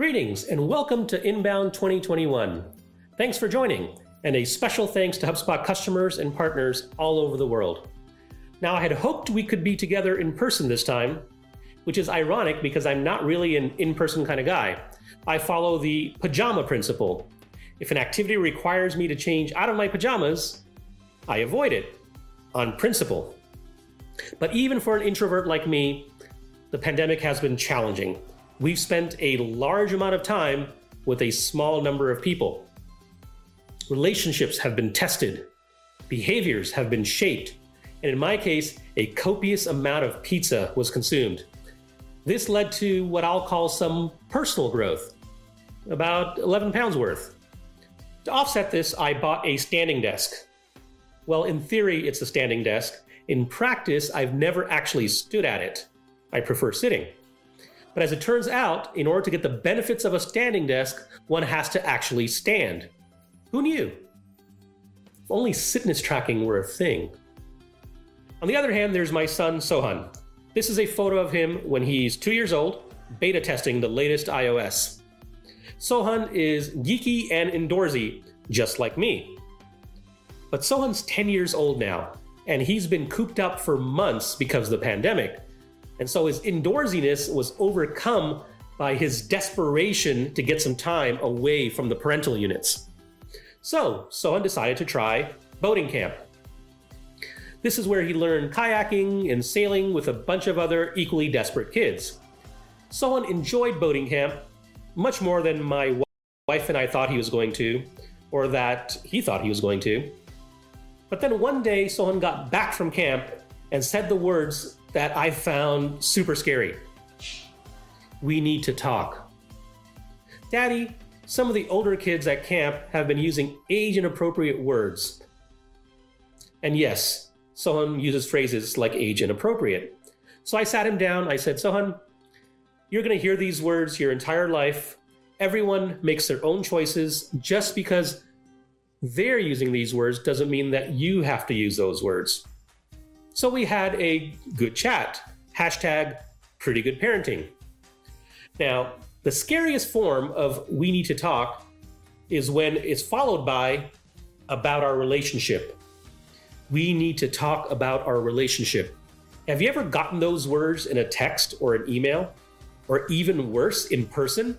Greetings, welcome to INBOUND 2021. Thanks for joining, and a special thanks to HubSpot customers and partners all over the world. I had hoped we could be together in person this time, which is ironic because I'm not really an in-person kind of guy. I follow the pajama principle. If an activity requires me to change out of my pajamas, I avoid it on principle. Even for an introvert like me, the pandemic has been challenging. We've spent a large amount of time with a small number of people. Relationships have been tested, behaviors have been shaped, and in my case, a copious amount of pizza was consumed. This led to what I'll call some personal growth, about 11 pounds worth. To offset this, I bought a standing desk. In theory it's a standing desk. In practice, I've never actually stood at it. I prefer sitting. As it turns out, in order to get the benefits of a standing desk, one has to actually stand. Who knew? If only sitness tracking were a thing. On the other hand, there's my son, Sohan. This is a photo of him when he's 2 years old, beta testing the latest iOS. Sohan is geeky and indoorsy, just like me. Sohan's 10 years old now, and he's been cooped up for months because of the pandemic, his indoorsiness was overcome by his desperation to get some time away from the parental units. Sohan decided to try boating camp. This is where he learned kayaking and sailing with a bunch of other equally desperate kids. Sohan enjoyed boating camp much more than my wife and I thought he was going to, or that he thought he was going to. One day, Sohan got back from camp and said the words that I found super scary. "We need to talk. Daddy, some of the older kids at camp have been using age-inappropriate words." Yes, Sohan uses phrases like age-inappropriate. I sat him down. I said, "Sohan, you're going to hear these words your entire life. Everyone makes their own choices. Just because they're using these words doesn't mean that you have to use those words." We had a good chat, #prettygoodparenting. Now, the scariest form of, "We need to talk," is when it's followed by, "About our relationship." We need to talk about our relationship. Have you ever gotten those words in a text or an email, or even worse, in person?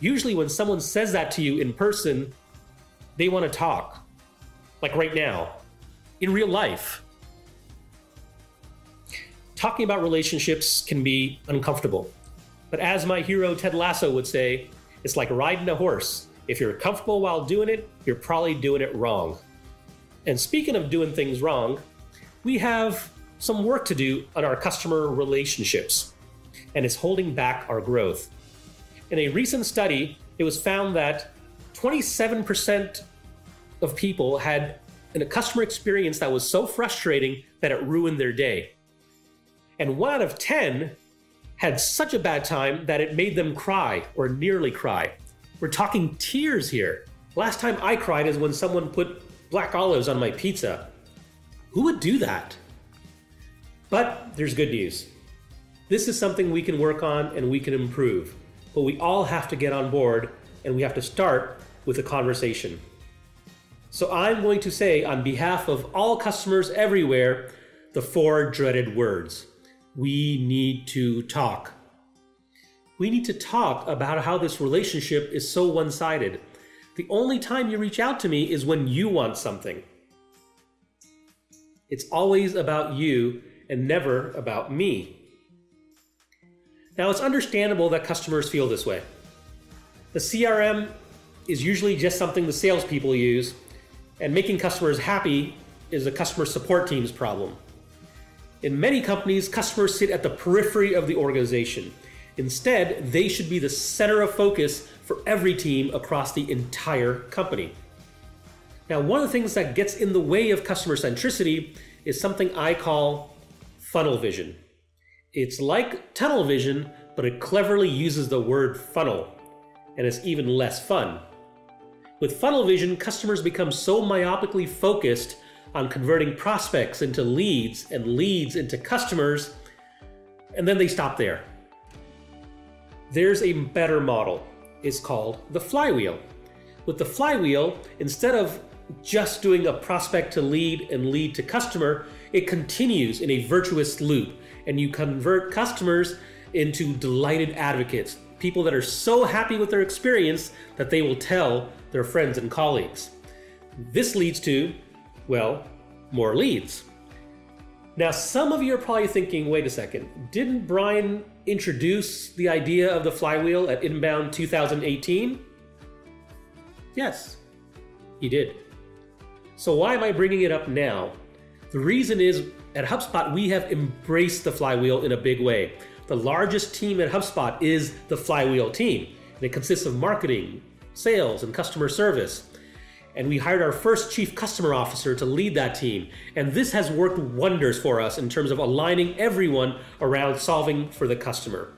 Usually when someone says that to you in person, they want to talk, like right now, in real life. Talking about relationships can be uncomfortable. As my hero Ted Lasso would say, "It's like riding a horse. If you're comfortable while doing it, you're probably doing it wrong." Speaking of doing things wrong, we have some work to do on our customer relationships, and it's holding back our growth. In a recent study, it was found that 27% of people had a customer experience that was so frustrating that it ruined their day. One out of 10 had such a bad time that it made them cry or nearly cry. We're talking tears here. Last time I cried is when someone put black olives on my pizza. Who would do that? There's good news. This is something we can work on and we can improve, but we all have to get on board and we have to start with a conversation. I'm going to say on behalf of all customers everywhere, the four dreaded words, we need to talk. We need to talk about how this relationship is so one-sided. The only time you reach out to me is when you want something. It's always about you and never about me. It's understandable that customers feel this way. The CRM is usually just something the salespeople use, and making customers happy is the customer support team's problem. In many companies, customers sit at the periphery of the organization. Instead, they should be the center of focus for every team across the entire company. One of the things that gets in the way of customer centricity is something I call funnel vision. It's like tunnel vision, but it cleverly uses the word funnel, and it's even less fun. With funnel vision, customers become so myopically focused on converting prospects into leads and leads into customers, and then they stop there. There's a better model. It's called the flywheel. With the flywheel, instead of just doing a prospect to lead and lead to customer, it continues in a virtuous loop and you convert customers into delighted advocates, people that are so happy with their experience that they will tell their friends and colleagues. This leads to, well, more leads. Some of you are probably thinking, wait a second. Didn't Brian introduce the idea of the flywheel at INBOUND 2018? Yes, he did. Why am I bringing it up now? The reason is, at HubSpot we have embraced the flywheel in a big way. The largest team at HubSpot is the flywheel team, and it consists of marketing, sales, and customer service. We hired our first chief customer officer to lead that team, and this has worked wonders for us in terms of aligning everyone around solving for the customer.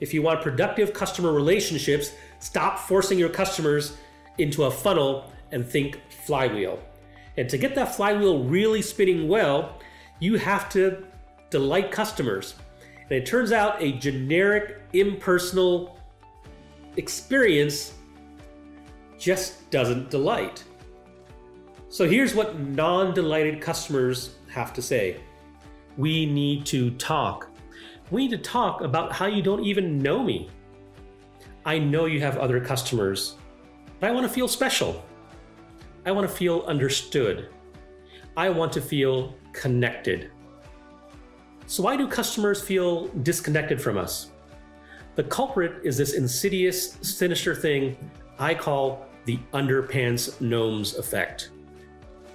If you want productive customer relationships, stop forcing your customers into a funnel and think flywheel. To get that flywheel really spinning well, you have to delight customers. It turns out a generic, impersonal experience just doesn't delight. Here's what non-delighted customers have to say: "We need to talk. We need to talk about how you don't even know me. I know you have other customers, but I want to feel special. I want to feel understood. I want to feel connected." Why do customers feel disconnected from us? The culprit is this insidious, sinister thing I call the Underpants Gnomes Effect.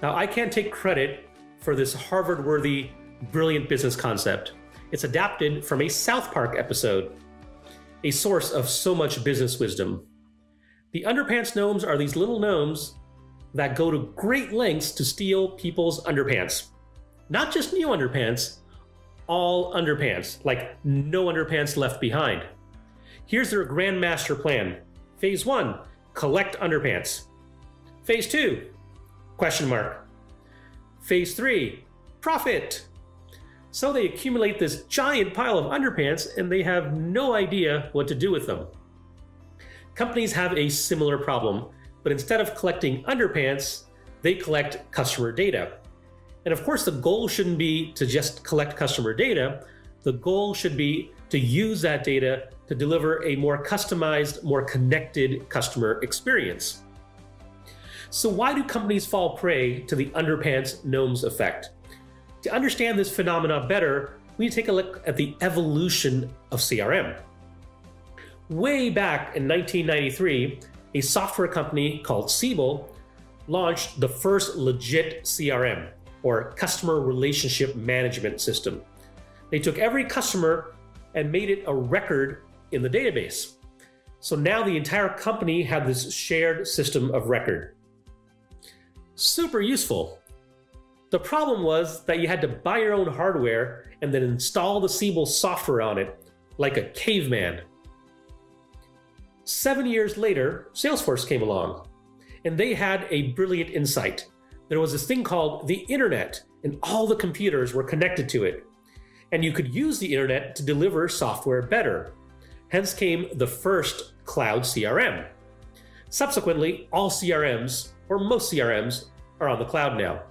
I can't take credit for this Harvard-worthy brilliant business concept. It's adapted from a "South Park" episode, a source of so much business wisdom. The Underpants Gnomes are these little gnomes that go to great lengths to steal people's underpants. Not just new underpants, all underpants. No underpants left behind. Here's their grand master plan. Phase I, collect underpants. Phase II, question mark. Phase III, profit. They accumulate this giant pile of underpants, and they have no idea what to do with them. Companies have a similar problem, instead of collecting underpants, they collect customer data. Of course, the goal shouldn't be to just collect customer data. The goal should be to use that data to deliver a more customized, more connected customer experience. Why do companies fall prey to the Underpants Gnomes Effect? To understand this phenomenon better, we need to take a look at the evolution of CRM. Way back in 1993, a software company called Siebel launched the first legit CRM, or customer relationship management system. They took every customer and made it a record in the database. Now the entire company had this shared system of record. Super useful. The problem was that you had to buy your own hardware and then install the Siebel software on it, like a caveman. Seven years later, Salesforce came along, and they had a brilliant insight. There was this thing called the internet, and all the computers were connected to it, and you could use the internet to deliver software better. Hence came the first cloud CRM. Subsequently, all CRMs, or most CRMs, are on the cloud now.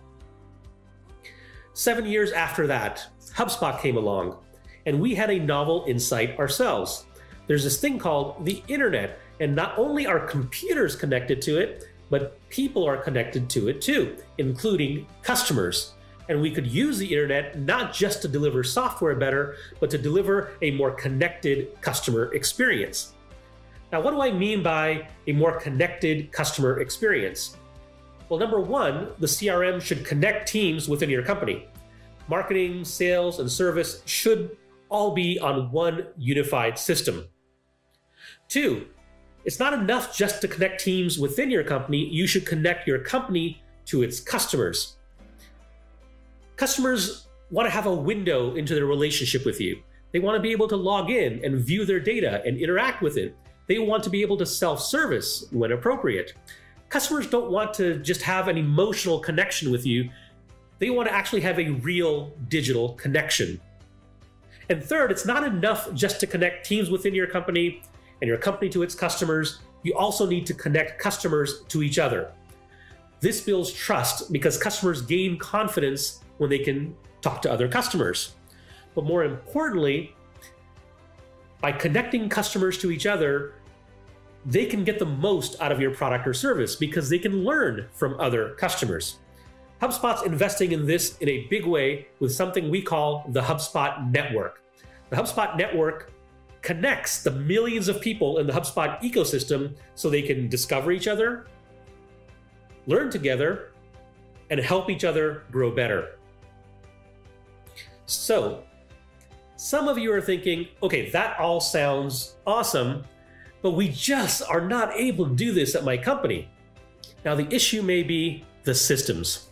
Seven years after that, HubSpot came along, and we had a novel insight ourselves. There's this thing called the internet, and not only are computers connected to it, but people are connected to it, too, including customers. We could use the internet not just to deliver software better, but to deliver a more connected customer experience. Now, what do I mean by a more connected customer experience? Well, number one, the CRM should connect teams within your company. Marketing, sales, and service should all be on one unified system. Two, it's not enough just to connect teams within your company. You should connect your company to its customers. Customers want to have a window into their relationship with you. They want to be able to log in and view their data and interact with it. They want to be able to self-service when appropriate. Customers don't want to just have an emotional connection with you. They want to actually have a real digital connection. Third, it's not enough just to connect teams within your company and your company to its customers. You also need to connect customers to each other. This builds trust because customers gain confidence when they can talk to other customers. More importantly, by connecting customers to each other, they can get the most out of your product or service because they can learn from other customers. HubSpot's investing in this in a big way with something we call the HubSpot Network. The HubSpot Network connects the millions of people in the HubSpot ecosystem so they can discover each other, learn together, and help each other grow better. Some of you are thinking, "Okay, that all sounds awesome, but we just are not able to do this at my company." Now, the issue may be the systems.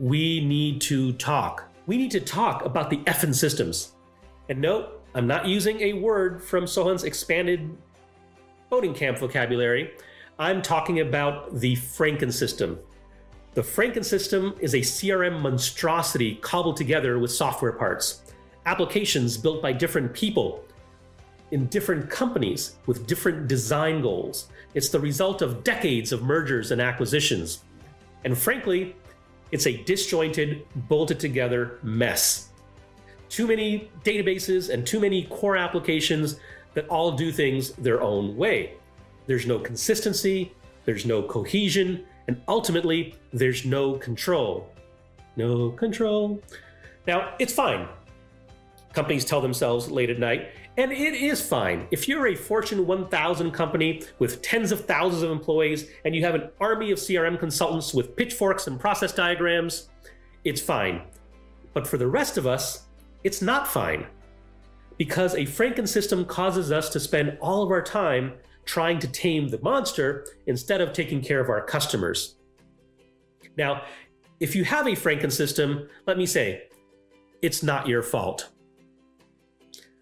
We need to talk. We need to talk about the effing systems. No, I'm not using a word from Sohan's expanded boating camp vocabulary. I'm talking about the Frankensystem. The Frankensystem is a CRM monstrosity cobbled together with software parts, applications built by different people in different companies with different design goals. It's the result of decades of mergers and acquisitions. Frankly, it's a disjointed, bolted-together mess. Too many databases and too many core applications that all do things their own way. There's no consistency, there's no cohesion, and ultimately, there's no control. No control. It's fine, companies tell themselves late at night, and it is fine. If you're a Fortune 1,000 company with tens of thousands of employees and you have an army of CRM consultants with pitchforks and process diagrams, it's fine. For the rest of us, it's not fine, because a Frankensystem causes us to spend all of our time trying to tame the monster instead of taking care of our customers. If you have a Frankensystem, let me say, it's not your fault.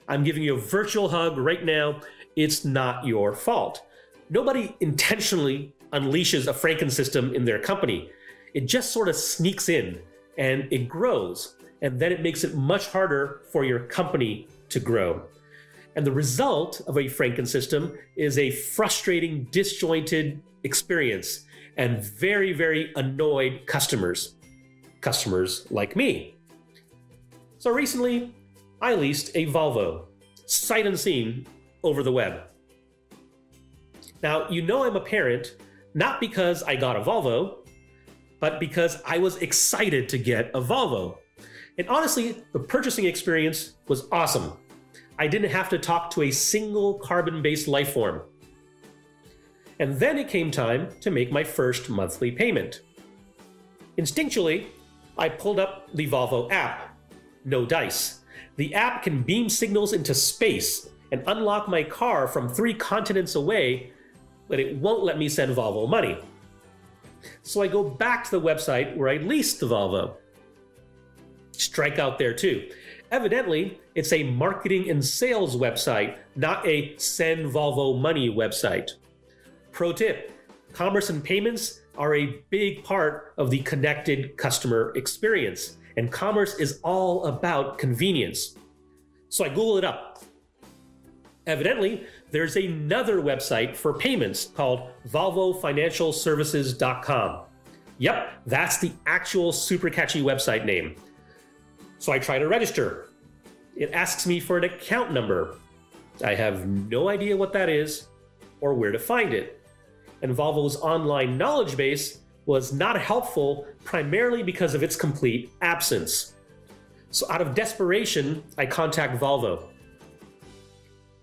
I'm giving you a virtual hug right now. It's not your fault. Nobody intentionally unleashes a Frankensystem in their company. It just sort of sneaks in and it grows, and then it makes it much harder for your company to grow. The result of a Frankensystem is a frustrating, disjointed experience and very annoyed customers. Customers like me. Recently, I leased a Volvo, sight unseen, over the web. You know I'm a parent not because I got a Volvo, but because I was excited to get a Volvo. Honestly, the purchasing experience was awesome. I didn't have to talk to a single carbon-based life form. It came time to make my first monthly payment. Instinctually, I pulled up the Volvo app. No dice. The app can beam signals into space and unlock my car from three continents away, but it won't let me send Volvo money. I go back to the website where I leased the Volvo. Strike out there, too. Evidently, it's a marketing and sales website, not a send Volvo money website. Pro tip, commerce and payments are a big part of the connected customer experience, and commerce is all about convenience. I Google it up. Evidently, there's another website for payments called volvofinancialservices.com. Yep, that's the actual super catchy website name. I try to register. It asks me for an account number. I have no idea what that is or where to find it. Volvo's online knowledge base was not helpful, primarily because of its complete absence. Out of desperation, I contact Volvo.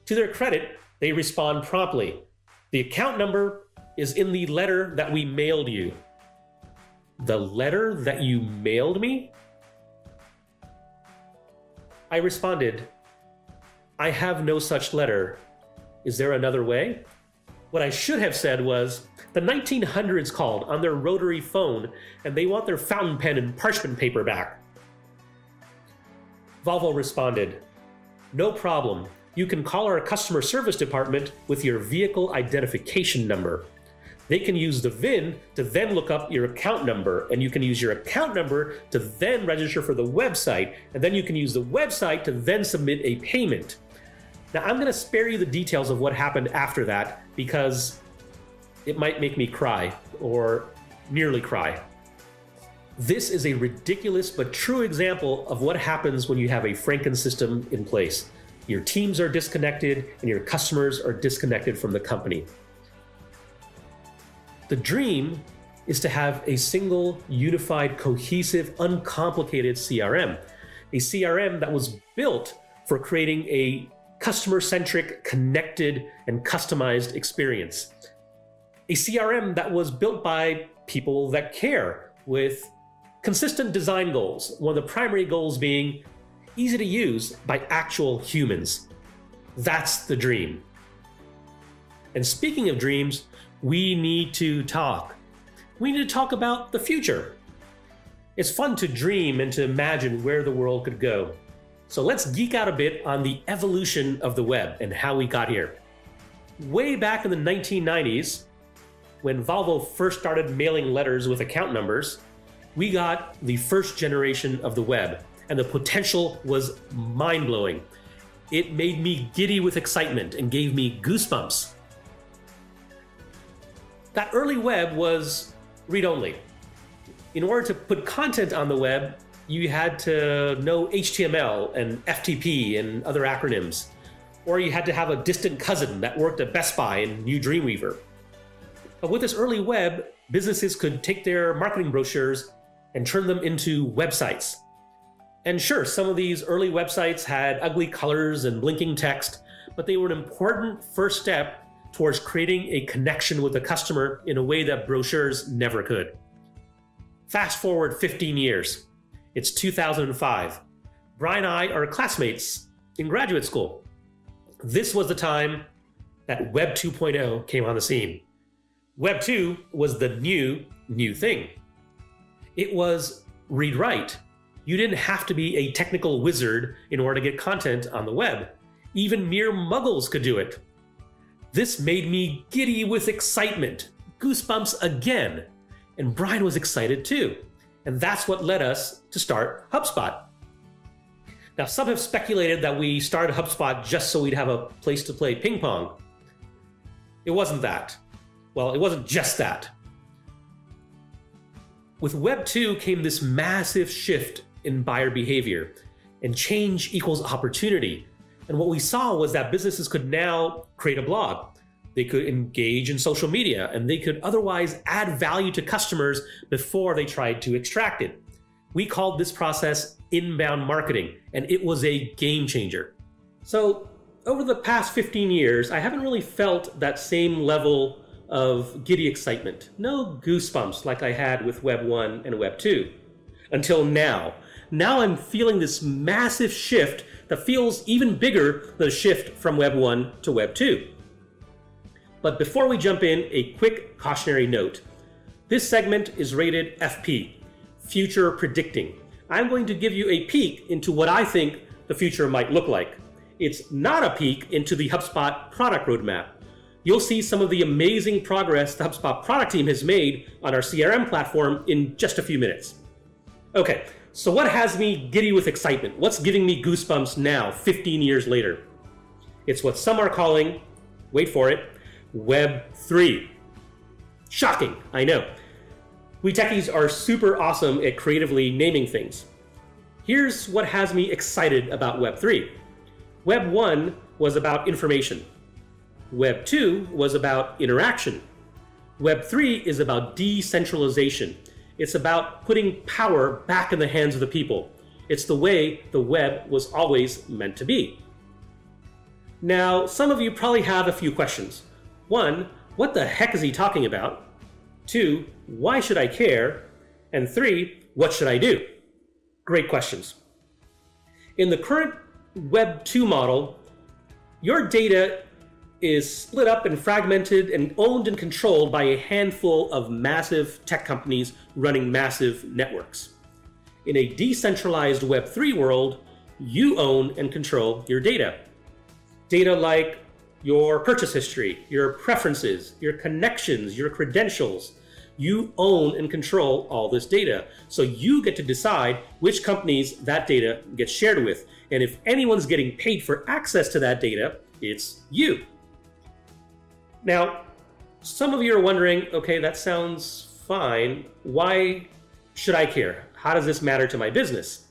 To their credit, they respond promptly. "The account number is in the letter that we mailed you." The letter that you mailed me? I responded, "I have no such letter. Is there another way?" What I should have said was, "The 1900s called on their rotary phone, and they want their fountain pen and parchment paper back." Volvo responded, "No problem. You can call our customer service department with your Vehicle Identification Number. They can use the VIN to then look up your account number, and you can use your account number to then register for the website, and then you can use the website to then submit a payment. I'm going to spare you the details of what happened after that because it might make me cry, or nearly cry. This is a ridiculous but true example of what happens when you have a franken-system in place. Your teams are disconnected, and your customers are disconnected from the company. The dream is to have a single, unified, cohesive, uncomplicated CRM. A CRM that was built for creating a customer-centric, connected, and customized experience. A CRM that was built by people that care, with consistent design goals, one of the primary goals being easy to use by actual humans. That's the dream. Speaking of dreams, we need to talk. We need to talk about the future. It's fun to dream and to imagine where the world could go. Let's geek out a bit on the evolution of the web and how we got here. Way back in the 1990s, when Volvo first started mailing letters with account numbers, we got the first generation of the web, and the potential was mind-blowing. It made me giddy with excitement and gave me goosebumps. That early web was read-only. In order to put content on the web, you had to know HTML and FTP and other acronyms, or you had to have a distant cousin that worked at Best Buy and knew Dreamweaver. With this early web, businesses could take their marketing brochures and turn them into websites. Sure, some of these early websites had ugly colors and blinking text, but they were an important first step towards creating a connection with the customer in a way that brochures never could. Fast-forward 15 years. It's 2005. Brian and I are classmates in graduate school. This was the time that Web 2.0 came on the scene. Web2 was the new thing. It was read-write. You didn't have to be a technical wizard in order to get content on the web. Even mere muggles could do it. This made me giddy with excitement. Goosebumps again. Brian was excited, too, and that's what led us to start HubSpot. Now, some have speculated that we started HubSpot just so we'd have a place to play ping pong. It wasn't that. Well, it wasn't just that. With Web2 came this massive shift in buyer behavior, and change equals opportunity. What we saw was that businesses could now create a blog. They could engage in social media, and they could otherwise add value to customers before they tried to extract it. We called this process inbound marketing, and it was a game-changer. Over the past 15 years, I haven't really felt that same level of giddy excitement. No goosebumps like I had with Web1 and Web2, until now. I'm feeling this massive shift that feels even bigger than the shift from Web1 to Web2. Before we jump in, a quick cautionary note. This segment is rated FP, Future Predicting. I'm going to give you a peek into what I think the future might look like. It's not a peek into the HubSpot product roadmap. You'll see some of the amazing progress the HubSpot product team has made on our CRM platform in just a few minutes. What has me giddy with excitement? What's giving me goosebumps now, 15 years later? It's what some are calling, wait for it, Web3. Shocking, I know. We techies are super awesome at creatively naming things. Here's what has me excited about Web3. Web1 was about information. Web2 was about interaction. Web3 is about decentralization. It's about putting power back in the hands of the people. It's the way the web was always meant to be. Some of you probably have a few questions. One, what the heck is he talking about? Two, why should I care? Three, what should I do? Great questions. In the current Web2 model, your data is split up and fragmented and owned and controlled by a handful of massive tech companies running massive networks. In a decentralized Web3 world, you own and control your data like your purchase history, your preferences, your connections, your credentials. You own and control all this data, so you get to decide which companies that data gets shared with. If anyone's getting paid for access to that data, it's you. Now, some of you are wondering, okay, that sounds fine. Why should I care? How does this matter to my business?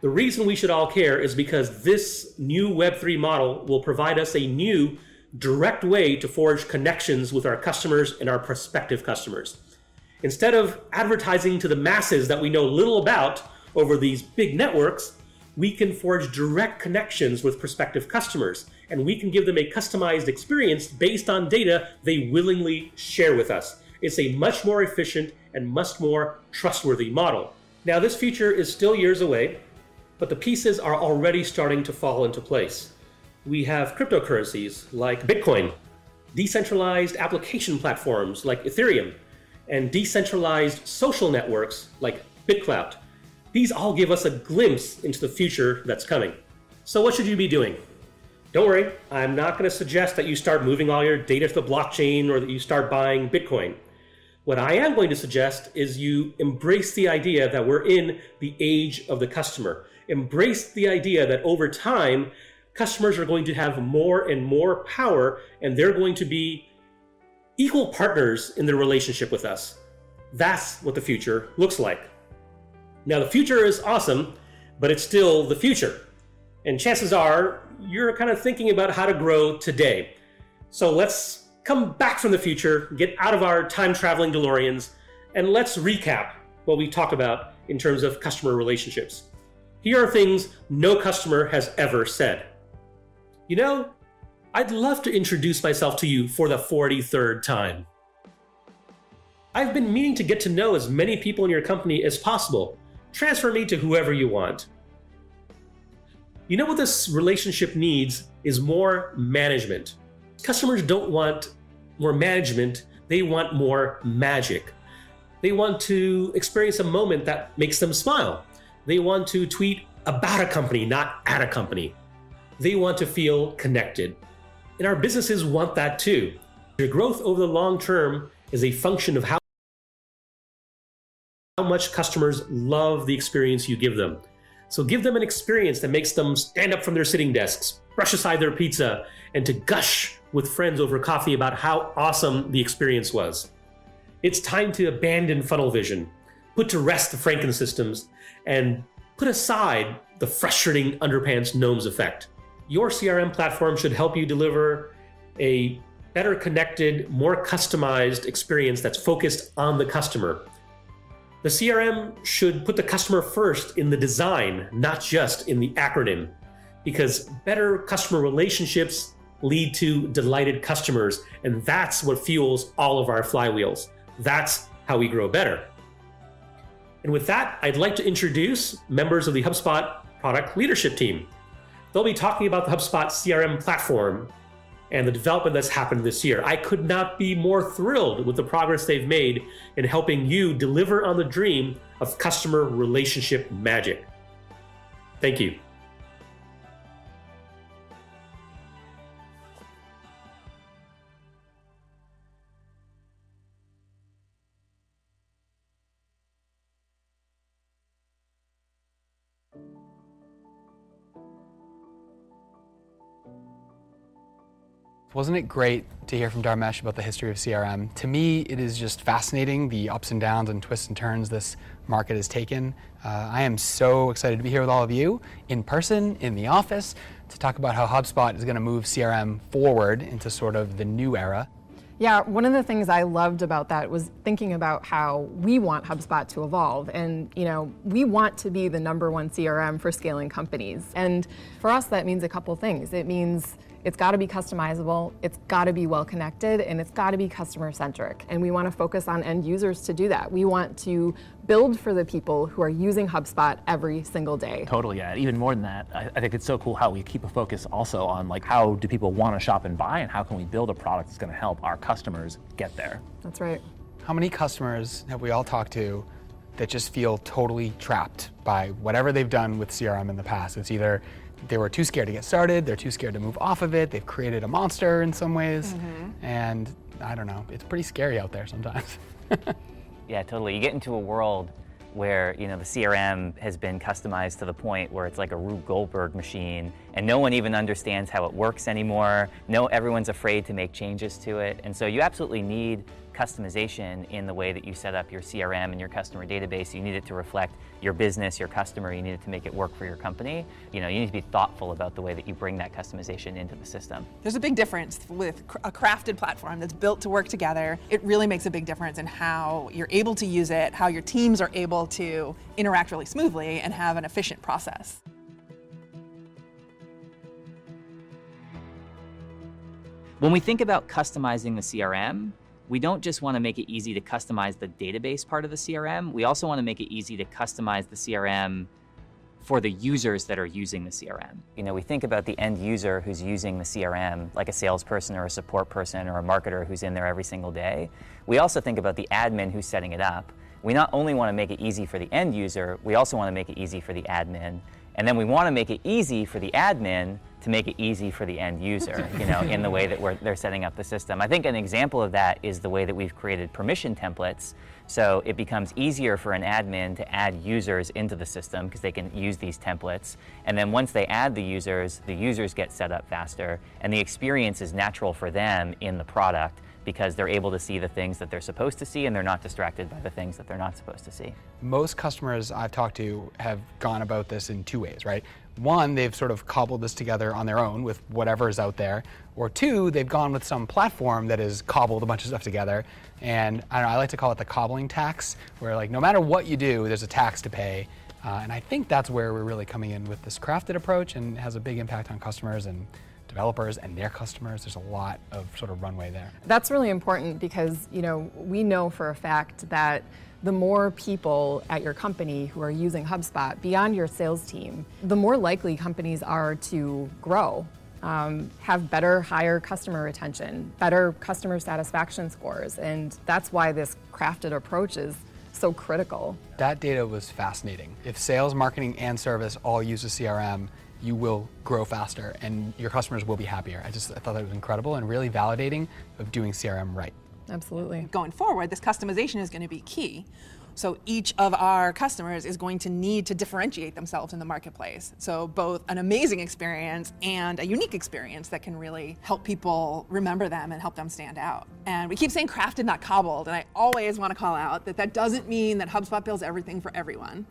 The reason we should all care is because this new Web3 model will provide us a new, direct way to forge connections with our customers and our prospective customers. Instead of advertising to the masses that we know little about over these big networks, we can forge direct connections with prospective customers, and we can give them a customized experience based on data they willingly share with us. It's a much more efficient and much more trustworthy model. This feature is still years away, but the pieces are already starting to fall into place. We have cryptocurrencies like Bitcoin, decentralized application platforms like Ethereum, and decentralized social networks like BitClout. These all give us a glimpse into the future that's coming. What should you be doing? Don't worry, I'm not going to suggest that you start moving all your data to the blockchain or that you start buying Bitcoin. What I am going to suggest is you embrace the idea that we're in the age of the customer. Embrace the idea that over time, customers are going to have more and more power, and they're going to be equal partners in their relationship with us. That's what the future looks like. Now, the future is awesome, but it's still the future, and chances are you're kind of thinking about how to grow today. Let's come back from the future, get out of our time-traveling DeLoreans, and let's recap what we've talked about in terms of customer relationships. Here are things no customer has ever said. "You know, I'd love to introduce myself to you for the 43rd time." "I've been meaning to get to know as many people in your company as possible. Transfer me to whoever you want." "You know what this relationship needs is more management." Customers don't want more management, they want more magic. They want to experience a moment that makes them smile. They want to tweet about a company, not at a company. They want to feel connected. Our businesses want that, too. Your growth over the long term is a function of how much customers love the experience you give them. Give them an experience that makes them stand up from their sitting desks, brush aside their pizza, and to gush with friends over coffee about how awesome the experience was. It's time to abandon funnel vision, put to rest the Franken systems, and put aside the frustrating Underpants Gnomes effect. Your CRM platform should help you deliver a better-connected, more customized experience that's focused on the customer. The CRM should put the customer first in the design, not just in the acronym, because better customer relationships lead to delighted customers, and that's what fuels all of our flywheels. That's how we grow better. With that, I'd like to introduce members of the HubSpot product leadership team. They'll be talking about the HubSpot CRM platform and the development that's happened this year. I could not be more thrilled with the progress they've made in helping you deliver on the dream of customer relationship magic. Thank you. Wasn't it great to hear from Dharmesh about the history of CRM? To me, it is just fascinating, the ups and downs and twists and turns this market has taken. I am so excited to be here with all of you in person, in the office, to talk about how HubSpot is going to move CRM forward into sort of the new era. Yeah, one of the things I loved about that was thinking about how we want HubSpot to evolve. We want to be the number one CRM for scaling companies. For us, that means a couple things. It means it's got to be customizable, it's got to be well-connected, and it's got to be customer-centric. We want to focus on end users to do that. We want to build for the people who are using HubSpot every single day. Totally, yeah. Even more than that, I think it's so cool how we keep a focus also on, how do people want to shop and buy, and how can we build a product that's going to help our customers get there? That's right. How many customers have we all talked to that just feel totally trapped by whatever they've done with CRM in the past? It's either they were too scared to get started, they're too scared to move off of it. They've created a monster in some ways. I don't know, it's pretty scary out there sometimes. Yeah, totally. You get into a world where the CRM has been customized to the point where it's like a Rube Goldberg machine, and no one even understands how it works anymore. Everyone's afraid to make changes to it. You absolutely need customization in the way that you set up your CRM and your customer database. You need it to reflect your business, your customer. You need it to make it work for your company. You need to be thoughtful about the way that you bring that customization into the system. There's a big difference with a crafted platform that's built to work together. It really makes a big difference in how you're able to use it, how your teams are able to interact really smoothly, and have an efficient process. When we think about customizing the CRM, we don't just want to make it easy to customize the database part of the CRM, we also want to make it easy to customize the CRM for the users that are using the CRM. We think about the end user who's using the CRM, like a salesperson, or a support person, or a marketer who's in there every single day. We also think about the admin who's setting it up. We not only want to make it easy for the end user, we also want to make it easy for the admin. We want to make it easy for the admin to make it easy for the end user in the way that they're setting up the system. I think an example of that is the way that we've created permission templates. It becomes easier for an admin to add users into the system because they can use these templates. Once they add the users, the users get set up faster, and the experience is natural for them in the product because they're able to see the things that they're supposed to see, and they're not distracted by the things that they're not supposed to see. Most customers I've talked to have gone about this in two ways, right? One, they've sort of cobbled this together on their own with whatever's out there. Two, they've gone with some platform that has cobbled a bunch of stuff together. I don't know, I like to call it the cobbling tax, where no matter what you do, there's a tax to pay. I think that's where we're really coming in with this crafted approach, and it has a big impact on customers and developers and their customers. There's a lot of sort of runway there. That's really important because we know for a fact that the more people at your company who are using HubSpot, beyond your sales team, the more likely companies are to grow, have better, higher customer retention, better customer satisfaction scores, and that's why this crafted approach is so critical. That data was fascinating. If sales, marketing, and service all use the CRM, you will grow faster, and your customers will be happier. I just thought that was incredible and really validating of doing CRM right. Absolutely. This customization is going to be key. Each of our customers is going to need to differentiate themselves in the marketplace. Both an amazing experience and a unique experience that can really help people remember them and help them stand out. We keep saying crafted, not cobbled, and I always want to call out that that doesn't mean that HubSpot builds everything for everyone.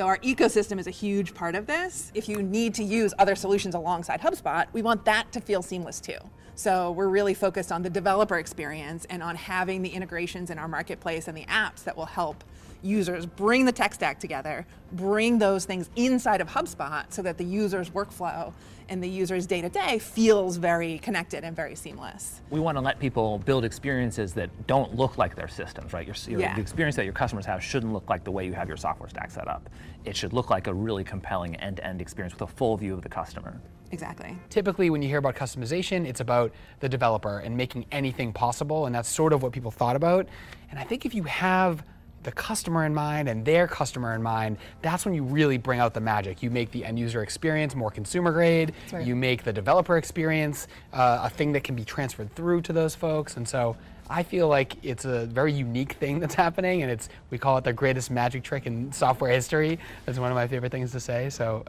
Our ecosystem is a huge part of this. If you need to use other solutions alongside HubSpot, we want that to feel seamless, too. We're really focused on the developer experience and on having the integrations in our marketplace and the apps that will help users bring the tech stack together, bring those things inside of HubSpot, so that the user's workflow and the user's day-to-day feels very connected and very seamless. We want to let people build experiences that don't look like they're systems, right? Yeah. The experience that your customers have shouldn't look like the way you have your software stack set up. It should look like a really compelling end-to-end experience with a full view of the customer. Exactly. Typically, when you hear about customization, it's about the developer and making anything possible, and that's sort of what people thought about. I think if you have the customer in mind and their customer in mind, that's when you really bring out the magic. You make the end-user experience more consumer-grade. That's right. You make the developer experience a thing that can be transferred through to those folks. I feel like it's a very unique thing that's happening, and we call it the greatest magic trick in software history. That's one of my favorite things to say. To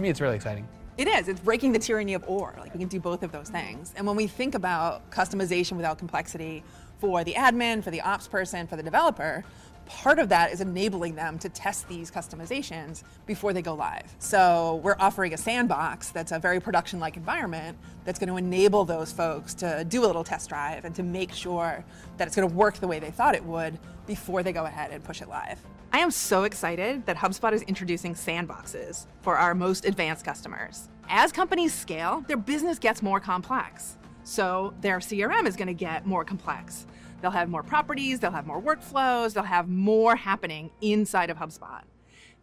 me, it's really exciting. It is. It's breaking the tyranny of or. We can do both of those things. When we think about customization without complexity for the admin, for the ops person, for the developer, part of that is enabling them to test these customizations before they go live. We're offering a sandbox that's a very production-like environment that's going to enable those folks to do a little test drive and to make sure that it's going to work the way they thought it would before they go ahead and push it live. I am so excited that HubSpot is introducing sandboxes for our most advanced customers. As companies scale, their business gets more complex. Their CRM is going to get more complex. They'll have more properties. They'll have more workflows. They'll have more happening inside of HubSpot.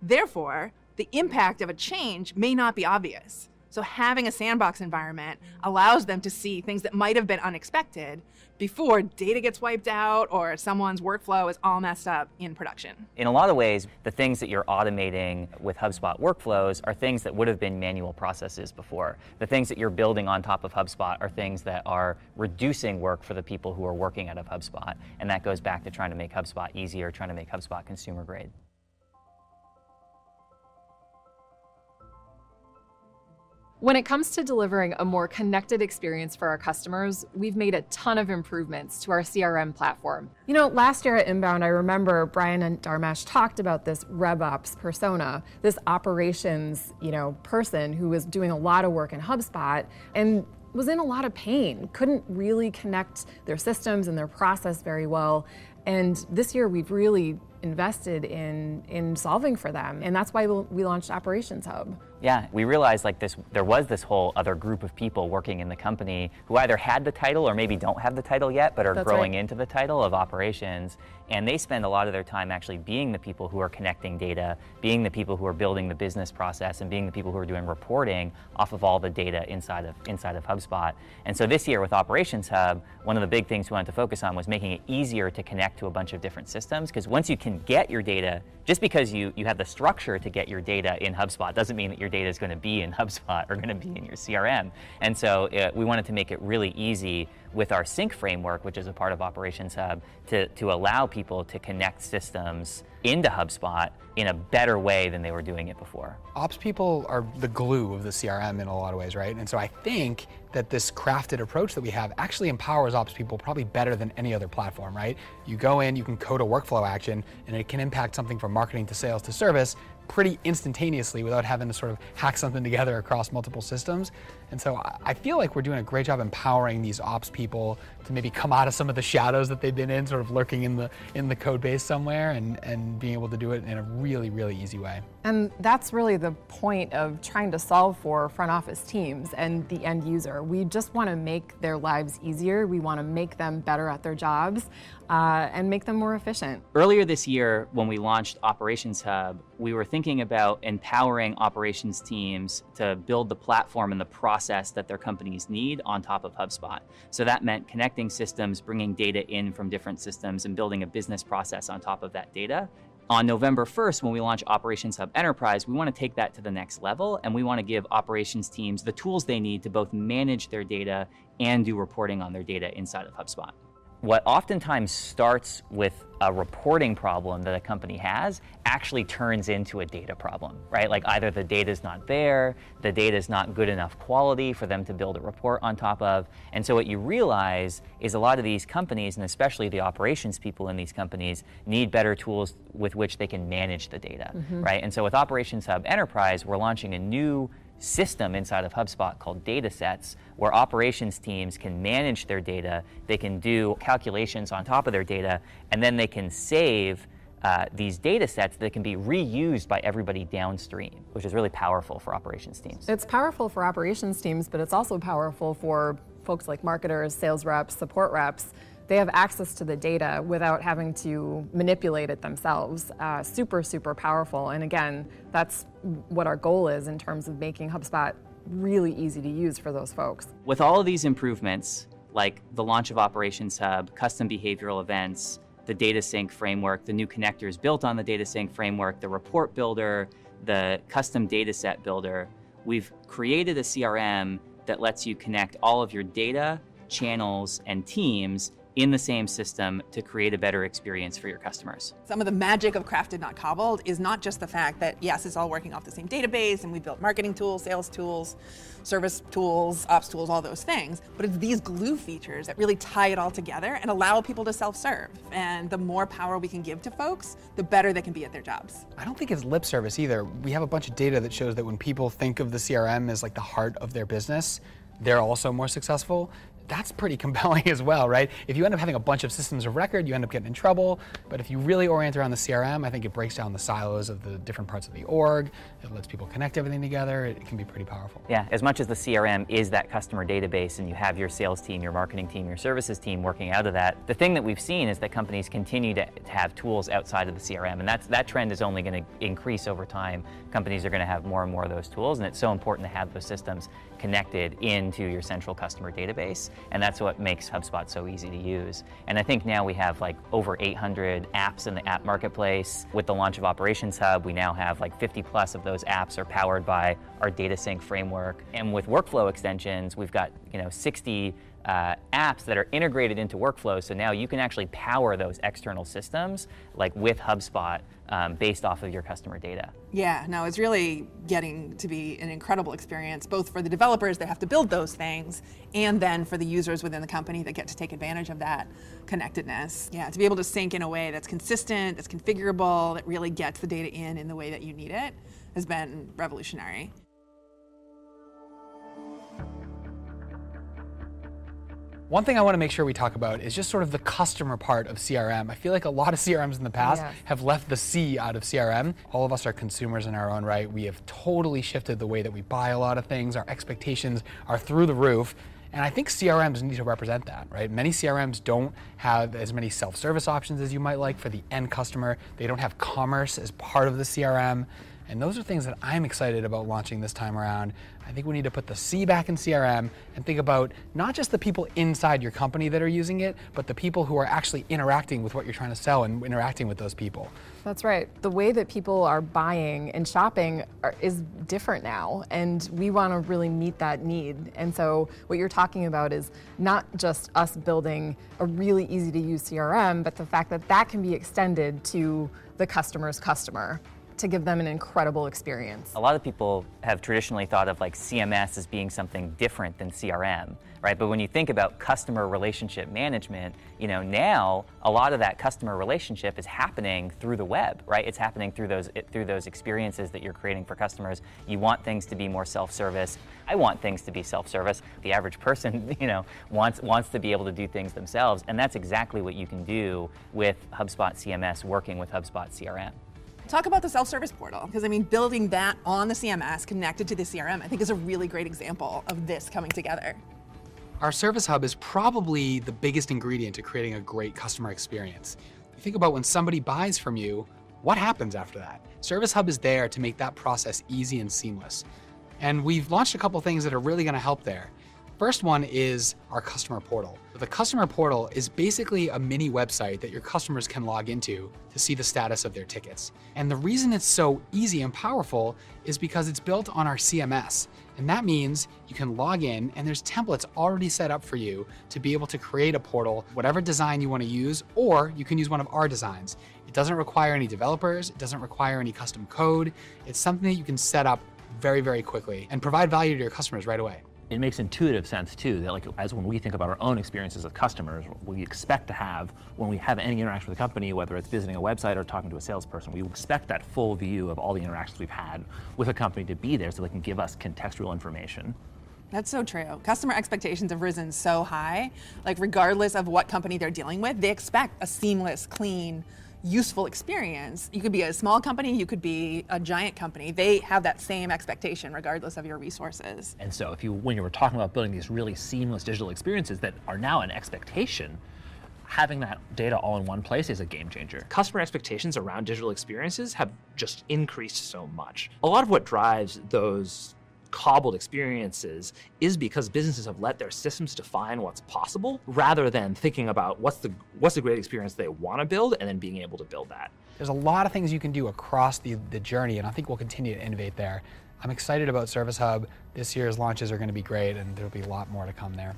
Therefore, the impact of a change may not be obvious. Having a sandbox environment allows them to see things that might have been unexpected before data gets wiped out or someone's workflow is all messed up in production. In a lot of ways, the things that you're automating with HubSpot workflows are things that would've been manual processes before. The things that you're building on top of HubSpot are things that are reducing work for the people who are working out of HubSpot. That goes back to trying to make HubSpot easier, trying to make HubSpot consumer-grade. When it comes to delivering a more connected experience for our customers, we've made a ton of improvements to our CRM platform. Last year at INBOUND, I remember Brian and Dharmesh talked about this RevOps persona, this operations person who was doing a lot of work in HubSpot and was in a lot of pain, couldn't really connect their systems and their process very well. This year, we've really invested in solving for them, and that's why we launched Operations Hub. Yeah. We realized there was this whole other group of people working in the company who either had the title or maybe don't have the title yet. That's right. growing into the title of operations. They spend a lot of their time actually being the people who are connecting data, being the people who are building the business process, and being the people who are doing reporting off of all the data inside of HubSpot. This year with Operations Hub, one of the big things we wanted to focus on was making it easier to connect to a bunch of different systems, because once you can get your data, just because you have the structure to get your data in HubSpot doesn't mean that your data's going to be in HubSpot or going to be in your CRM. We wanted to make it really easy with our sync framework, which is a part of Operations Hub, to allow people to connect systems into HubSpot in a better way than they were doing it before. Ops people are the glue of the CRM in a lot of ways, right? I think that this crafted approach that we have actually empowers ops people probably better than any other platform, right? You go in, you can code a workflow action, and it can impact something from marketing to sales to service pretty instantaneously without having to sort of hack something together across multiple systems. I feel like we're doing a great job empowering these ops people to maybe come out of some of the shadows that they've been in, sort of lurking in the code base somewhere, and being able to do it in a really easy way. That's really the point of trying to solve for front office teams and the end user. We just want to make their lives easier. We want to make them better at their jobs, and make them more efficient. Earlier this year when we launched Operations Hub, we were thinking about empowering operations teams to build the platform and the process that their companies need on top of HubSpot. That meant connecting systems, bringing data in from different systems, and building a business process on top of that data. On November 1st, when we launch Operations Hub Enterprise, we want to take that to the next level, and we want to give operations teams the tools they need to both manage their data and do reporting on their data inside of HubSpot. What oftentimes starts with a reporting problem that a company has actually turns into a data problem, right? Either the data's not there, the data's not good enough quality for them to build a report on top of. What you realize is a lot of these companies, and especially the operations people in these companies, need better tools with which they can manage the data, right? With Operations Hub Enterprise, we're launching a new system inside of HubSpot called Datasets where operations teams can manage their data, they can do calculations on top of their data, and then they can save these datasets that can be reused by everybody downstream, which is really powerful for operations teams. It's powerful for operations teams, but it's also powerful for folks like marketers, sales reps, support reps. They have access to the data without having to manipulate it themselves. Super powerful. Again, that's what our goal is in terms of making HubSpot really easy to use for those folks. With all of these improvements, like the launch of Operations Hub, custom behavioral events, the data sync framework, the new connectors built on the data sync framework, the report builder, the custom data set builder, we've created a CRM that lets you connect all of your data, channels, and teams in the same system to create a better experience for your customers. Some of the magic of Crafted Not Cobbled is not just the fact that, yes, it's all working off the same database and we built marketing tools, sales tools, service tools, ops tools, all those things, but it's these glue features that really tie it all together and allow people to self-serve. The more power we can give to folks, the better they can be at their jobs. I don't think it's lip service either. We have a bunch of data that shows that when people think of the CRM as the heart of their business, they're also more successful. That's pretty compelling as well, right? If you end up having a bunch of systems of record, you end up getting in trouble. If you really orient around the CRM, I think it breaks down the silos of the different parts of the org. It lets people connect everything together. It can be pretty powerful. As much as the CRM is that customer database and you have your sales team, your marketing team, your services team working out of that, the thing that we've seen is that companies continue to have tools outside of the CRM, and that trend is only going to increase over time. Companies are going to have more and more of those tools, and it's so important to have those systems connected into your central customer database, and that's what makes HubSpot so easy to use. I think now we have over 800 apps in the HubSpot Marketplace. With the launch of Operations Hub, we now have 50+ of those apps are powered by our data sync framework. With workflow extensions, we've got 60 apps that are integrated into workflows, so now you can actually power those external systems with HubSpot, based off of your customer data. Yeah, no, it's really getting to be an incredible experience, both for the developers that have to build those things, and then for the users within the company that get to take advantage of that connectedness. Yeah, to be able to sync in a way that's consistent, that's configurable, that really gets the data in the way that you need it, has been revolutionary. One thing I want to make sure we talk about is just sort of the customer part of CRM. I feel like a lot of CRMs in the past- Yeah ...have left the C out of CRM. All of us are consumers in our own right. We have totally shifted the way that we buy a lot of things. Our expectations are through the roof, and I think CRMs need to represent that, right? Many CRMs don't have as many self-service options as you might like for the end customer. They don't have commerce as part of the CRM, and those are things that I'm excited about launching this time around. I think we need to put the C back in CRM and think about not just the people inside your company that are using it, but the people who are actually interacting with what you're trying to sell and interacting with those people. That's right. The way that people are buying and shopping is different now, and we want to really meet that need. What you're talking about is not just us building a really easy-to-use CRM, but the fact that that can be extended to the customer's customer. To give them an incredible experience. A lot of people have traditionally thought of CMS as being something different than CRM. When you think about customer relationship management, now, a lot of that customer relationship is happening through the web. It's happening through those experiences that you're creating for customers. You want things to be more self-service. I want things to be self-service. The average person wants to be able to do things themselves, and that's exactly what you can do with HubSpot CMS working with HubSpot CRM. Talk about the self-service portal, because building that on the CMS connected to the CRM, I think is a really great example of this coming together. Our Service Hub is probably the biggest ingredient to creating a great customer experience. Think about when somebody buys from you, what happens after that? Service Hub is there to make that process easy and seamless. We've launched a couple of things that are really going to help there. First one is our Customer Portal. The Customer Portal is basically a mini website that your customers can log into to see the status of their tickets. The reason it's so easy and powerful is because it's built on our CMS. That means you can log in, there's templates already set up for you to be able to create a portal, whatever design you want to use, or you can use one of our designs. It doesn't require any developers. It doesn't require any custom code. It's something that you can set up very, very quickly and provide value to your customers right away. It makes intuitive sense, too, that as when we think about our own experiences as customers, we expect to have, when we have any interaction with a company, whether it's visiting a website or talking to a salesperson, we expect that full view of all the interactions we've had with a company to be there, so they can give us contextual information. That's so true. Customer expectations have risen so high. Regardless of what company they're dealing with, they expect a seamless, clean, useful experience. You could be a small company. You could be a giant company. They have that same expectation, regardless of your resources. When you were talking about building these really seamless digital experiences that are now an expectation, having that data all in one place is a game changer. Customer expectations around digital experiences have just increased so much. A lot of what drives those cobbled experiences is because businesses have let their systems define what's possible, rather than thinking about what's the great experience they want to build, and then being able to build that. There's a lot of things you can do across the journey, and I think we'll continue to innovate there. I'm excited about Service Hub. This year's launches are going to be great, and there'll be a lot more to come there.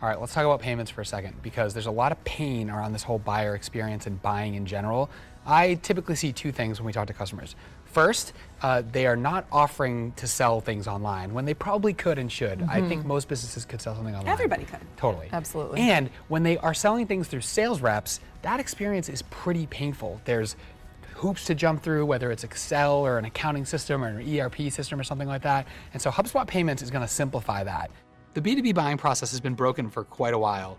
All right. Let's talk about payments for a second, because there's a lot of pain around this whole buyer experience and buying, in general. I typically see two things when we talk to customers. First, they are not offering to sell things online, when they probably could and should. I think most businesses could sell something online. Everybody could. Totally. Absolutely. When they are selling things through sales reps, that experience is pretty painful. There's hoops to jump through, whether it's Excel or an accounting system or an ERP system or something like that. HubSpot Payments is going to simplify that. The B2B buying process has been broken for quite a while.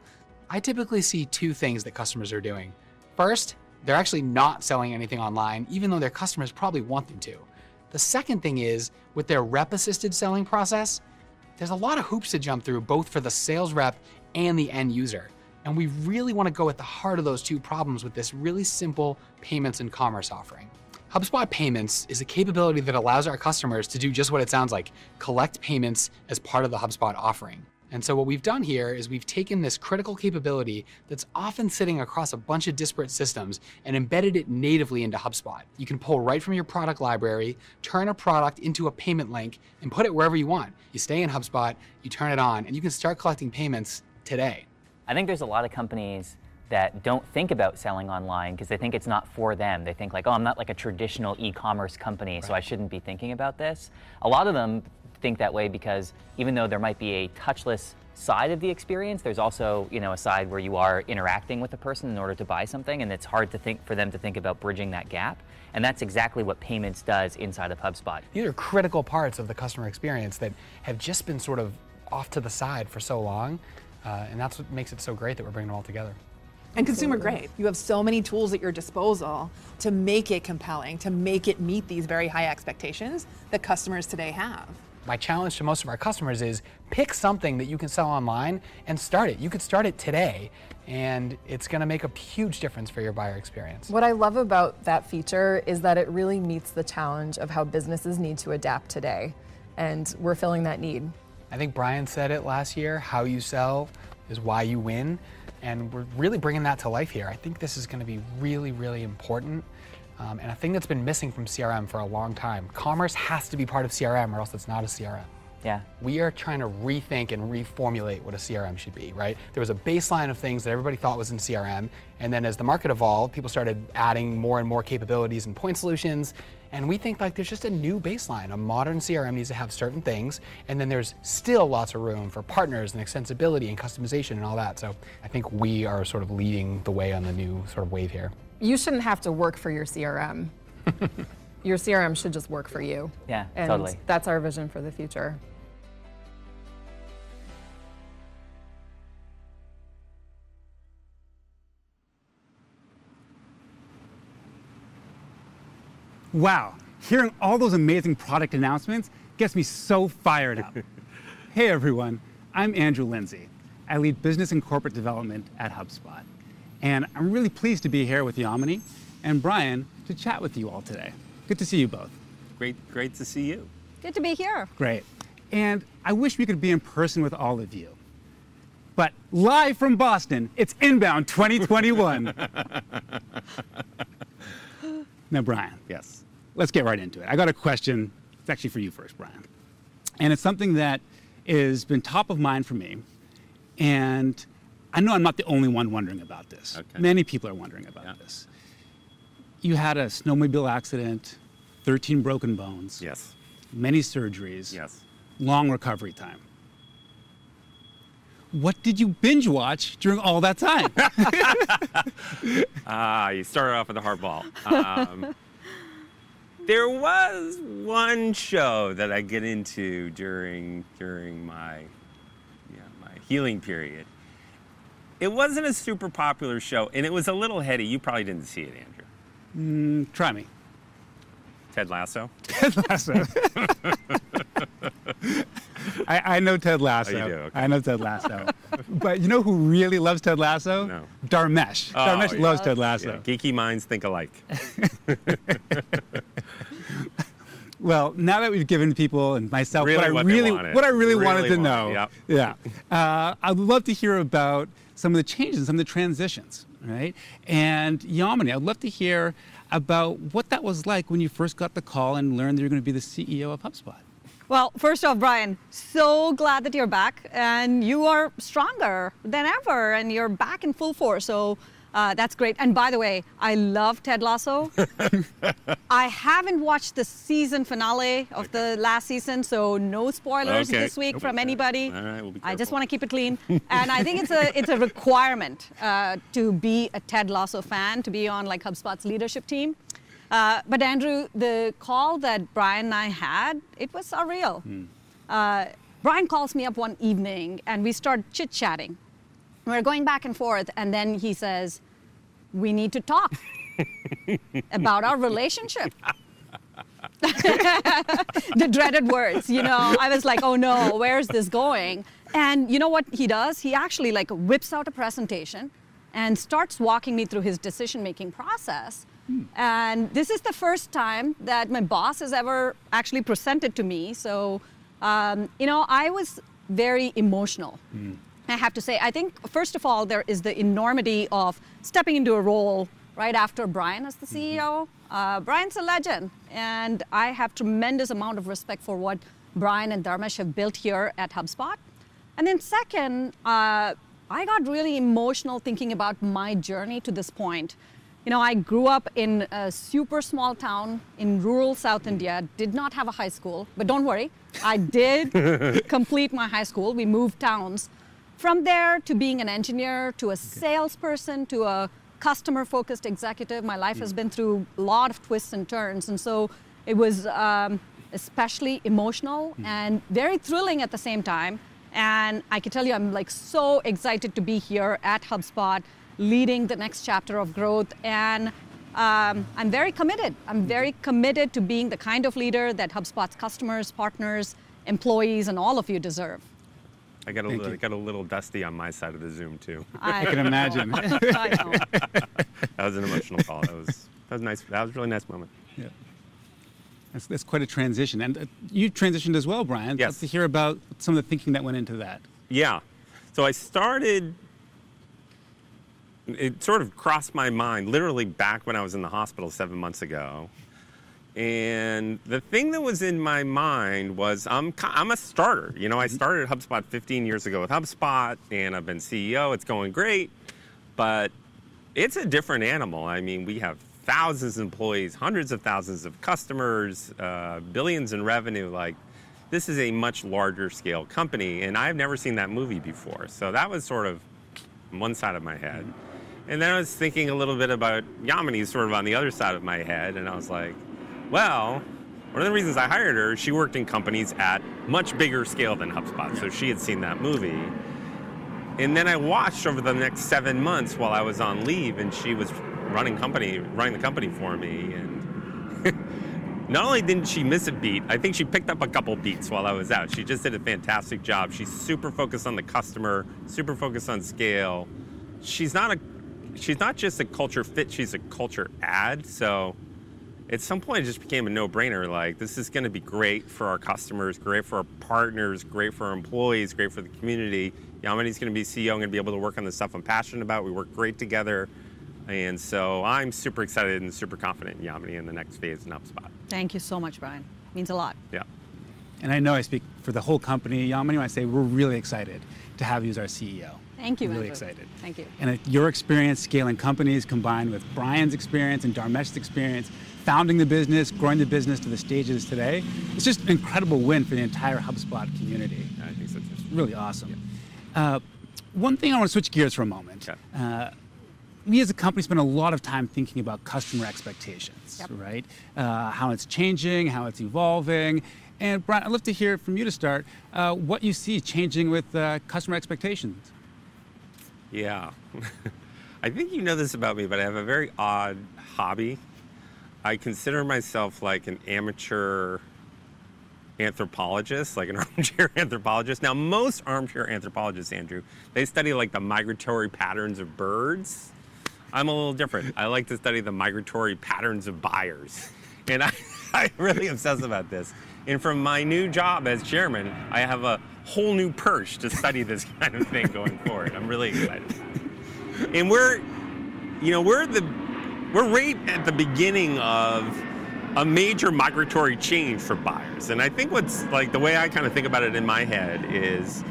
I typically see two things that customers are doing. First, they're actually not selling anything online, even though their customers probably want them to. The second thing is, with their rep-assisted selling process, there's a lot of hoops to jump through, both for the sales rep and the end user. We really want to go at the heart of those two problems with this really simple payments and commerce offering. HubSpot Payments is a capability that allows our customers to do just what it sounds like, collect payments as part of the HubSpot offering. What we've done here is we've taken this critical capability that's often sitting across a bunch of disparate systems and embedded it natively into HubSpot. You can pull right from your product library, turn a product into a payment link, and put it wherever you want. You stay in HubSpot, you turn it on, and you can start collecting payments today. I think there's a lot of companies that don't think about selling online because they think it's not for them. They think, like, "Oh, I'm not a traditional e-commerce company, so I shouldn't be thinking about this." A lot of them think that way because even though there might be a touchless side of the experience, there's also a side where you are interacting with a person in order to buy something, and it's hard for them to think about bridging that gap. That's exactly what Payments does inside of HubSpot. These are critical parts of the customer experience that have just been sort of off to the side for so long. That's what makes it so great that we're bringing it all together. Consumer grade. You have so many tools at your disposal to make it compelling, to make it meet these very high expectations that customers today have. My challenge to most of our customers is, pick something that you can sell online and start it. You could start it today, and it's going to make a huge difference for your buyer experience. What I love about that feature is that it really meets the challenge of how businesses need to adapt today, and we're filling that need. I think Brian said it last year, how you sell is why you win, and we're really bringing that to life here. I think this is going to be really, really important, and a thing that's been missing from CRM for a long time. Commerce has to be part of CRM or else it's not a CRM. Yeah. We are trying to rethink and reformulate what a CRM should be. There was a baseline of things that everybody thought was in CRM, and then as the market evolved, people started adding more and more capabilities and point solutions, and we think there's just a new baseline. A modern CRM needs to have certain things, and then there's still lots of room for partners and extensibility and customization and all that. I think we are sort of leading the way on the new wave here. You shouldn't have to work for your CRM. Your CRM should just work for you. Yeah, totally. That's our vision for the future. Wow. Hearing all those amazing product announcements gets me so fired up. Hey, everyone. I'm Andrew Lindsay. I lead business and corporate development at HubSpot. I'm really pleased to be here with Yamini and Brian to chat with you all today. Good to see you both. Great to see you. Good to be here. Great. I wish we could be in person with all of you, but live from Boston, it's INBOUND 2021. Brian. Yes. Let's get right into it. I got a question, it's actually for you first, Brian. It's something that has been top of mind for me, and I know I'm not the only one wondering about this. Okay. Many people are wondering about this. Yeah. You had a snowmobile accident, 13 broken bones. Yes. Many surgeries. Yes. Long recovery time. What did you binge-watch during all that time? You started off with a hard ball. There was one show that I got into during my healing period. It wasn't a super popular show, and it was a little heady. You probably didn't see it, Andrew. Try me. Ted Lasso. "Ted Lasso." I know "Ted Lasso." Oh, you do, okay. I know "Ted Lasso." You know who really loves "Ted Lasso?" No. Dharmesh. Oh, yeah. Dharmesh loves "Ted Lasso." Yeah. Geeky minds think alike. Well, now that we've given people and myself. What I really wanted. What I really wanted to know. Yep. Yeah. I would love to hear about some of the changes, some of the transitions, right? Yamini, I'd love to hear about what that was like when you first got the call and learned that you were going to be the CEO of HubSpot. First off, Brian, so glad that you're back, and you are stronger than ever, and you're back in full force, so that's great. By the way, I love "Ted Lasso." I haven't watched the season finale of the last season, so no spoilers this week- Okay ...from anybody. All right. We'll be careful. I just want to keep it clean. I think it's a requirement to be a "Ted Lasso" fan to be on HubSpot's leadership team. Andrew, the call that Brian and I had, it was surreal. Brian calls me up one evening, and we start chit-chatting. We're going back and forth, and then he says, "We need to talk- about our relationship." The dreaded words. I was like, "Oh, no. Where is this going?" You know what he does? He actually whips out a presentation and starts walking me through his decision-making process. This is the first time that my boss has ever actually presented to me, so I was very emotional. I have to say, I think, first of all, there is the enormity of stepping into a role right after Brian as the CEO. Brian's a legend, and I have a tremendous amount of respect for what Brian and Dharmesh have built here at HubSpot. Second, I got really emotional thinking about my journey to this point. I grew up in a super small town in rural south India. Did not have a high school, but don't worry. I did complete my high school. We moved towns. From there, to being an engineer, to a salesperson, to a customer-focused executive, my life has been through a lot of twists and turns. It was especially emotional and very thrilling at the same time. I can tell you, I'm so excited to be here at HubSpot leading the next chapter of growth, and I'm very committed. I'm very committed to being the kind of leader that HubSpot's customers, partners, employees, and all of you deserve. I got a- Thank you. ...little dusty on my side of the Zoom, too. I can imagine. I know. That was an emotional call. That was a really nice moment. Yeah. That's quite a transition. You transitioned as well, Brian. Yes. I'd love to hear about some of the thinking that went into that. Yeah. It sort of crossed my mind literally back when I was in the hospital seven months ago. The thing that was in my mind was I'm a starter. I started HubSpot 15 years ago with HubSpot, and I've been CEO. It's going great, but it's a different animal. We have thousands of employees, hundreds of thousands of customers, billions in revenue. This is a much larger scale company, and I've never seen that movie before. That was sort of one side of my head. I was thinking a little bit about Yamini sort of on the other side of my head, and I was like, "Well, one of the reasons I hired her, she worked in companies at much bigger scale than HubSpot." She had seen that movie, and then I watched over the next seven months while I was on leave, and she was running the company for me, and not only didn't she miss a beat, I think she picked up a couple of beats while I was out. She just did a fantastic job. She's super focused on the customer, super focused on scale. She's not just a culture fit. She's a culture add, so at some point, it just became a no-brainer, like, this is going to be great for our customers, great for our partners, great for our employees, great for the community. Yamini's going to be CEO and going to be able to work on the stuff I'm passionate about. We work great together, I'm super excited and super confident in Yamini in the next phase in HubSpot. Thank you so much, Brian. Means a lot. Yeah. I know I speak for the whole company, Yamini, when I say we're really excited to have you as our CEO. Thank you, Andrew. We're really excited. Thank you. Your experience scaling companies combined with Brian's experience and Dharmesh's experience founding the business, growing the business to the stages today, it's just an incredible win for the entire HubSpot community. I think so, too. Really awesome. Yeah. One thing, I want to switch gears for a moment. Sure. We as a company spend a lot of time thinking about customer expectations. Yep. Right? How it's changing, how it's evolving. Brian, I'd love to hear from you to start, what you see changing with customer expectations. Yeah. I think you know this about me, but I have a very odd hobby. I consider myself an amateur anthropologist, like an armchair anthropologist. Now, most armchair anthropologists, Andrew, they study the migratory patterns of birds. I'm a little different. I like to study the migratory patterns of buyers, and I really obsess about this. From my new job as chairman, I have a whole new perch to study this kind of thing going forward. I'm really excited. We're right at the beginning of a major migratory change for buyers, and I think the way I think about it in my head is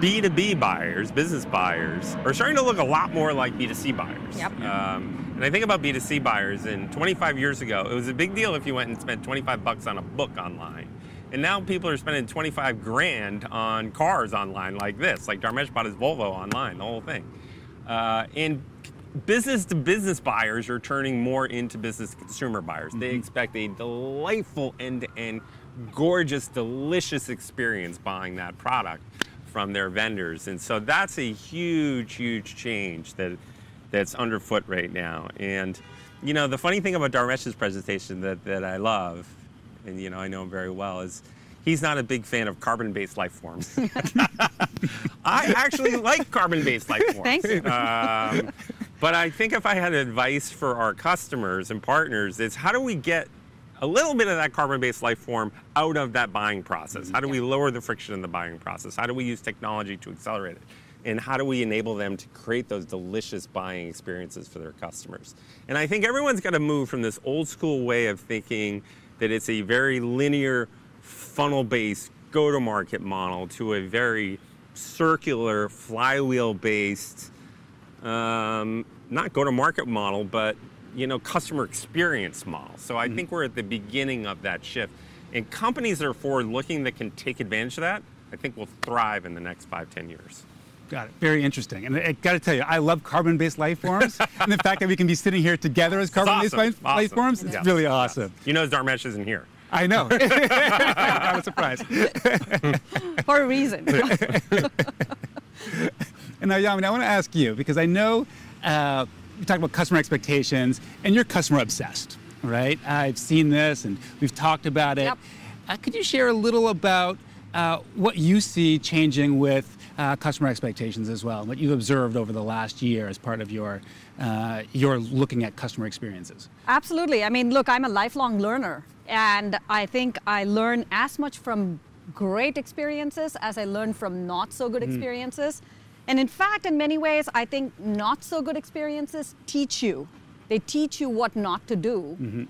B2B buyers, business buyers, are starting to look a lot more like B2C buyers. Yep. I think about B2C buyers, 25 years ago, it was a big deal if you went and spent $25 on a book online, and now people are spending $25,000 on cars online, like this. Dharmesh bought his Volvo online, the whole thing. Business-to-business buyers are turning more into business consumer buyers. They expect a delightful end-to-end, gorgeous, delicious experience buying that product from their vendors. That's a huge change that's underfoot right now. The funny thing about Dharmesh's presentation that I love, and I know him very well, is he's not a big fan of carbon-based life forms. I actually like carbon-based life forms. Thank you. I think if I had advice for our customers and partners, it's how do we get a little bit of that carbon-based life form out of that buying process? Yeah. How do we lower the friction in the buying process? How do we use technology to accelerate it, and how do we enable them to create those delicious buying experiences for their customers? I think everyone's got to move from this old-school way of thinking that it's a very linear, funnel-based go-to-market model to a very circular, flywheel-based, not go-to-market model, but customer experience model. I think we're at the beginning of that shift, and companies that are forward-looking that can take advantage of that, I think will thrive in the next five, 10 years. Got it. Very interesting. I've got to tell you, I love carbon-based life forms. The fact that we can be sitting here together as carbon-based life- It's awesome. ...forms is really awesome. Yeah. You notice Dharmesh isn't here. I know. I was surprised. For a reason. Now, Yamini, I want to ask you, because I know you talk about customer expectations, and you're customer-obsessed, right? I've seen this, and we've talked about it. Yep. Could you share a little about what you see changing with customer expectations as well, and what you've observed over the last year as part of your looking at customer experiences? Absolutely. Look, I'm a lifelong learner, and I think I learn as much from great experiences as I learn from not so good experiences. In fact, in many ways, I think not so good experiences teach you. They teach you what not to do.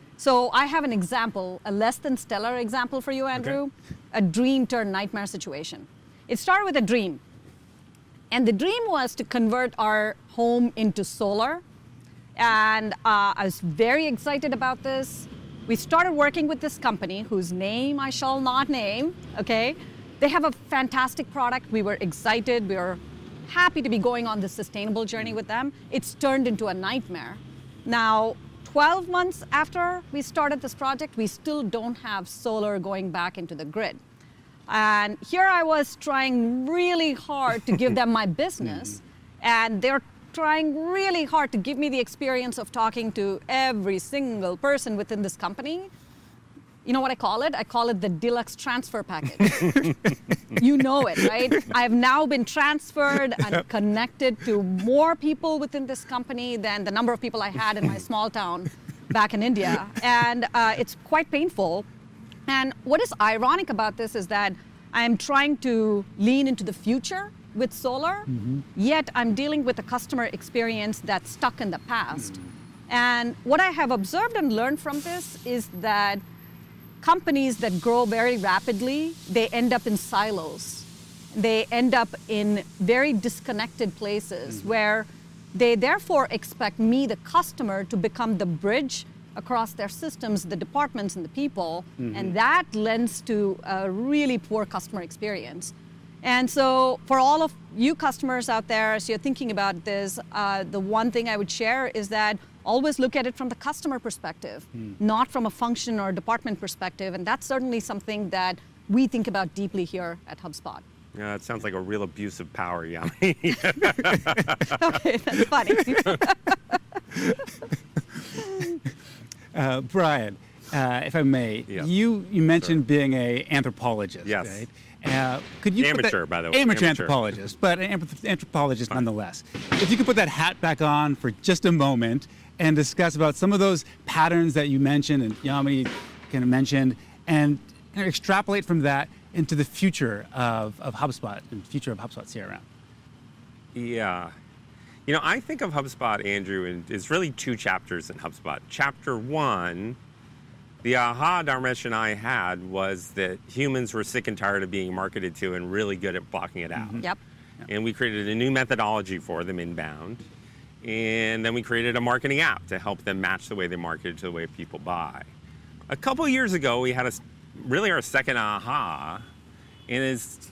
I have an example, a less than stellar example for you, Andrew. Okay. A dream turned nightmare situation. It started with a dream. The dream was to convert our home into solar. I was very excited about this. We started working with this company whose name I shall not name, okay? They have a fantastic product. We were excited. We were happy to be going on this sustainable journey with them. It's turned into a nightmare. Now, 12 months after we started this project, we still don't have solar going back into the grid. They're trying really hard to give me the experience of talking to every single person within this company. You know what I call it? I call it the deluxe transfer package. You know it, right? I've now been transferred and connected to more people within this company than the number of people I had in my small town back in India. It's quite painful. What is ironic about this is that I am trying to lean into the future with. Yet I'm dealing with a customer experience that's stuck in the past. What I have observed and learned from this is that companies that grow very rapidly, they end up in silos. They end up in very disconnected places. where they therefore expect me, the customer, to become the bridge across their systems, the departments, and the people. That lends to a really poor customer experience. For all of you customers out there, as you're thinking about this, the one thing I would share is that always look at it from the customer perspective, not from a function or a department perspective, and that's certainly something that we think about deeply here at HubSpot. Yeah, that sounds like a real abuse of power, Yamini. Okay, that's funny. Brian, if I may. Yeah You mentioned being an anthropologist, right? Yes. Could you- Amateur, by the way. Amateur anthropologist, but anthropologist nonetheless. If you could put that hat back on for just a moment and discuss about some of those patterns that you mentioned, and Yamini mentioned, and extrapolate from that into the future of HubSpot and the future of HubSpot CRM. Yeah. I think of HubSpot, Andrew. It's really two chapters in HubSpot. Chapter one, the aha Dharmesh and I had was that humans were sick and tired of being marketed to and really good at blocking it out. Yep. Yep. We created a new methodology for them, inbound, and then we created a marketing app to help them match the way they market to the way people buy. A couple of years ago, we had, really, our second aha. It's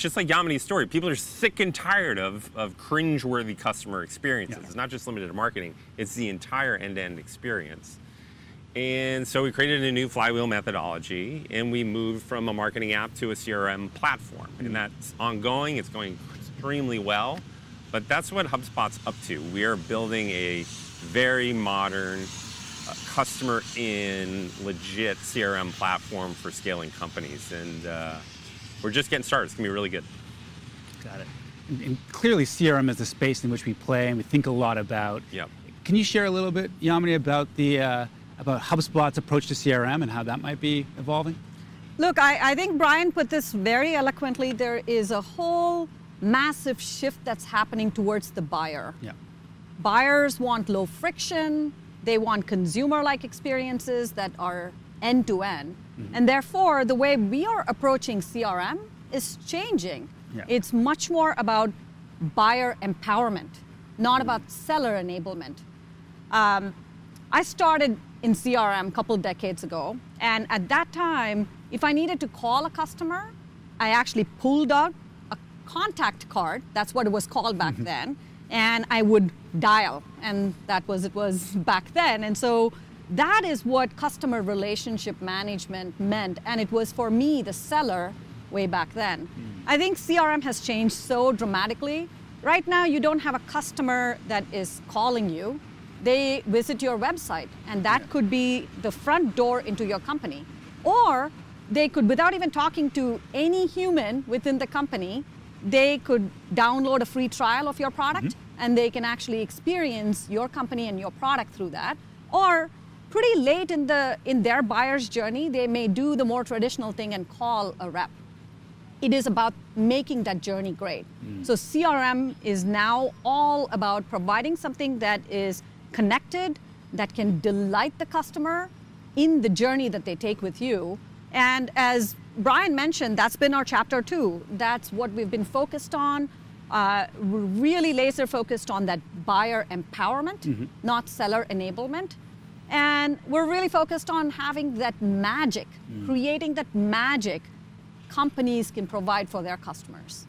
just like Yamini's story. People are sick and tired of cringeworthy customer experiences. Yeah. It's not just limited to marketing. It's the entire end-to-end experience. We created a new flywheel methodology, and we moved from a marketing app to a CRM platform. That's ongoing. It's going extremely well. That's what HubSpot's up to. We are building a very modern, customer-in legit CRM platform for scaling companies, and we're just getting started. It's going to be really good. Got it. Clearly, CRM is the space in which we play, and we think a lot about. Yep. Can you share a little bit, Yamini, about HubSpot's approach to CRM and how that might be evolving? Look, I think Brian put this very eloquently. There is a whole massive shift that's happening towards the buyer. Yeah. Buyers want low friction. They want consumer-like experiences that are end-to-end. Therefore, the way we are approaching CRM is changing. Yeah. It's much more about buyer empowerment. Not about seller enablement. I started in CRM a couple decades ago. At that time, if I needed to call a customer, I actually pulled out a contact card. That's what it was called back then. I would dial, and that was it back then. That is what customer relationship management meant, and it was, for me, the seller way back then. I think CRM has changed so dramatically. Right now, you don't have a customer that is calling you. They visit your website. Yeah That could be the front door into your company. They could, without even talking to any human within the company, they could download a free trial of your product. They can actually experience your company and your product through that. Pretty late in their buyer's journey, they may do the more traditional thing and call a rep. It is about making that journey great. CRM is now all about providing something that is connected, that can delight the customer in the journey that they take with you. As Brian mentioned, that's been our chapter too. That's what we've been focused on. We're really laser focused on that buyer empowerment, not seller enablement. we're really focused on having that magic-creating that magic companies can provide for their customers.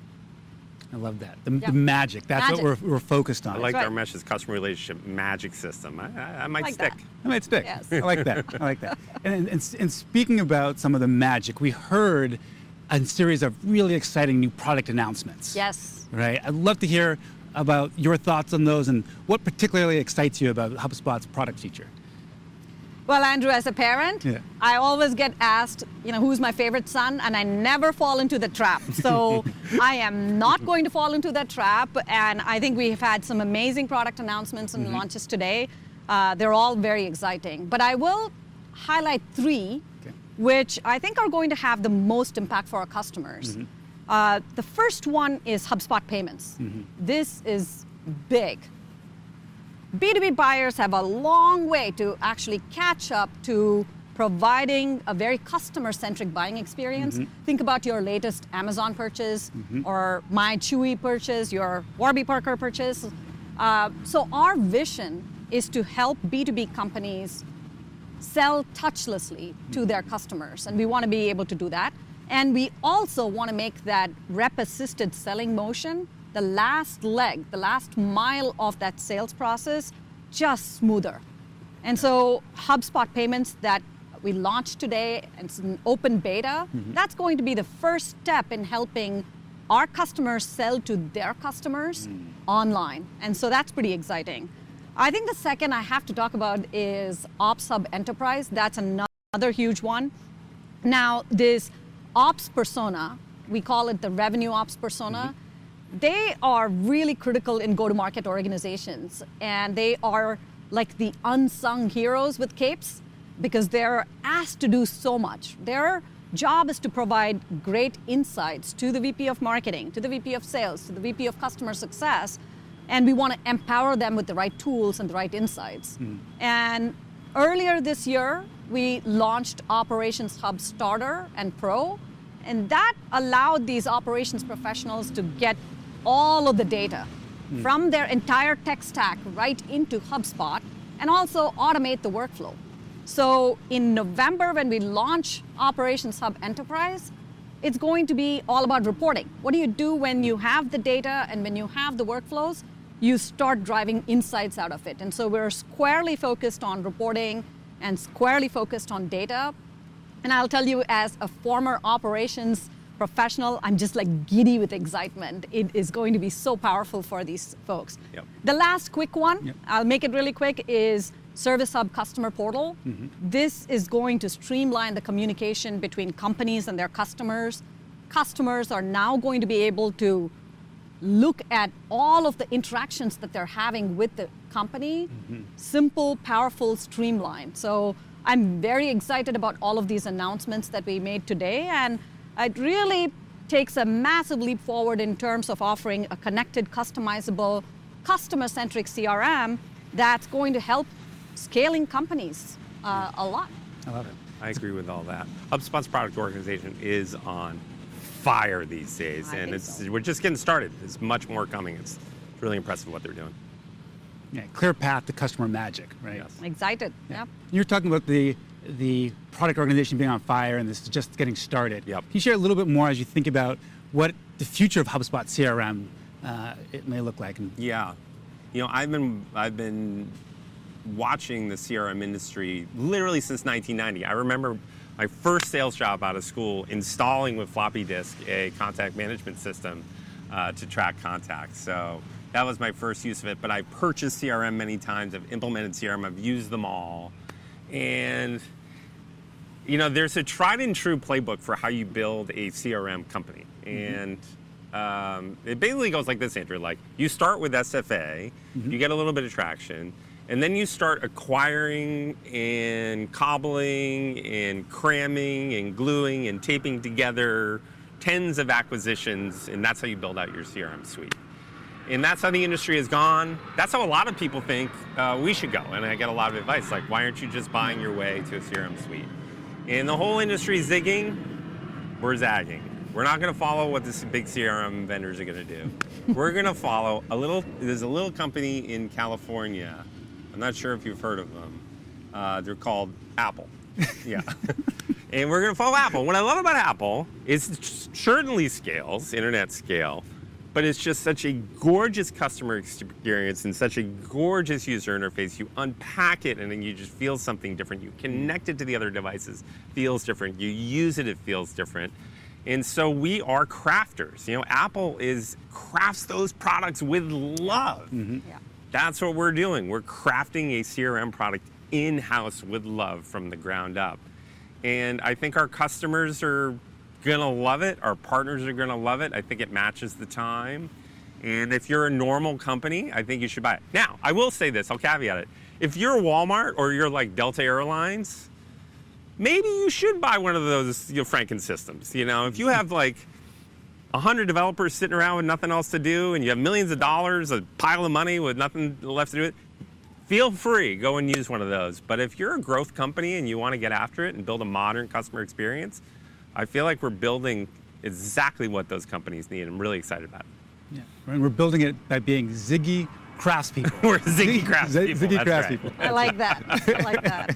I love that. Yep. The magic. Magic. That's what we're focused on. That's right. I like Dharmesh's customer relationship magic system. I like that. it might stick. It might stick. Yes. I like that. I like that. Speaking about some of the magic, we heard a series of really exciting new product announcements. Yes. Right? I'd love to hear about your thoughts on those and what particularly excites you about HubSpot's product feature. Well, Andrew, as a parent. Yeah I always get asked, who's my favorite son, and I never fall into the trap. I am not going to fall into that trap, and I think we've had some amazing product announcements launches today. They're all very exciting. I will highlight three. Okay Which I think are going to have the most impact for our customers. The first one is HubSpot Payments. This is big. B2B buyers have a long way to actually catch up to providing a very customer-centric buying experience. Think about your latest Amazon purchase or my Chewy purchase, your Warby Parker purchase. Our vision is to help B2B companies sell touchlessly to their customers, and we want to be able to do that. We also want to make that rep-assisted selling motion, the last leg, the last mile of that sales process, just smoother. HubSpot Payments that we launched today, it's in open beta. That's going to be the first step in helping our customers sell to their customers online. That's pretty exciting. I think the second I have to talk about is Operations Hub Enterprise. That's another huge one. This ops persona, we call it the revenue ops persona. They are really critical in go-to-market organizations. They are like the unsung heroes with capes because they're asked to do so much. Their job is to provide great insights to the VP of Marketing, to the VP of Sales, to the VP of Customer Success, and we want to empower them with the right tools and the right insights. Earlier this year, we launched Operations Hub Starter and Pro, and that allowed these operations professionals to get all of the data from their entire tech stack right into HubSpot and also automate the workflow. In November, when we launch Operations Hub Enterprise, it's going to be all about reporting. What do you do when you have the data and when you have the workflows? You start driving insights out of it. We're squarely focused on reporting and squarely focused on data. I'll tell you, as a former operations professional, I'm just giddy with excitement. It is going to be so powerful for these folks. Yep. The last quick one- Yep I'll make it really quick, is Service Hub Customer Portal. This is going to streamline the communication between companies and their customers. Customers are now going to be able to look at all of the interactions that they're having with the company simple, powerful, streamlined. I'm very excited about all of these announcements that we made today. It really takes a massive leap forward in terms of offering a connected, customizable, customer-centric CRM that's going to help scaling companies a lot. I love it. I agree with all that. HubSpot's product organization is on fire these days. We're just getting started. There's much more coming. It's really impressive what they're doing. Yeah. Clear path to customer magic, right? Yes. Excited. Yep. You're talking about the product organization being on fire, and this is just getting started. Yep. Can you share a little bit more as you think about what the future of HubSpot CRM may look like? Yeah. I've been watching the CRM industry literally since 1990. I remember my first sales job out of school, installing with floppy disk, a contact management system to track contacts. That was my first use of it, but I purchased CRM many times. I've implemented CRM. I've used them all. There's a tried and true playbook for how you build a CRM company. It basically goes like this, Andrew. You start with SFA. You get a little bit of traction, then you start acquiring, cobbling, cramming, gluing, and taping together tens of acquisitions, and that's how you build out your CRM Suite. That's how the industry has gone. That's how a lot of people think we should go. I get a lot of advice like, "Why aren't you just buying your way to a CRM Suite?" The whole industry's zigging, we're zagging. We're not going to follow what the big CRM vendors are going to do. We're going to follow a little company in California. I'm not sure if you've heard of them. They're called Apple. Yeah. We're going to follow Apple. What I love about Apple is it certainly scales, internet scale, it's just such a gorgeous customer experience and such a gorgeous user interface. You unpack it, then you just feel something different. You connect it to the other devices, it feels different. You use it feels different. We are crafters. Apple crafts those products with love. Yeah. That's what we're doing. We're crafting a CRM product in-house with love from the ground up, and I think our customers are going to love it. Our partners are going to love it. I think it matches the time, and if you're a normal company, I think you should buy it. Now, I will say this, I'll caveat it. If you're Walmart or you're Delta Air Lines, maybe you should buy one of those Franken systems. If you have 100 developers sitting around with nothing else to do, and you have millions of dollars, a pile of money with nothing left to do it, feel free. Go and use one of those. But if you're a growth company and you want to get after it and build a modern customer experience, I feel like we're building exactly what those companies need. I'm really excited about it. Yeah. We're building it by being agile crafts people. We're ziggy crafts people. Ziggy crafts people. That's right. I like that.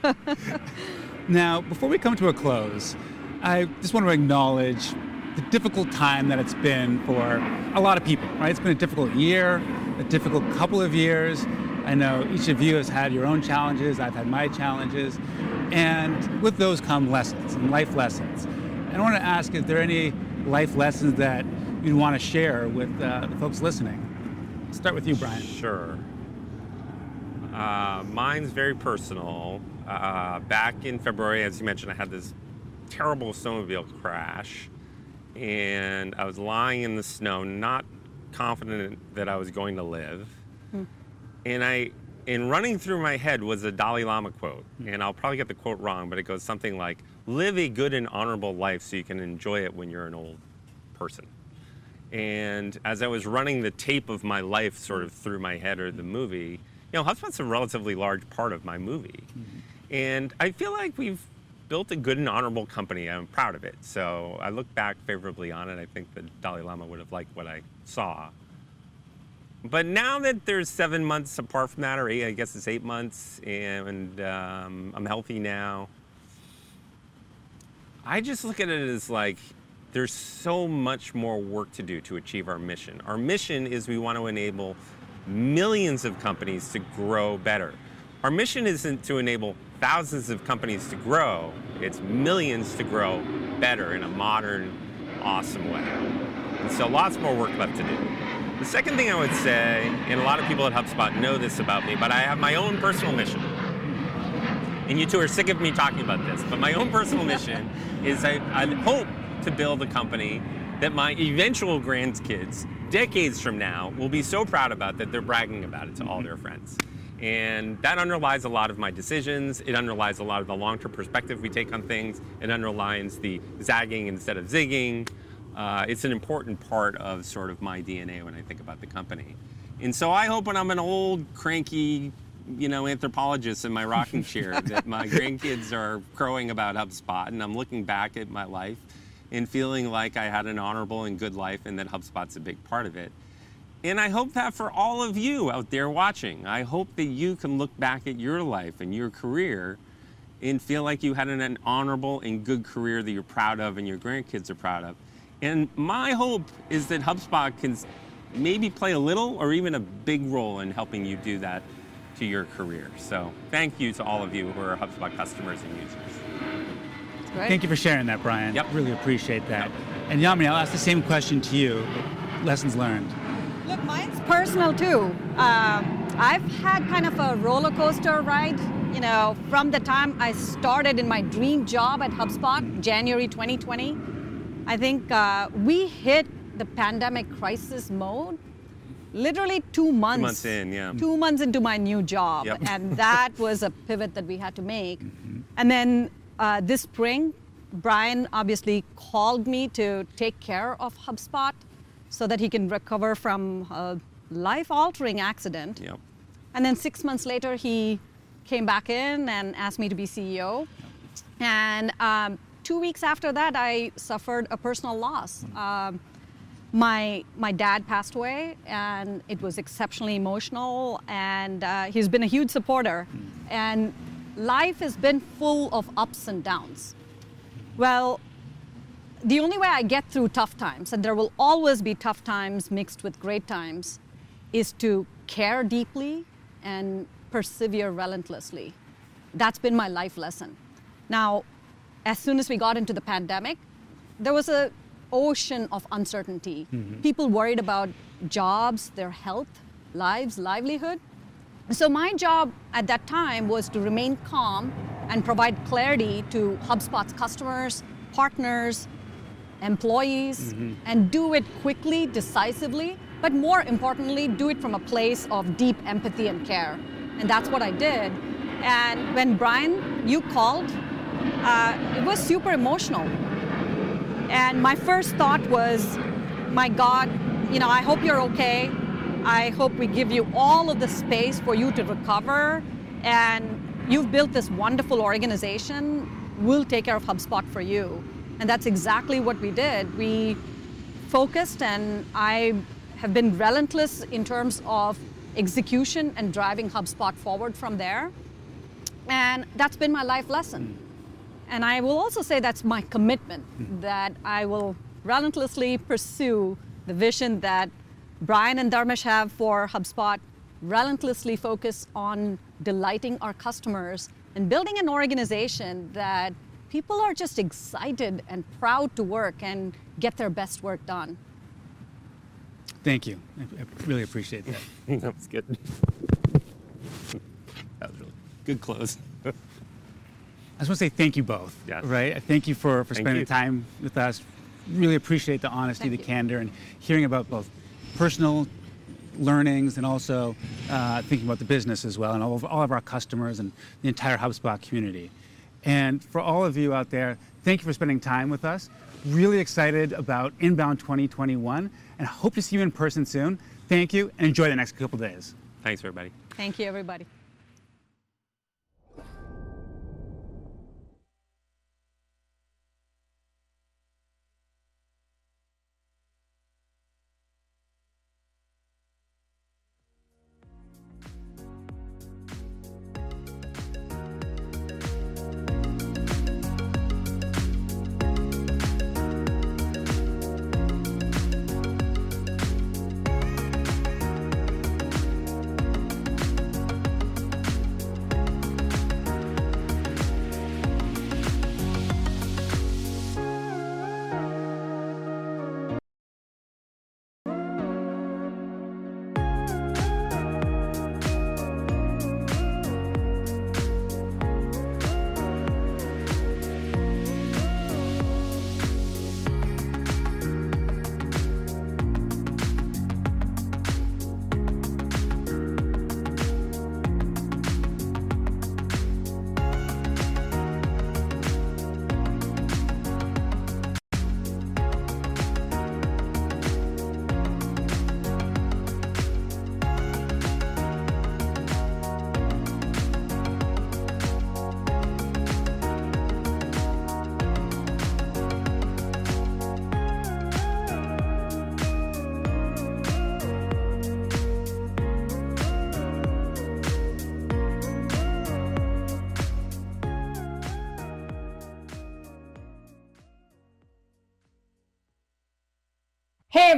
I like that. Before we come to a close, I just want to acknowledge the difficult time that it's been for a lot of people, right? It's been a difficult year, a difficult couple of years. I know each of you has had your own challenges. I've had my challenges, with those come lessons and life lessons. I want to ask, is there any life lessons that you'd want to share with the folks listening? Start with you, Brian. Sure. Mine's very personal. Back in February, as you mentioned, I had this terrible snowmobile crash, and I was lying in the snow, not confident that I was going to live. Running through my head was a Dalai Lama quote, and I'll probably get the quote wrong, but it goes something like, "Live a good and honorable life so you can enjoy it when you're an old person." As I was running the tape of my life sort of through my head or the movie, HubSpot's a relatively large part of my movie. I feel like we've built a good and honorable company. I'm proud of it, so I look back favorably on it. I think the Dalai Lama would've liked what I saw. Now that there's sevem months apart from that, or eight, I guess it's eight months, and I'm healthy now, I just look at it as there's so much more work to do to achieve our mission. Our mission is we want to enable millions of companies to grow better. Our mission isn't to enable thousands of companies to grow. It's millions to grow better in a modern, awesome way. Lots more work left to do. The second thing I would say, and a lot of people at HubSpot know this about me, but I have my own personal mission, and you two are sick of me talking about this. My own personal mission is I hope to build a company that my eventual grandkids, decades from now, will be so proud about that they're bragging about it to all their friends. That underlies a lot of my decisions. It underlies a lot of the long-term perspective we take on things. It underlies the zagging instead of zigging. It's an important part of my DNA when I think about the company. I hope when I'm an old, cranky anthropologist in my rocking chair, that my grandkids are crowing about HubSpot, and I'm looking back at my life and feeling like I had an honorable and good life, and that HubSpot's a big part of it. I hope that for all of you out there watching. I hope that you can look back at your life and your career and feel like you had an honorable and good career that you're proud of, and your grandkids are proud of. My hope is that HubSpot can maybe play a little or even a big role in helping you do that to your career. Thank you to all of you who are HubSpot customers and users. That's great. Thank you for sharing that, Brian. Yep. Really appreciate that. Yep. Yamini, I'll ask the same question to you. Lessons learned. Look, mine's personal, too. I've had kind of a roller coaster ride from the time I started in my dream job at HubSpot, January 2020. I think we hit the pandemic crisis mode literally two months. Two months in. Yeah Two months into my new job. Yep. That was a pivot that we had to make. This spring, Brian obviously called me to take care of HubSpot so that he can recover from a life-altering accident. Yep. Six months later, he came back in and asked me to be CEO. Yep. Two weeks after that, I suffered a personal loss. My dad passed away, and it was exceptionally emotional, and he's been a huge supporter. Life has been full of ups and downs. Well, the only way I get through tough times, and there will always be tough times mixed with great times, is to care deeply and persevere relentlessly. That's been my life lesson. Now, as soon as we got into the pandemic, there was an ocean of uncertainty. People worried about jobs, their health, lives, livelihood. My job at that time was to remain calm and provide clarity to HubSpot's customers, partners, employees. Do it quickly, decisively, but more importantly, do it from a place of deep empathy and care. That's what I did. When Brian, you called, it was super emotional. My first thought was, "My God, I hope you're okay. I hope we give you all of the space for you to recover, and you've built this wonderful organization. We'll take care of HubSpot for you." That's exactly what we did. We focused, and I have been relentless in terms of execution and driving HubSpot forward from there. That's been my life lesson. I will also say that's my commitment, that I will relentlessly pursue the vision that Brian and Dharmesh have for HubSpot, relentlessly focus on delighting our customers, and building an organization that people are just excited and proud to work and get their best work done. Thank you. I really appreciate that. Yeah. That was good. That was a good close. I just want to say thank you both. Yes. Right? Thank you spending time with us. Thank you. I really appreciate the honesty and the candor, hearing about both personal learnings and also thinking about the business as well, and all of our customers and the entire HubSpot community. For all of you out there, thank you for spending time with us. Really excited about INBOUND 2021, and hope to see you in person soon. Thank you, and enjoy the next couple of days. Thanks, everybody. Thank you, everybody.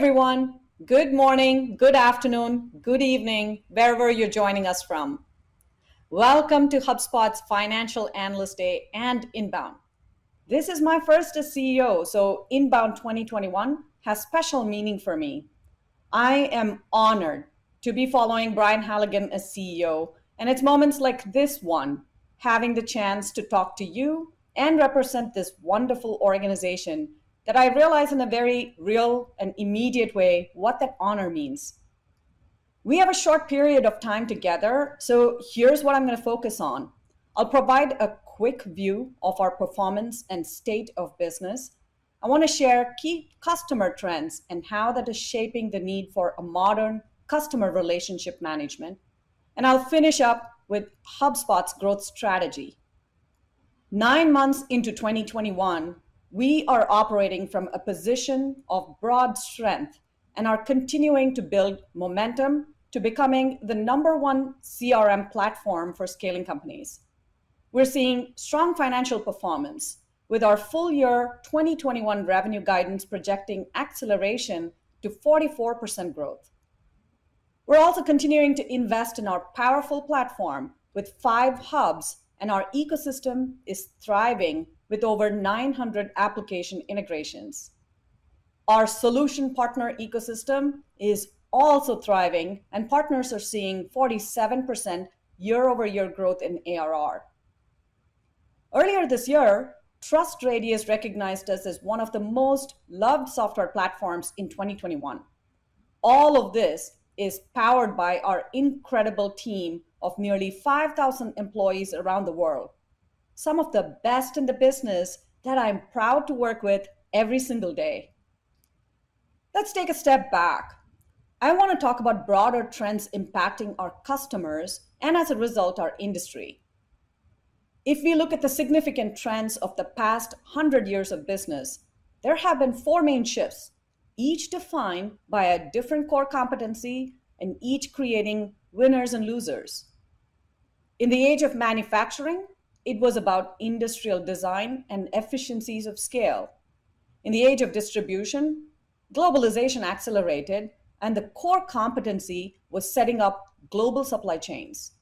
Hey, everyone. Good morning, good afternoon, good evening, wherever you're joining us from. Welcome to HubSpot's Financial Analyst Day and INBOUND. This is my first as CEO. INBOUND 2021 has special meaning for me. I am honored to be following Brian Halligan as CEO. It's moments like this one, having the chance to talk to you and represent this wonderful organization, that I realize in a very real and immediate way what that honor means. We have a short period of time together. Here's what I'm going to focus on. I'll provide a quick view of our performance and state of business. I want to share key customer trends and how that is shaping the need for a modern customer relationship management. I'll finish up with HubSpot's growth strategy. Nine months into 2021, we are operating from a position of broad strength and are continuing to build momentum to becoming the number one CRM platform for scaling companies. We're seeing strong financial performance, with our full year 2021 revenue guidance projecting acceleration to 44% growth. We're also continuing to invest in our powerful platform with five Hubs, and our ecosystem is thriving with over 900 application integrations. Our solution partner ecosystem is also thriving, and partners are seeing 47% year-over-year growth in ARR. Earlier this year, TrustRadius recognized us as one of the most loved software platforms in 2021. All of this is powered by our incredible team of nearly 5,000 employees around the world, some of the best in the business that I'm proud to work with every single day. Let's take a step back. I want to talk about broader trends impacting our customers and, as a result, our industry. If we look at the significant trends of the past 100 years of business, there have been four main shifts, each defined by a different core competency and each creating winners and losers. In the age of manufacturing, it was about industrial design and efficiencies of scale. In the age of distribution, globalization accelerated and the core competency was setting up global supply chains.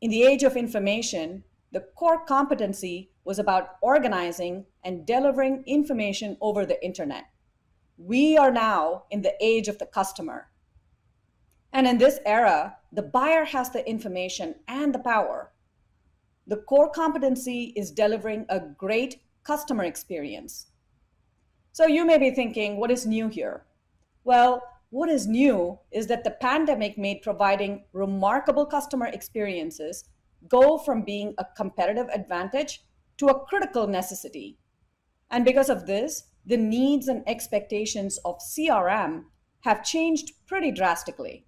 In the age of information, the core competency was about organizing and delivering information over the internet. We are now in the age of the customer, and in this era, the buyer has the information and the power. The core competency is delivering a great customer experience. You may be thinking, what is new here? Well, what is new is that the pandemic made providing remarkable customer experiences go from being a competitive advantage to a critical necessity. Because of this, the needs and expectations of CRM have changed pretty drastically.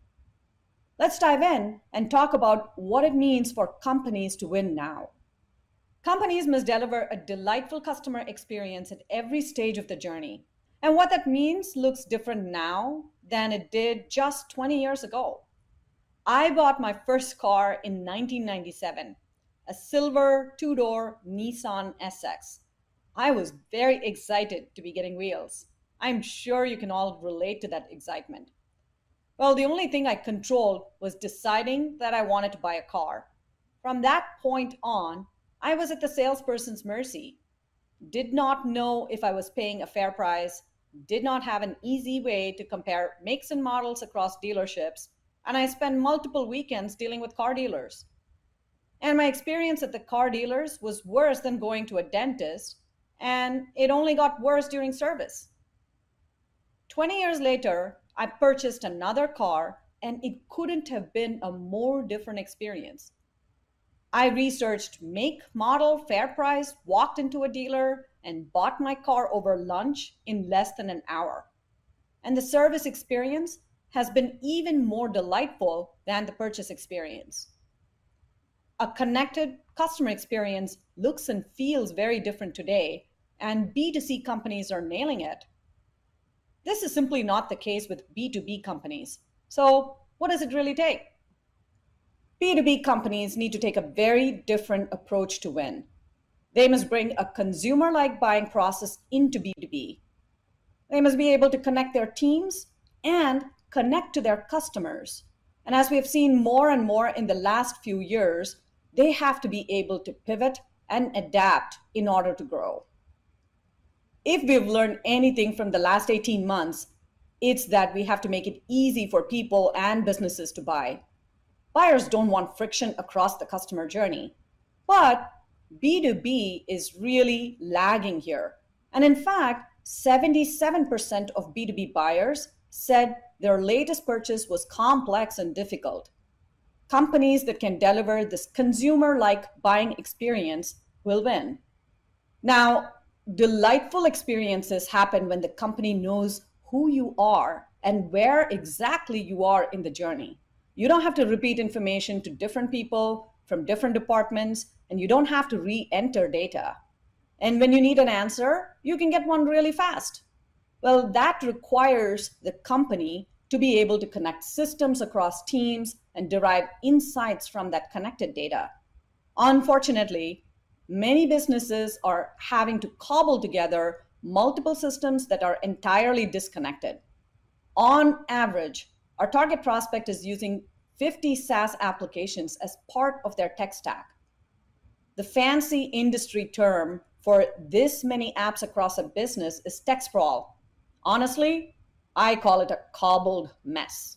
Let's dive in and talk about what it means for companies to win now. Companies must deliver a delightful customer experience at every stage of the journey, and what that means looks different now than it did just 20 years ago. I bought my first car in 1997, a silver two-door Nissan 240SX. I was very excited to be getting wheels. I'm sure you can all relate to that excitement. Well, the only thing I controlled was deciding that I wanted to buy a car. From that point on, I was at the salesperson's mercy. Did not know if I was paying a fair price, did not have an easy way to compare makes and models across dealerships, and I spent multiple weekends dealing with car dealers. My experience at the car dealers was worse than going to a dentist, and it only got worse during service. 20 years later, I purchased another car, and it couldn't have been a more different experience. I researched make, model, fair price, walked into a dealer, and bought my car over lunch in less than an hour. The service experience has been even more delightful than the purchase experience. A connected customer experience looks and feels very different today, and B2C companies are nailing it. This is simply not the case with B2B companies. What does it really take? B2B companies need to take a very different approach to win. They must bring a consumer-like buying process into B2B. They must be able to connect their teams and connect to their customers. As we have seen more and more in the last few years, they have to be able to pivot and adapt in order to grow. If we've learned anything from the last 18 months, it's that we have to make it easy for people and businesses to buy. Buyers don't want friction across the customer journey, but B2B is really lagging here. In fact, 77% of B2B buyers said their latest purchase was complex and difficult. Companies that can deliver this consumer-like buying experience will win. Now, delightful experiences happen when the company knows who you are and where exactly you are in the journey. You don't have to repeat information to different people from different departments, and you don't have to re-enter data. When you need an answer, you can get one really fast. Well, that requires the company to be able to connect systems across teams and derive insights from that connected data. Unfortunately, many businesses are having to cobble together multiple systems that are entirely disconnected. On average, our target prospect is using 50 SaaS applications as part of their tech stack. The fancy industry term for this many apps across a business is tech sprawl. Honestly, I call it a cobbled mess.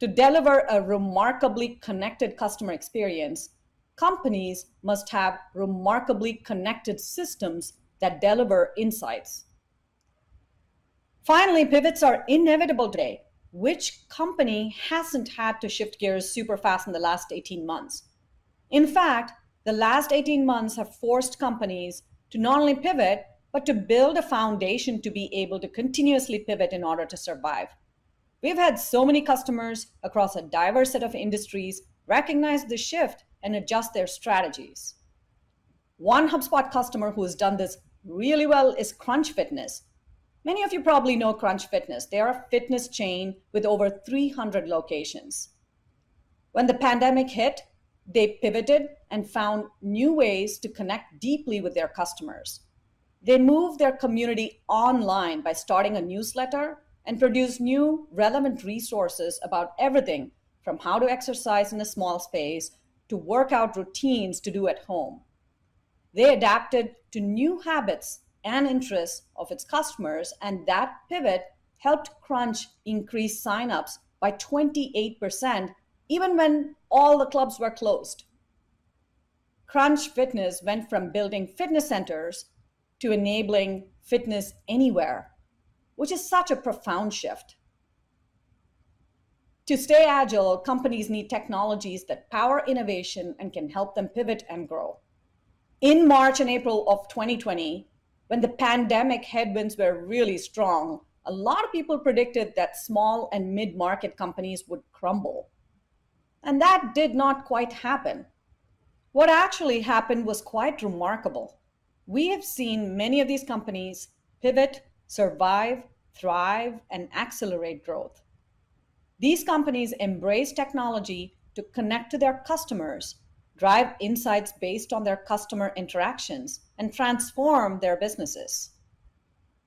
To deliver a remarkably connected customer experience, companies must have remarkably connected systems that deliver insights. Finally, pivots are inevitable today. Which company hasn't had to shift gears super fast in the last 18 months. In fact, the last 18 months have forced companies to not only pivot, but to build a foundation to be able to continuously pivot in order to survive. We've had so many customers across a diverse set of industries recognize the shift and adjust their strategies. One HubSpot customer who has done this really well is Crunch Fitness. Many of you probably know Crunch Fitness. They are a fitness chain with over 300 locations. When the pandemic hit, they pivoted and found new ways to connect deeply with their customers. They moved their community online by starting a newsletter and produced new relevant resources about everything from how to exercise in a small space to workout routines to do at home. They adapted to new habits and interests of its customers, and that pivot helped Crunch increase sign-ups by 28%, even when all the clubs were closed. Crunch Fitness went from building fitness centers to enabling fitness anywhere, which is such a profound shift. To stay agile, companies need technologies that power innovation and can help them pivot and grow. In March and April of 2020, when the pandemic headwinds were really strong, a lot of people predicted that small and mid-market companies would crumble, and that did not quite happen. What actually happened was quite remarkable. We have seen many of these companies pivot, survive, thrive, and accelerate growth. These companies embrace technology to connect to their customers, drive insights based on their customer interactions, and transform their businesses.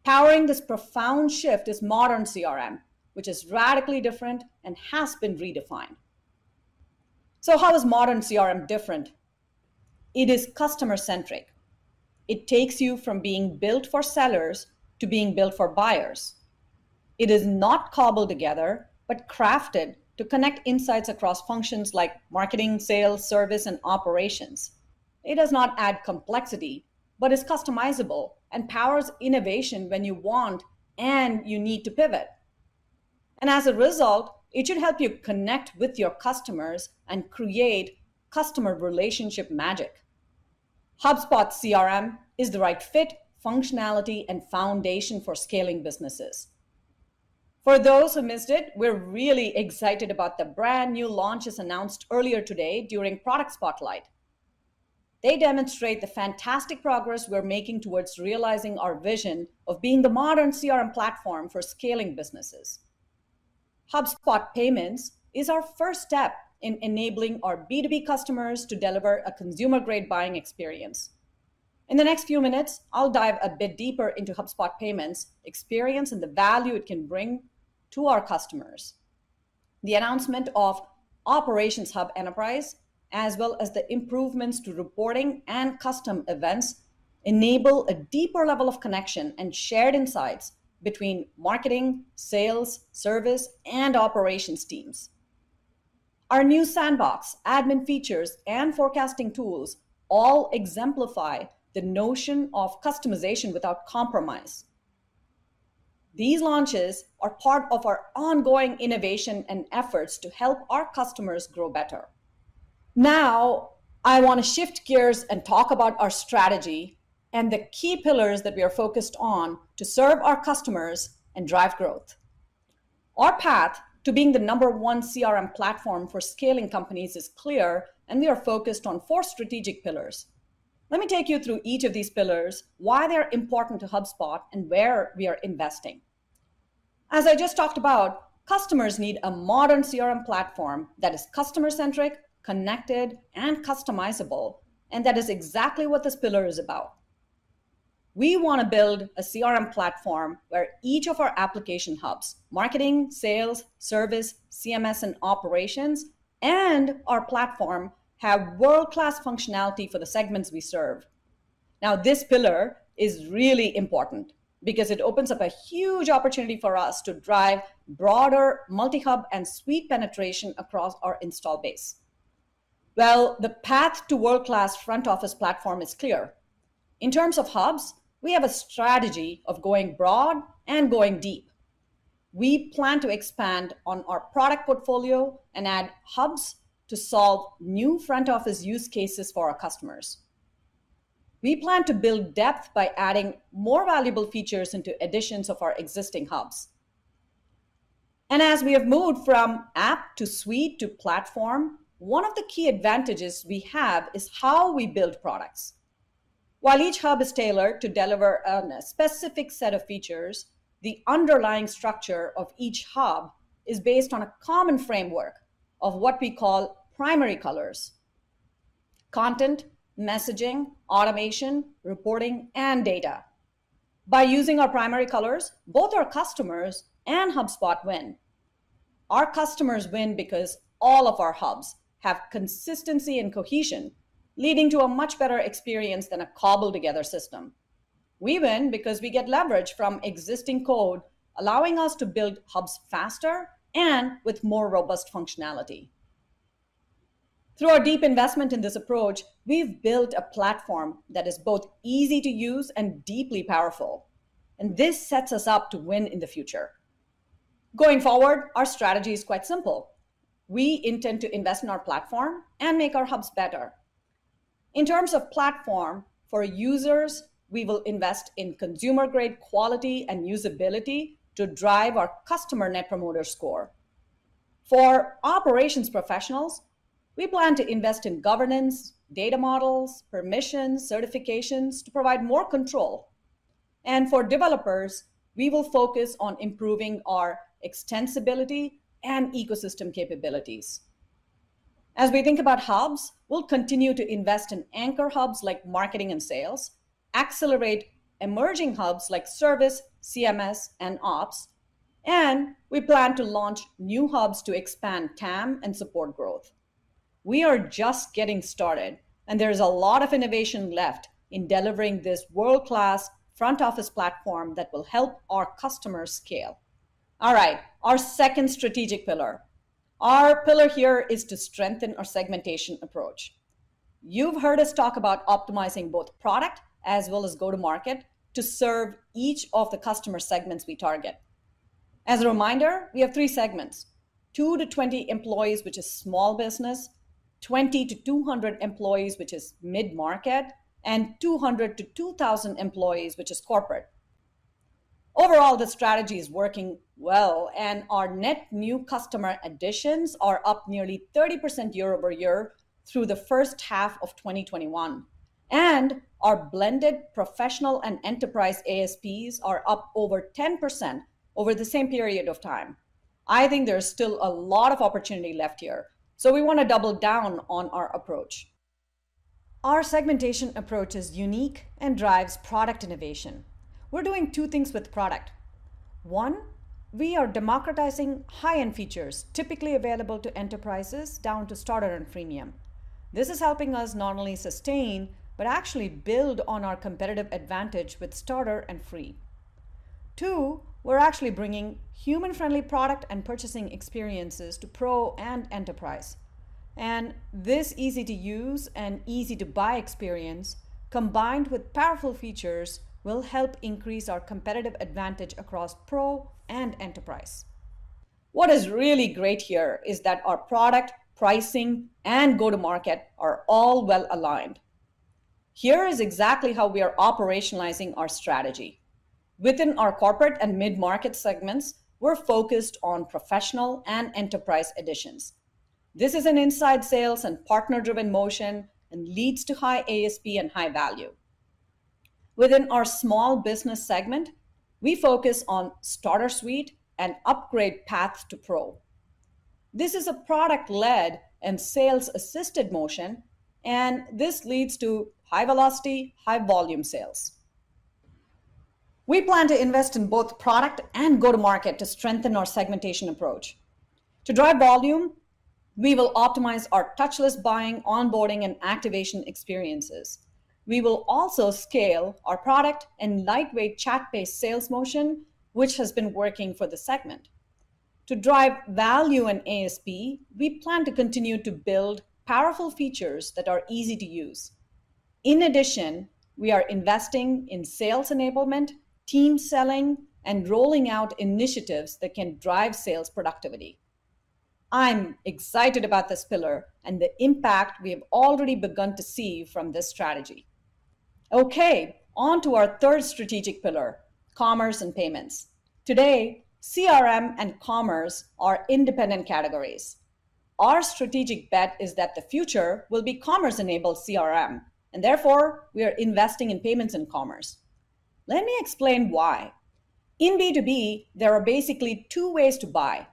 Powering this profound shift is modern CRM, which is radically different and has been redefined. How is modern CRM different? It is customer-centric. It takes you from being built for sellers to being built for buyers. It is not cobbled together, but crafted to connect insights across functions like marketing, sales, service, and operations. It does not add complexity, but is customizable and powers innovation when you want and you need to pivot. As a result, it should help you connect with your customers and create customer relationship magic. HubSpot CRM is the right fit, functionality, and foundation for scaling businesses. For those who missed it, we're really excited about the brand-new launches announced earlier today during Product Spotlight. They demonstrate the fantastic progress we're making towards realizing our vision of being the modern CRM platform for scaling businesses. HubSpot Payments is our first step in enabling our B2B customers to deliver a consumer-grade buying experience. In the next few minutes, I'll dive a bit deeper into HubSpot Payments experience and the value it can bring to our customers. The announcement of Operations Hub Enterprise, as well as the improvements to reporting and custom events, enable a deeper level of connection and shared insights between marketing, sales, service, and operations teams. Our new sandbox, admin features, and forecasting tools all exemplify the notion of customization without compromise. These launches are part of our ongoing innovation and efforts to help our customers grow better. I want to shift gears and talk about our strategy and the key pillars that we are focused on to serve our customers and drive growth. Our path to being the number one CRM platform for scaling companies is clear, and we are focused on four strategic pillars. Let me take you through each of these pillars, why they're important to HubSpot, and where we are investing. As I just talked about, customers need a modern CRM platform that is customer-centric, connected, and customizable, and that is exactly what this pillar is about. We want to build a CRM platform where each of our application hubs, Marketing, Sales, Service, CMS, and Operations, and our platform, have world-class functionality for the segments we serve. This pillar is really important because it opens up a huge opportunity for us to drive broader multi-hub and suite penetration across our install base. The path to world-class front-office platform is clear. In terms of hubs, we have a strategy of going broad and going deep. We plan to expand on our product portfolio and add hubs to solve new front-office use cases for our customers. We plan to build depth by adding more valuable features into editions of our existing hubs. As we have moved from app to suite to platform, one of the key advantages we have is how we build products. While each hub is tailored to deliver on a specific set of features, the underlying structure of each hub is based on a common framework of what we call Primary Colors, content, messaging, automation, reporting, and data. By using our Primary Colors, both our customers and HubSpot win. Our customers win because all of our hubs have consistency and cohesion, leading to a much better experience than a cobbled-together system. We win because we get leverage from existing code, allowing us to build hubs faster and with more robust functionality. Through our deep investment in this approach, we've built a platform that is both easy to use and deeply powerful. This sets us up to win in the future. Going forward, our strategy is quite simple. We intend to invest in our platform and make our hubs better. In terms of platform, for users, we will invest in consumer-grade quality and usability to drive our customer net promoter score. For operations professionals, we plan to invest in governance, data models, permissions, certifications to provide more control. For developers, we will focus on improving our extensibility and ecosystem capabilities. As we think about hubs, we will continue to invest in anchor hubs like marketing and sales, accelerate emerging hubs like service, CMS, and ops, and we plan to launch new hubs to expand TAM and support growth. We are just getting started, and there is a lot of innovation left in delivering this world-class front-office platform that will help our customers scale. All right, our second strategic pillar. Our pillar here is to strengthen our segmentation approach. You've heard us talk about optimizing both product as well as go-to-market to serve each of the customer segments we target. As a reminder, we have three segments, two to 20 employees, which is small business, 20-200 employees, which is mid-market, and 200-2,000 employees, which is corporate. Overall, the strategy is working well, our net new customer editions are up nearly 30% year-over-year through the first half of 2021. Our blended professional and enterprise ASPs are up over 10% over the same period of time. I think there's still a lot of opportunity left here. We want to double down on our approach. Our segmentation approach is unique and drives product innovation. We're doing two things with product. One, we are democratizing high-end features, typically available to enterprises, down to starter and freemium. This is helping us not only sustain, but actually build on our competitive advantage with starter and free. Two, we're actually bringing human-friendly product and purchasing experiences to pro and enterprise. This easy-to-use and easy-to-buy experience, combined with powerful features, will help increase our competitive advantage across pro and enterprise. What is really great here is that our product, pricing, and go-to-market are all well-aligned. Here is exactly how we are operationalizing our strategy. Within our corporate and mid-market segments, we're focused on professional and enterprise editions. This is an inside sales and partner-driven motion, and leads to high ASP and high value. Within our small business segment, we focus on starter suite and upgrade path to pro. This is a product-led and sales-assisted motion, and this leads to high velocity, high volume sales. We plan to invest in both product and go-to-market to strengthen our segmentation approach. To drive volume, we will optimize our touchless buying, onboarding, and activation experiences. We will also scale our product and lightweight chat-based sales motion, which has been working for the segment. To drive value and ASP, we plan to continue to build powerful features that are easy to use. In addition, we are investing in sales enablement, team selling, and rolling out initiatives that can drive sales productivity. I'm excited about this pillar and the impact we have already begun to see from this strategy. Okay, onto our third strategic pillar, commerce and payments. Today, CRM and commerce are independent categories. Our strategic bet is that the future will be commerce-enabled CRM, and therefore, we are investing in payments and commerce. Let me explain why. In B2B, there are basically two ways to buy,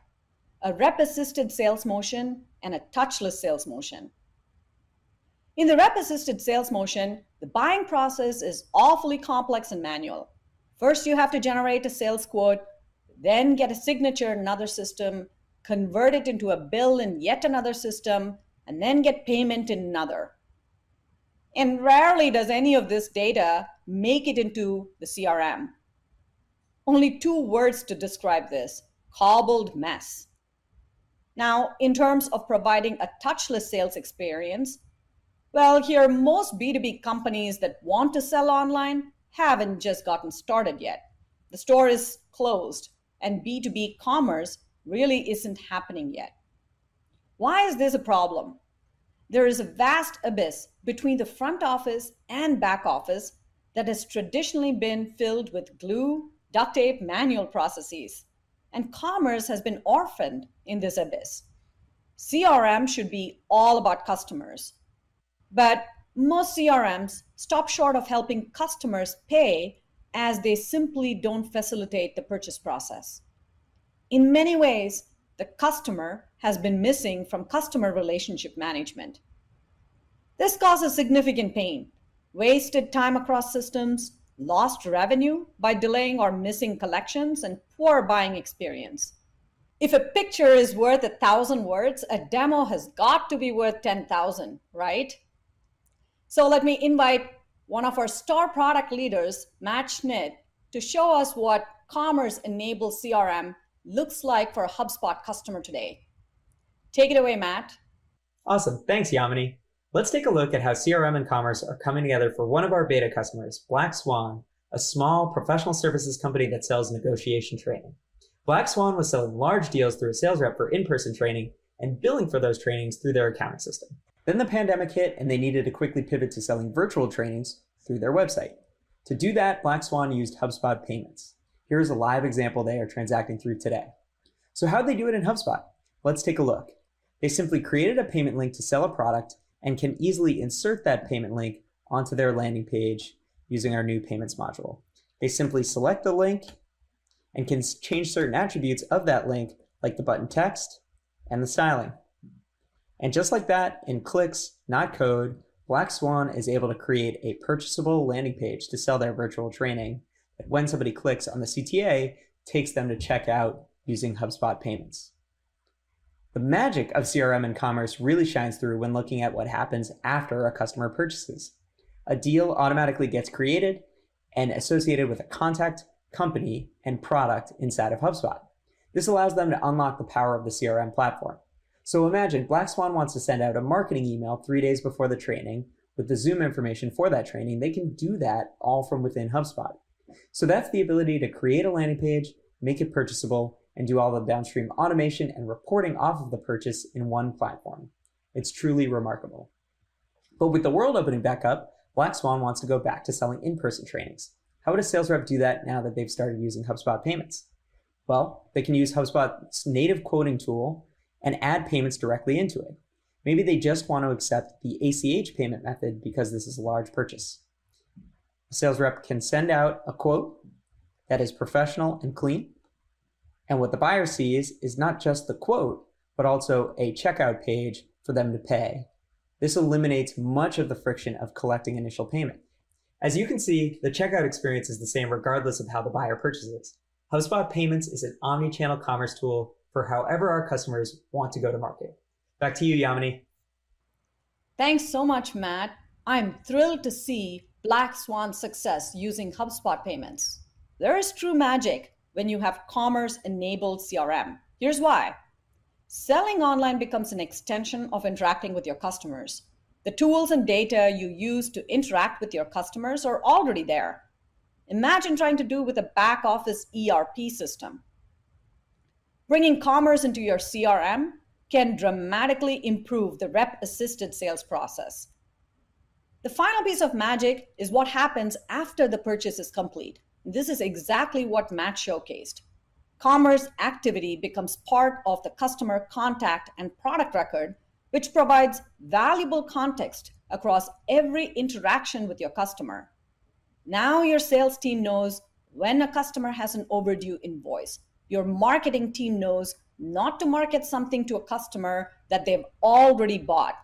a rep-assisted sales motion and a touchless sales motion. In the rep-assisted sales motion, the buying process is awfully complex and manual. First, you have to generate a sales quote, then get a signature in another system, convert it into a bill in yet another system, and then get payment in another. Rarely does any of this data make it into the CRM. Only two words to describe this, cobbled mess. Now, in terms of providing a touchless sales experience, well, here, most B2B companies that want to sell online haven't just gotten started yet. The store is closed, and B2B commerce really isn't happening yet. Why is this a problem? There is a vast abyss between the front office and back office that has traditionally been filled with glue, duct tape, manual processes, and commerce has been orphaned in this abyss. CRM should be all about customers. Most CRMs stop short of helping customers pay, as they simply don't facilitate the purchase process. In many ways, the customer has been missing from customer relationship management. This causes significant pain, wasted time across systems, lost revenue by delaying or missing collections, and poor buying experience. If a picture is worth 1,000 words, a demo has got to be worth 10,000, right? Let me invite one of our star product leaders, Matt Schnitt, to show us what commerce-enabled CRM looks like for a HubSpot customer today. Take it away, Matt. Awesome. Thanks, Yamini. Let's take a look at how CRM and commerce are coming together for one of our beta customers, Black Swan, a small professional services company that sells negotiation training. Black Swan was selling large deals through a sales rep for in-person training, and billing for those trainings through their accounting system. The pandemic hit, and they needed to quickly pivot to selling virtual trainings through their website. To do that, Black Swan used HubSpot Payments. Here is a live example they are transacting through today. How do they do it in HubSpot? Let's take a look. They simply created a payment link to sell a product and can easily insert that payment link onto their landing page using our new payments module. They simply select the link and can change certain attributes of that link, like the button text and the styling. Just like that, in clicks, not code, Black Swan is able to create a purchasable landing page to sell their virtual training. When somebody clicks on the CTA, it takes them to check out using HubSpot Payments. The magic of CRM and commerce really shines through when looking at what happens after a customer purchases. A deal automatically gets created and associated with a contact, company, and product inside of HubSpot. This allows them to unlock the power of the CRM platform. Imagine Black Swan wants to send out a marketing email three days before the training. With the Zoom information for that training, they can do that all from within HubSpot. That's the ability to create a landing page, make it purchasable, and do all the downstream automation and reporting off of the purchase in one platform. It's truly remarkable. With the world opening back up, Black Swan wants to go back to selling in-person trainings. How would a sales rep do that now that they've started using HubSpot Payments? They can use HubSpot's native quoting tool and add payments directly into it. Maybe they just want to accept the ACH payment method because this is a large purchase. A sales rep can send out a quote that is professional and clean, and what the buyer sees is not just the quote, but also a checkout page for them to pay. This eliminates much of the friction of collecting initial payment. As you can see, the checkout experience is the same regardless of how the buyer purchases. HubSpot Payments is an omni-channel commerce tool for however our customers want to go to market. Back to you, Yamini. Thanks so much, Matt. I'm thrilled to see Black Swan's success using HubSpot Payments. There is true magic when you have commerce-enabled CRM. Here's why. Selling online becomes an extension of interacting with your customers. The tools and data you use to interact with your customers are already there. Imagine trying to do it with a back office ERP system. Bringing commerce into your CRM can dramatically improve the rep-assisted sales process. The final piece of magic is what happens after the purchase is complete. This is exactly what Matt showcased. Commerce activity becomes part of the customer contact and product record, which provides valuable context across every interaction with your customer. Now your sales team knows when a customer has an overdue invoice. Your marketing team knows not to market something to a customer that they've already bought.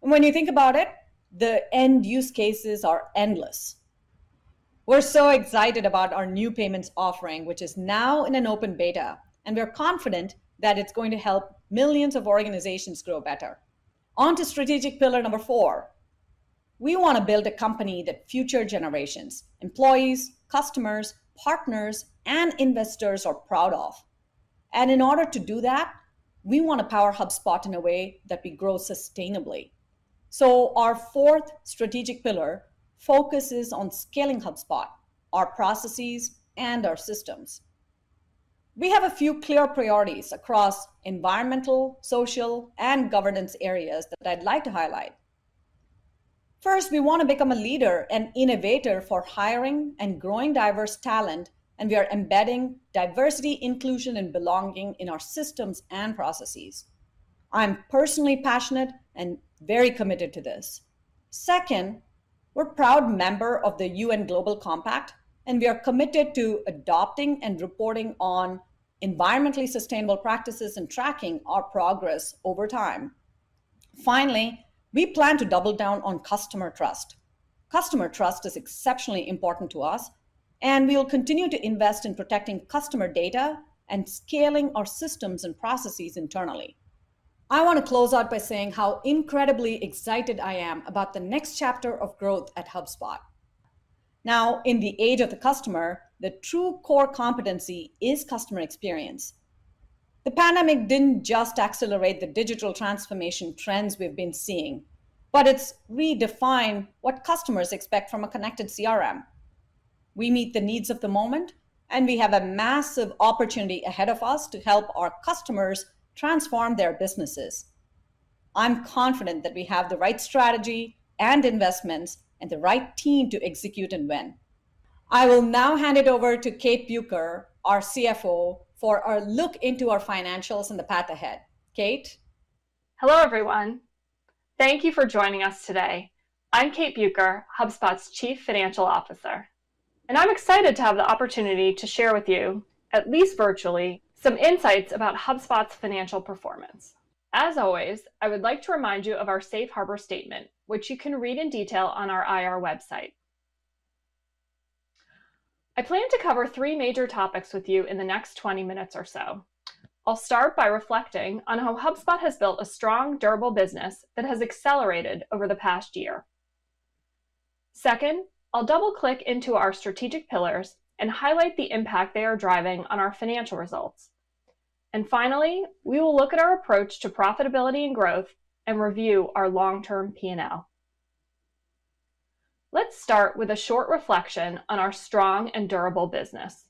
When you think about it, the end use cases are endless. We're so excited about our new HubSpot Payments offering, which is now in an open beta, and we're confident that it's going to help millions of organizations grow better. On to strategic pillar number four. We want to build a company that future generations, employees, customers, partners, and investors are proud of. In order to do that, we want to power HubSpot in a way that we grow sustainably. Our fourth strategic pillar focuses on scaling HubSpot, our processes, and our systems. We have a few clear priorities across environmental, social, and governance areas that I'd like to highlight. First, we want to become a leader and innovator for hiring and growing diverse talent, and we are embedding diversity, inclusion, and belonging in our systems and processes. I'm personally passionate and very committed to this. We're a proud member of the UN Global Compact, and we are committed to adopting and reporting on environmentally sustainable practices and tracking our progress over time. We plan to double down on customer trust. Customer trust is exceptionally important to us, and we will continue to invest in protecting customer data and scaling our systems and processes internally. I want to close out by saying how incredibly excited I am about the next chapter of growth at HubSpot. In the age of the customer, the true core competency is customer experience. The pandemic didn't just accelerate the digital transformation trends we've been seeing, but it's redefined what customers expect from a connected CRM. We meet the needs of the moment, and we have a massive opportunity ahead of us to help our customers transform their businesses. I'm confident that we have the right strategy and investments and the right team to execute and win. I will now hand it over to Kate Bueker, our CFO, for our look into our financials and the path ahead. Kate? Hello, everyone. Thank you for joining us today. I'm Kate Bueker, HubSpot's Chief Financial Officer, and I'm excited to have the opportunity to share with you, at least virtually, some insights about HubSpot's financial performance. As always, I would like to remind you of our Safe Harbor statement, which you can read in detail on our IR website. I plan to cover three major topics with you in the next 20 minutes or so. I'll start by reflecting on how HubSpot has built a strong, durable business that has accelerated over the past year. Second, I'll double-click into our strategic pillars and highlight the impact they are driving on our financial results. Finally, we will look at our approach to profitability and growth and review our long-term P&L. Let's start with a short reflection on our strong and durable business.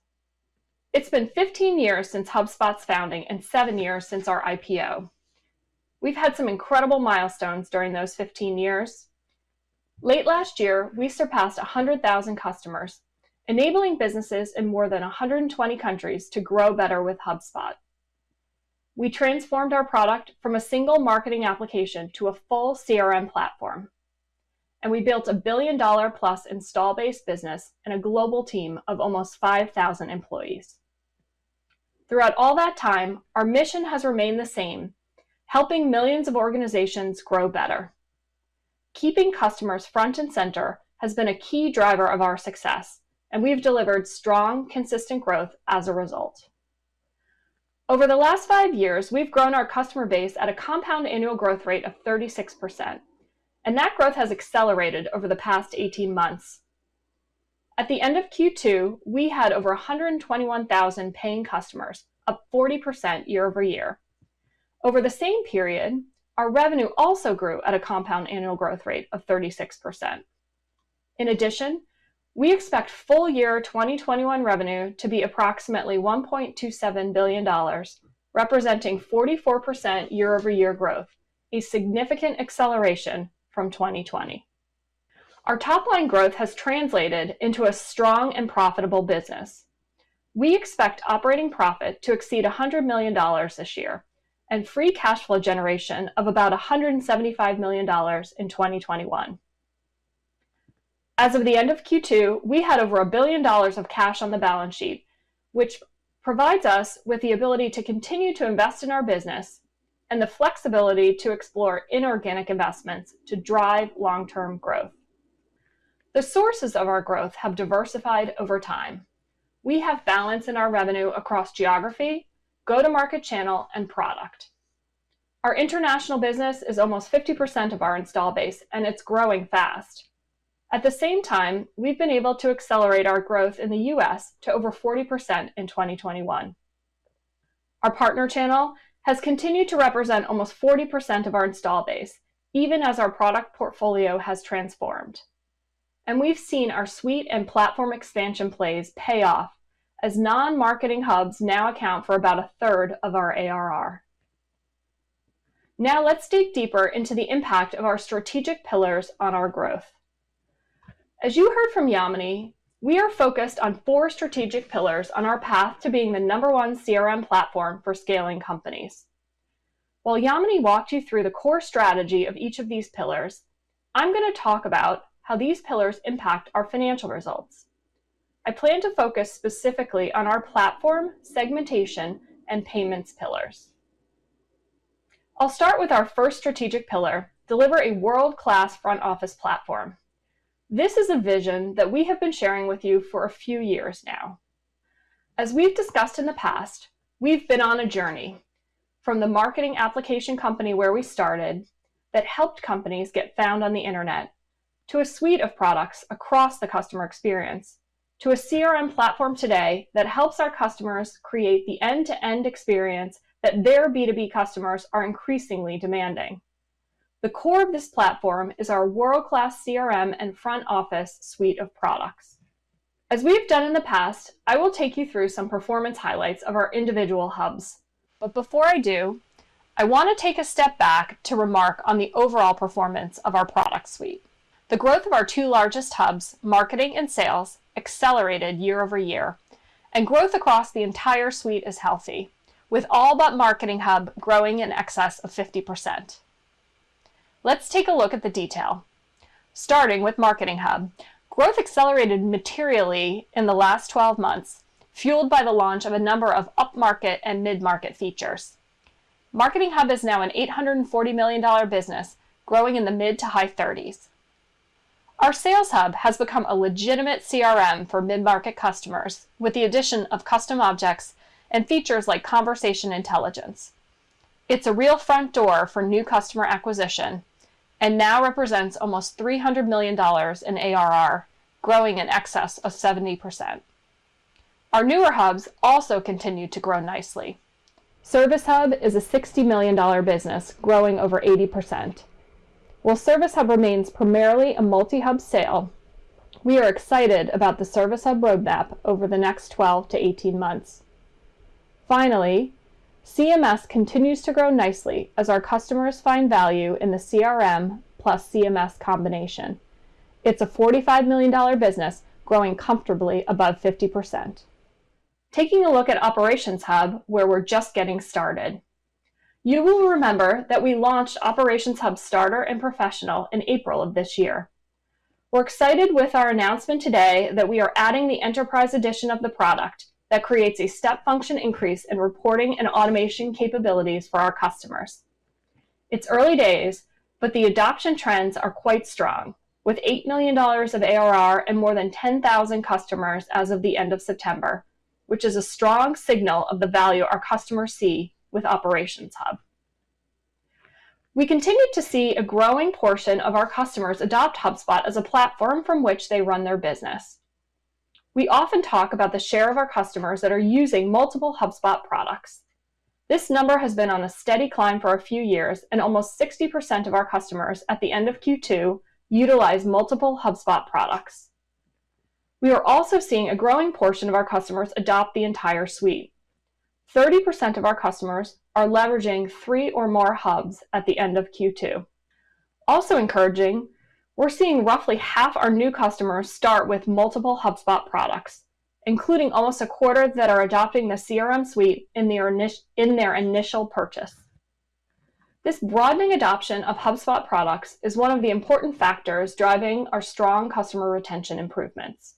It's been 15 years since HubSpot's founding and seven years since our IPO. We've had some incredible milestones during those 15 years. Late last year, we surpassed 100,000 customers, enabling businesses in more than 120 countries to grow better with HubSpot. We transformed our product from a single marketing application to a full CRM platform, and we built a billion-dollar-plus install-based business and a global team of almost 5,000 employees. Throughout all that time, our mission has remained the same: helping millions of organizations grow better. Keeping customers front and center has been a key driver of our success, and we have delivered strong, consistent growth as a result. Over the last five years, we've grown our customer base at a compound annual growth rate of 36%, and that growth has accelerated over the past 18 months. At the end of Q2, we had over 121,000 paying customers, up 40% year-over-year. Over the same period, our revenue also grew at a compound annual growth rate of 36%. In addition, we expect full year 2021 revenue to be approximately $1.27 billion, representing 44% year-over-year growth, a significant acceleration from 2020. Our top-line growth has translated into a strong and profitable business. We expect operating profit to exceed $100 million this year, and free cash flow generation of about $175 million in 2021. As of the end of Q2, we had over $1 billion of cash on the balance sheet, which provides us with the ability to continue to invest in our business and the flexibility to explore inorganic investments to drive long-term growth. The sources of our growth have diversified over time. We have balance in our revenue across geography, go-to-market channel, and product. Our international business is almost 50% of our install base, and it's growing fast. At the same time, we've been able to accelerate our growth in the U.S. to over 40% in 2021. Our partner channel has continued to represent almost 40% of our install base, even as our product portfolio has transformed. We've seen our suite and platform expansion plays pay off as non-marketing hubs now account for about 1/3 of our ARR. Let's dig deeper into the impact of our strategic pillars on our growth. As you heard from Yamini, we are focused on four strategic pillars on our path to being the number one CRM platform for scaling companies. While Yamini walked you through the core strategy of each of these pillars, I'm going to talk about how these pillars impact our financial results. I plan to focus specifically on our platform, segmentation, and payments pillars. I'll start with our first strategic pillar, deliver a world-class front office platform. This is a vision that we have been sharing with you for a few years now. As we've discussed in the past, we've been on a journey from the marketing application company where we started that helped companies get found on the internet, to a suite of products across the customer experience, to a CRM platform today that helps our customers create the end-to-end experience that their B2B customers are increasingly demanding. The core of this platform is our world-class CRM and front office suite of products. As we have done in the past, I will take you through some performance highlights of our individual hubs. Before I do, I want to take a step back to remark on the overall performance of our product suite. The growth of our two largest hubs, marketing and sales, accelerated year-over-year, and growth across the entire suite is healthy, with all but Marketing Hub growing in excess of 50%. Let's take a look at the detail, starting with Marketing Hub. Growth accelerated materially in the last 12 months, fueled by the launch of a number of upmarket and mid-market features. Marketing Hub is now an $840 million business growing in the mid to high 30s. Our Sales Hub has become a legitimate CRM for mid-market customers with the addition of custom objects and features like conversation intelligence. It's a real front door for new customer acquisition and now represents almost $300 million in ARR, growing in excess of 70%. Our newer hubs also continued to grow nicely. Service Hub is a $60 million business growing over 80%. While Service Hub remains primarily a multi-hub sale, we are excited about the Service Hub roadmap over the next 12-18 months. Finally, CMS continues to grow nicely as our customers find value in the CRM plus CMS combination. It's a $45 million business growing comfortably above 50%. Taking a look at Operations Hub, where we're just getting started. You will remember that we launched Operations Hub Starter and Professional in April of this year. We're excited with our announcement today that we are adding the Enterprise edition of the product that creates a step function increase in reporting and automation capabilities for our customers. It's early days, but the adoption trends are quite strong, with $8 million of ARR and more than 10,000 customers as of the end of September, which is a strong signal of the value our customers see with Operations Hub. We continue to see a growing portion of our customers adopt HubSpot as a platform from which they run their business. We often talk about the share of our customers that are using multiple HubSpot products. This number has been on a steady climb for a few years, and almost 60% of our customers at the end of Q2 utilize multiple HubSpot products. We are also seeing a growing portion of our customers adopt the entire suite. 30% of our customers are leveraging 3 or more hubs at the end of Q2. Encouraging, we're seeing roughly half our new customers start with multiple HubSpot products, including almost a quarter that are adopting the CRM Suite in their initial purchase. This broadening adoption of HubSpot products is one of the important factors driving our strong customer retention improvements.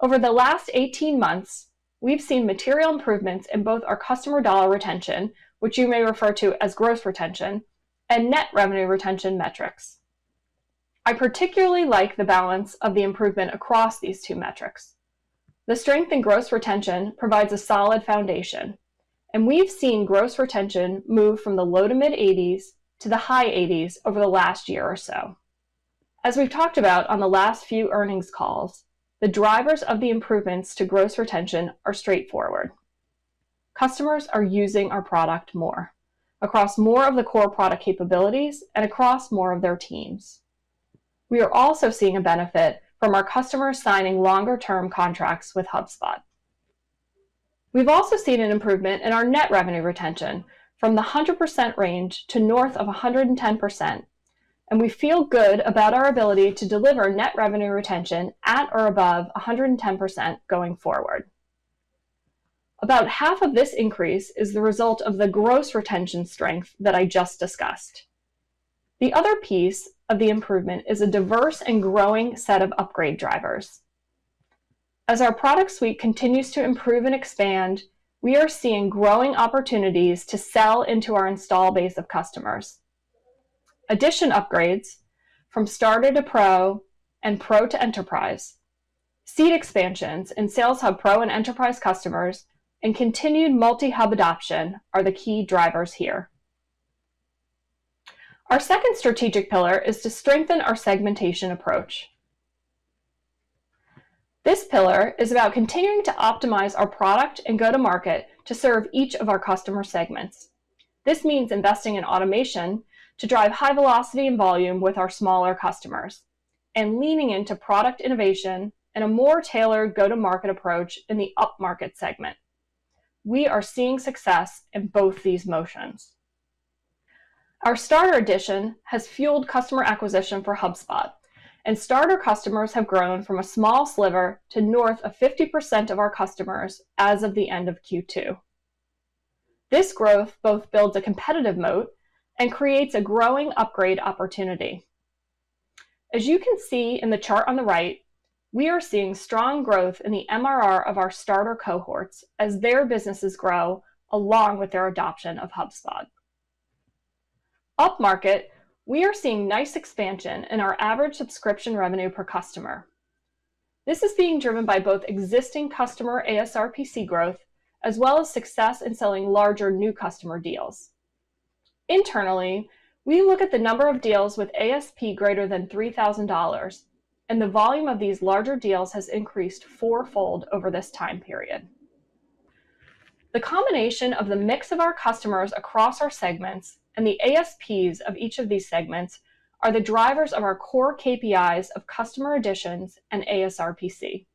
Over the last 18 months, we've seen material improvements in both our customer dollar retention, which you may refer to as gross retention, and net revenue retention metrics. I particularly like the balance of the improvement across these two metrics. The strength in gross retention provides a solid foundation, and we've seen gross retention move from the low to mid-80s to the high 80s over the last year or so. As we've talked about on the last few earnings calls, the drivers of the improvements to gross retention are straightforward. Customers are using our product more across more of the core product capabilities and across more of their teams. We are also seeing a benefit from our customers signing longer-term contracts with HubSpot. We've also seen an improvement in our net revenue retention from the 100% range to north of 110%, and we feel good about our ability to deliver net revenue retention at or above 110% going forward. About half of this increase is the result of the gross retention strength that I just discussed. The other piece of the improvement is a diverse and growing set of upgrade drivers. As our product suite continues to improve and expand, we are seeing growing opportunities to sell into our install base of customers. Edition upgrades from Starter to Pro and Pro to Enterprise, seat expansions in Sales Hub Pro and Enterprise customers, and continued multi-hub adoption are the key drivers here. Our second strategic pillar is to strengthen our segmentation approach. This pillar is about continuing to optimize our product and go-to-market to serve each of our customer segments. This means investing in automation to drive high velocity and volume with our smaller customers, and leaning into product innovation and a more tailored go-to-market approach in the up-market segment. We are seeing success in both these motions. Our Starter edition has fueled customer acquisition for HubSpot, and Starter customers have grown from a small sliver to north of 50% of our customers as of the end of Q2. This growth both builds a competitive moat and creates a growing upgrade opportunity. As you can see in the chart on the right, we are seeing strong growth in the MRR of our Starter cohorts as their businesses grow along with their adoption of HubSpot. Up-market, we are seeing nice expansion in our average subscription revenue per customer. This is being driven by both existing customer ASRPC growth, as well as success in selling larger new customer deals. Internally, we look at the number of deals with ASP greater than $3,000, and the volume of these larger deals has increased fourfold over this time period. The combination of the mix of our customers across our segments and the ASPs of each of these segments are the drivers of our core KPIs of customer additions and ASRPC.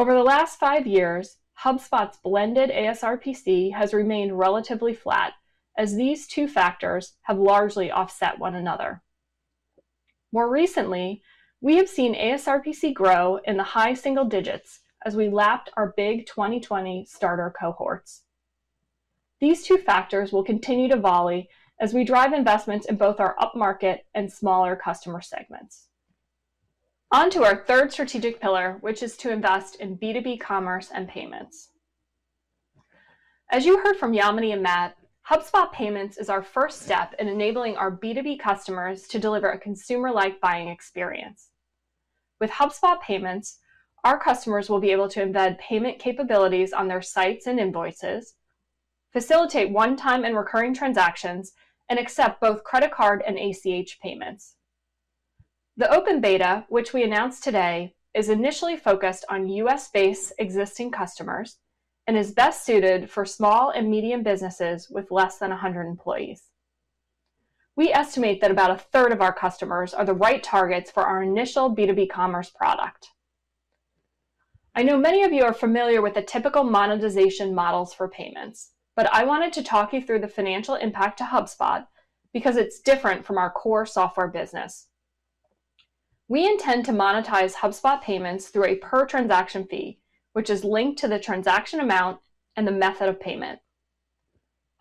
Over the last 5 years, HubSpot's blended ASRPC has remained relatively flat as these two factors have largely offset one another. More recently, we have seen ASRPC grow in the high single digits as we lapped our big 2020 Starter cohorts. These two factors will continue to volley as we drive investments in both our up-market and smaller customer segments. On to our third strategic pillar, which is to invest in B2B commerce and payments. As you heard from Yamini and Matt, HubSpot Payments is our first step in enabling our B2B customers to deliver a consumer-like buying experience. With HubSpot Payments, our customers will be able to embed payment capabilities on their sites and invoices, facilitate one-time and recurring transactions, and accept both credit card and ACH payments. The open beta, which we announced today, is initially focused on U.S.-based existing customers and is best suited for small and medium businesses with less than 100 employees. We estimate that about a third of our customers are the right targets for our initial B2B commerce product. I know many of you are familiar with the typical monetization models for payments, but I wanted to talk you through the financial impact to HubSpot because it's different from our core software business. We intend to monetize HubSpot Payments through a per-transaction fee, which is linked to the transaction amount and the method of payment.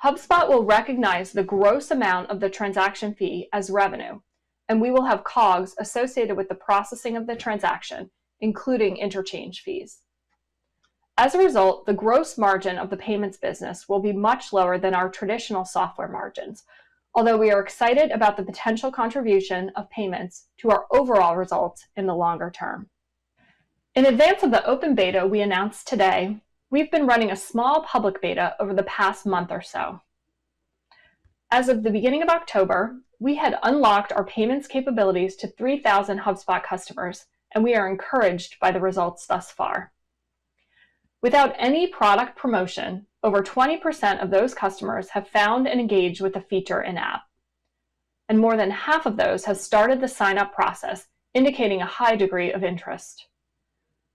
HubSpot will recognize the gross amount of the transaction fee as revenue, and we will have COGS associated with the processing of the transaction, including interchange fees. As a result, the gross margin of the payments business will be much lower than our traditional software margins. We are excited about the potential contribution of payments to our overall results in the longer term. In advance of the open beta we announced today, we've been running a small public beta over the past month or so. As of the beginning of October, we had unlocked our payments capabilities to 3,000 HubSpot customers, and we are encouraged by the results thus far. Without any product promotion, over 20% of those customers have found and engaged with the feature in-app, and more than half of those have started the sign-up process, indicating a high degree of interest.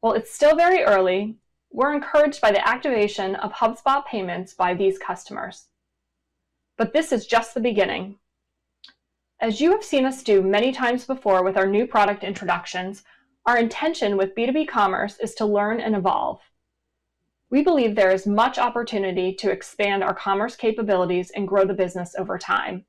While it's still very early, we're encouraged by the activation of HubSpot Payments by these customers. This is just the beginning. As you have seen us do many times before with our new product introductions, our intention with B2B Commerce is to learn and evolve. We believe there is much opportunity to expand our commerce capabilities and grow the business over time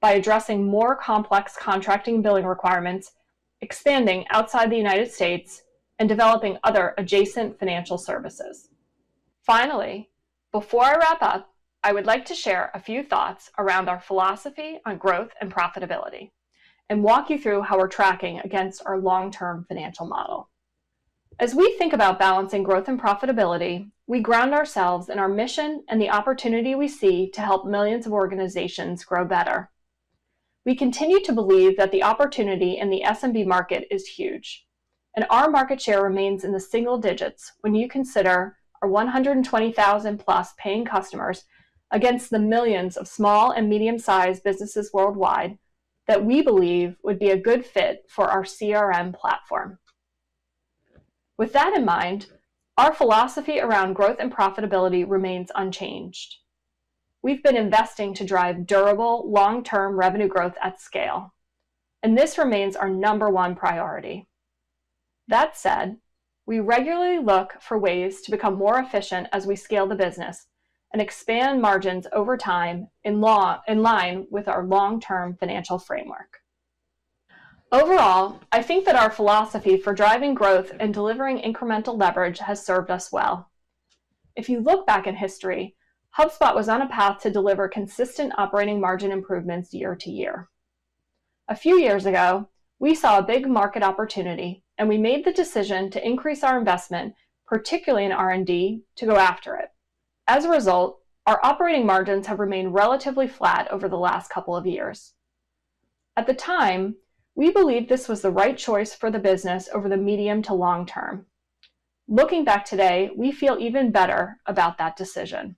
by addressing more complex contracting billing requirements, expanding outside the United States, and developing other adjacent financial services. Finally, before I wrap up, I would like to share a few thoughts around our philosophy on growth and profitability and walk you through how we're tracking against our long-term financial model. As we think about balancing growth and profitability, we ground ourselves in our mission and the opportunity we see to help millions of organizations grow better. We continue to believe that the opportunity in the SMB market is huge, and our market share remains in the single digits when you consider our 120,000+ paying customers against the millions of small and medium-sized businesses worldwide that we believe would be a good fit for our CRM platform. With that in mind, our philosophy around growth and profitability remains unchanged. We've been investing to drive durable, long-term revenue growth at scale, and this remains our number one priority. That said, we regularly look for ways to become more efficient as we scale the business and expand margins over time, in line with our long-term financial framework. Overall, I think that our philosophy for driving growth and delivering incremental leverage has served us well. If you look back in history, HubSpot was on a path to deliver consistent operating margin improvements year to year. A few years ago, we saw a big market opportunity, and we made the decision to increase our investment, particularly in R&D, to go after it. As a result, our operating margins have remained relatively flat over the last couple of years. At the time, we believed this was the right choice for the business over the medium to long term. Looking back today, we feel even better about that decision.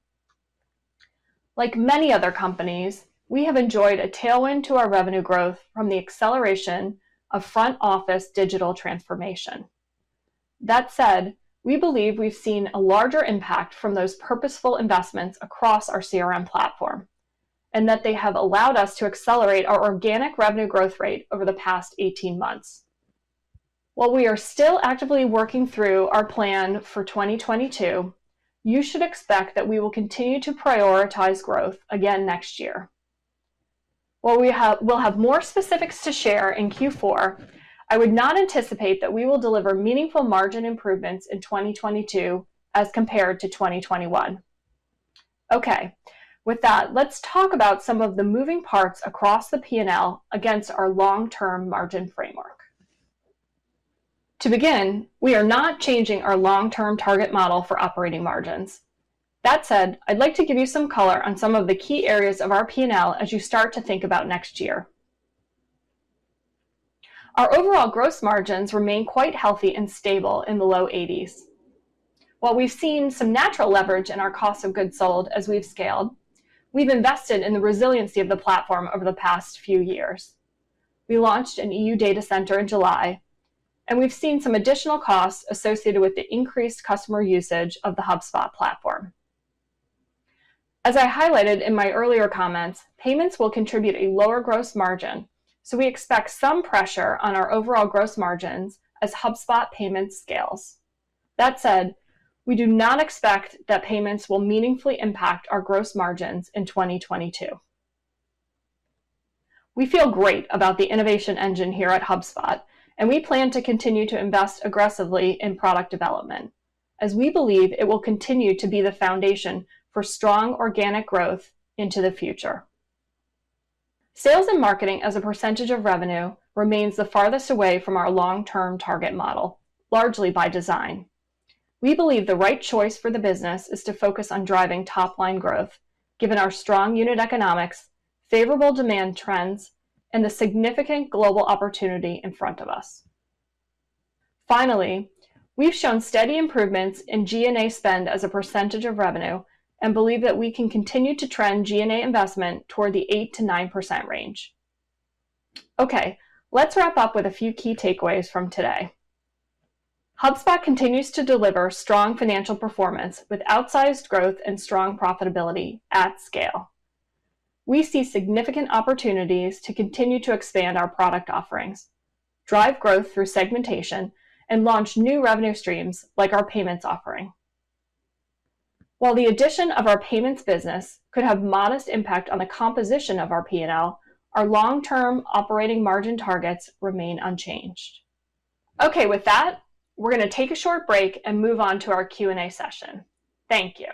Like many other companies, we have enjoyed a tailwind to our revenue growth from the acceleration of front-office digital transformation. That said, we believe we've seen a larger impact from those purposeful investments across our CRM platform, and that they have allowed us to accelerate our organic revenue growth rate over the past 18 months. While we are still actively working through our plan for 2022, you should expect that we will continue to prioritize growth again next year. While we'll have more specifics to share in Q4, I would not anticipate that we will deliver meaningful margin improvements in 2022 as compared to 2021. With that, let's talk about some of the moving parts across the P&L against our long-term margin framework. To begin, we are not changing our long-term target model for operating margins. That said, I'd like to give you some color on some of the key areas of our P&L as you start to think about next year. Our overall gross margins remain quite healthy and stable in the low 80s. While we've seen some natural leverage in our cost of goods sold as we've scaled, we've invested in the resiliency of the platform over the past few years. We launched an EU data center in July, and we've seen some additional costs associated with the increased customer usage of the HubSpot platform. As I highlighted in my earlier comments, HubSpot Payments will contribute a lower gross margin, so we expect some pressure on our overall gross margins as HubSpot Payments scales. That said, we do not expect that HubSpot Payments will meaningfully impact our gross margins in 2022. We feel great about the innovation engine here at HubSpot, and we plan to continue to invest aggressively in product development, as we believe it will continue to be the foundation for strong organic growth into the future. Sales and marketing as a percentage of revenue remains the farthest away from our long-term target model, largely by design. We believe the right choice for the business is to focus on driving top-line growth, given our strong unit economics, favorable demand trends, and the significant global opportunity in front of us. Finally, we've shown steady improvements in G&A spend as a percentage of revenue and believe that we can continue to trend G&A investment toward the 8%-9% range. Okay. Let's wrap up with a few key takeaways from today. HubSpot continues to deliver strong financial performance with outsized growth and strong profitability at scale. We see significant opportunities to continue to expand our product offerings, drive growth through segmentation, and launch new revenue streams, like our payments offering. While the addition of our payments business could have modest impact on the composition of our P&L, our long-term operating margin targets remain unchanged. Okay, with that, we're going to take a short break and move on to our Q&A session. Thank you.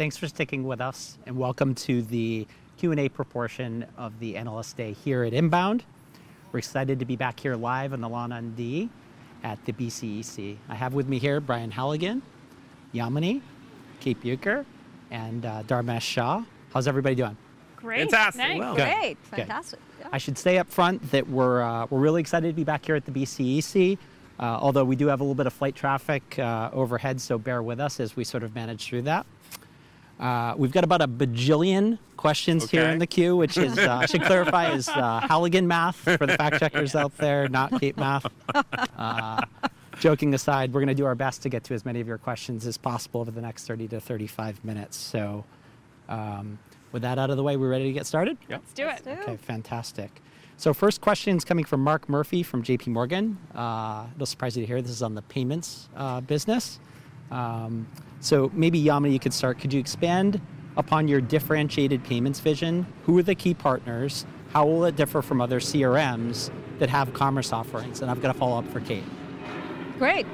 Welcome back, everyone. Thanks for sticking with us, and welcome to the Q&A proportion of the Analyst Day here at INBOUND. We're excited to be back here live on the Lawn on D at the BCEC. I have with me here Brian Halligan, Yamini, Kate Bueker, and Dharmesh Shah. How's everybody doing? Great. Fantastic. Nice. Well. Great. Good. Fantastic. I should say up front that we're really excited to be back here at the BCEC, although we do have a little bit of flight traffic overhead. Bear with us as we manage through that. We've got about a bajillion questions here. Okay I should clarify, is Halligan math for the fact-checkers out there, not Kate math. Joking aside, we're going to do our best to get to as many of your questions as possible over the next 30-35 minutes. With that out of the way, we ready to get started? Yep. Let's do it. Let's do it. Okay, fantastic. First question's coming from Mark Murphy from JPMorgan. It'll surprise you to hear this is on the payments business. Maybe Yamini could start. Could you expand upon your differentiated payments vision? Who are the key partners? How will it differ from other CRMs that have commerce offerings? I've got a follow-up for Kate. Great.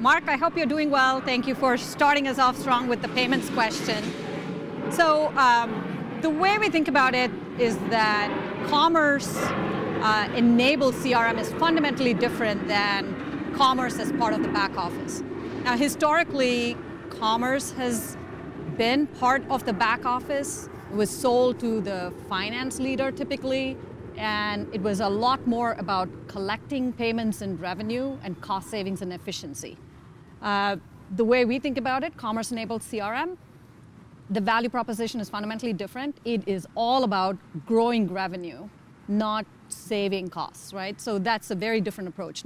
Mark, I hope you're doing well. Thank you for starting us off strong with the payments question. The way we think about it is that commerce-enabled CRM is fundamentally different than commerce as part of the back office. Historically, commerce has been part of the back office. It was sold to the finance leader typically, and it was a lot more about collecting payments and revenue and cost savings and efficiency. The way we think about it, commerce-enabled CRM, the value proposition is fundamentally different. It is all about growing revenue, not saving costs. That's a very different approach.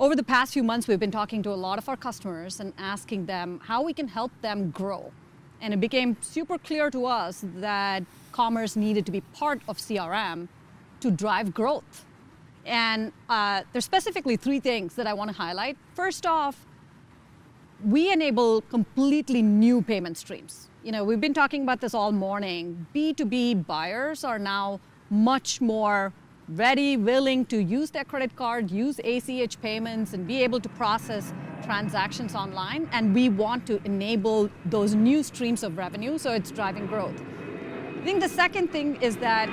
Over the past few months, we've been talking to a lot of our customers and asking them how we can help them grow. It became super clear to us that commerce needed to be part of CRM to drive growth. There's specifically three things that I want to highlight. First off, we enable completely new payment streams. We've been talking about this all morning. B2B buyers are now much more ready, willing to use their credit card, use ACH payments, and be able to process transactions online, and we want to enable those new streams of revenue so it's driving growth. I think the second thing is that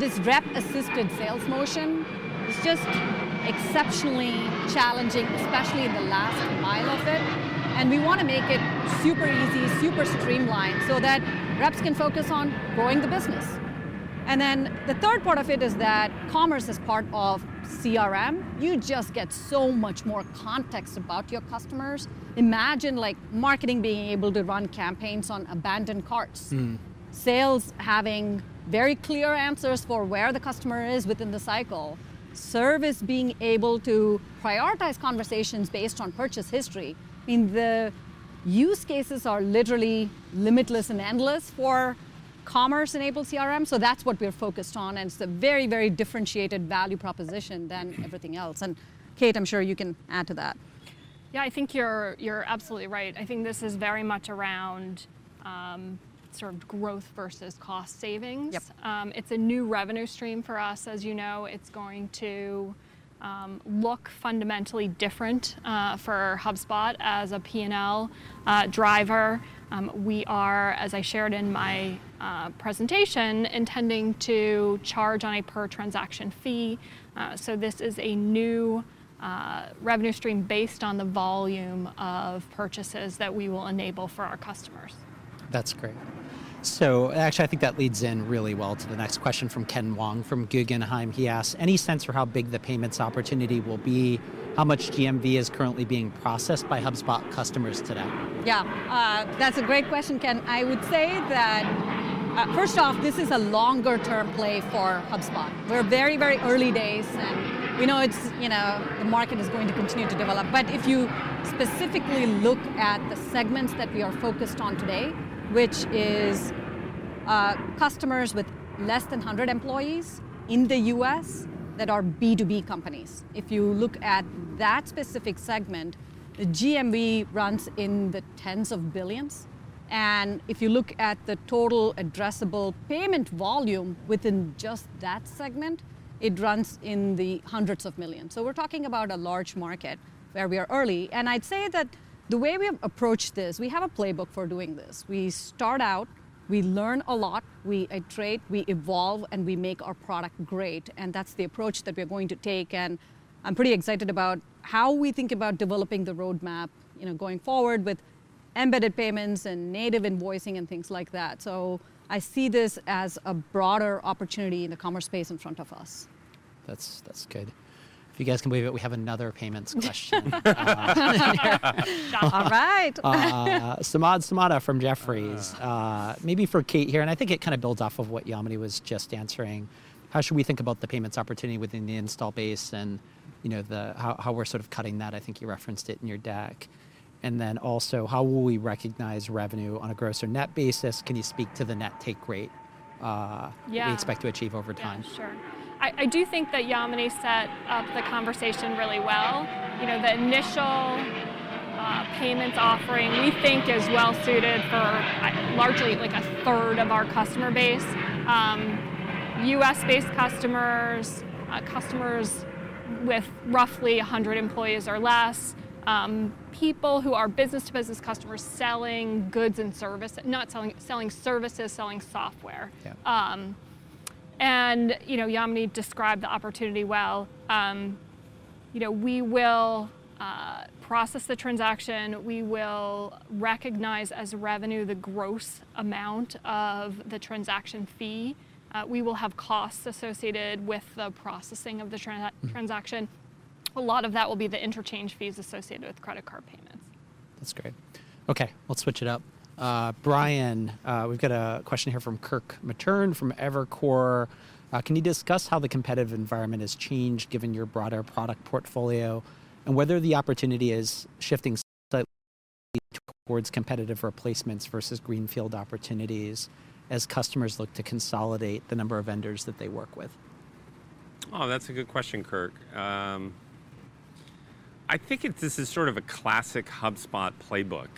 this rep-assisted sales motion is just exceptionally challenging, especially in the last mile of it, and we want to make it super easy, super streamlined, so that reps can focus on growing the business. Then the third part of it is that commerce is part of CRM. You just get so much more context about your customers. Imagine marketing being able to run campaigns on abandoned carts. Sales having very clear answers for where the customer is within the cycle. Service being able to prioritize conversations based on purchase history. I mean, the use cases are literally limitless and endless for commerce-enabled CRM, so that's what we're focused on, and it's a very differentiated value proposition than everything else. Kate, I'm sure you can add to that. Yeah, I think you're absolutely right. I think this is very much around growth versus cost savings. Yep. It's a new revenue stream for us, as you know. It's going to look fundamentally different for HubSpot as a P&L driver. We are, as I shared in my presentation, intending to charge on a per-transaction fee. This is a new revenue stream based on the volume of purchases that we will enable for our customers. That's great. Actually, I think that leads in really well to the next question from Ken Wong from Guggenheim. He asks, "Any sense for how big the payments opportunity will be? How much GMV is currently being processed by HubSpot customers today?" Yeah. That's a great question, Ken. I would say that, first off, this is a longer-term play for HubSpot. We're very early days, and we know the market is going to continue to develop. If you specifically look at the segments that we are focused on today, which is customers with less than 100 employees in the U.S. that are B2B companies. If you look at that specific segment, the GMV runs in the tens of billions. If you look at the total addressable payment volume within just that segment, it runs in the hundreds of millions. We're talking about a large market where we are early, and I'd say that the way we approach this, we have a playbook for doing this. We start out, we learn a lot, we iterate, we evolve, we make our product great, that's the approach that we're going to take. I'm pretty excited about how we think about developing the roadmap, going forward with embedded payments and native invoicing and things like that. I see this as a broader opportunity in the commerce space in front of us. That's good. If you guys can believe it, we have another payments question. All right. Samad Samana from Jefferies. Maybe for Kate here, and I think it kind of builds off of what Yamini was just answering. How should we think about the payments opportunity within the install base and how we're sort of cutting that? I think you referenced it in your deck. Also, how will we recognize revenue on a gross or net basis? Can you speak to the net take rate?- Yeah We expect to achieve over time? Yeah, sure. I do think that Yamini set up the conversation really well. The initial payments offering, we think is well suited for largely a third of our customer base. U.S.-based customers with roughly 100 employees or less, people who are business-to-business customers selling services, selling software. Yeah. Yamini described the opportunity well. We will process the transaction, we will recognize as revenue the gross amount of the transaction fee. We will have costs associated with the processing of the transaction. A lot of that will be the interchange fees associated with credit card payments. That's great. Okay, let's switch it up. Brian, we've got a question here from Kirk Materne from Evercore. "Can you discuss how the competitive environment has changed given your broader product portfolio and whether the opportunity is shifting slightly towards competitive replacements versus greenfield opportunities as customers look to consolidate the number of vendors that they work with? Oh, that's a good question, Kirk. I think this is sort of a classic HubSpot playbook.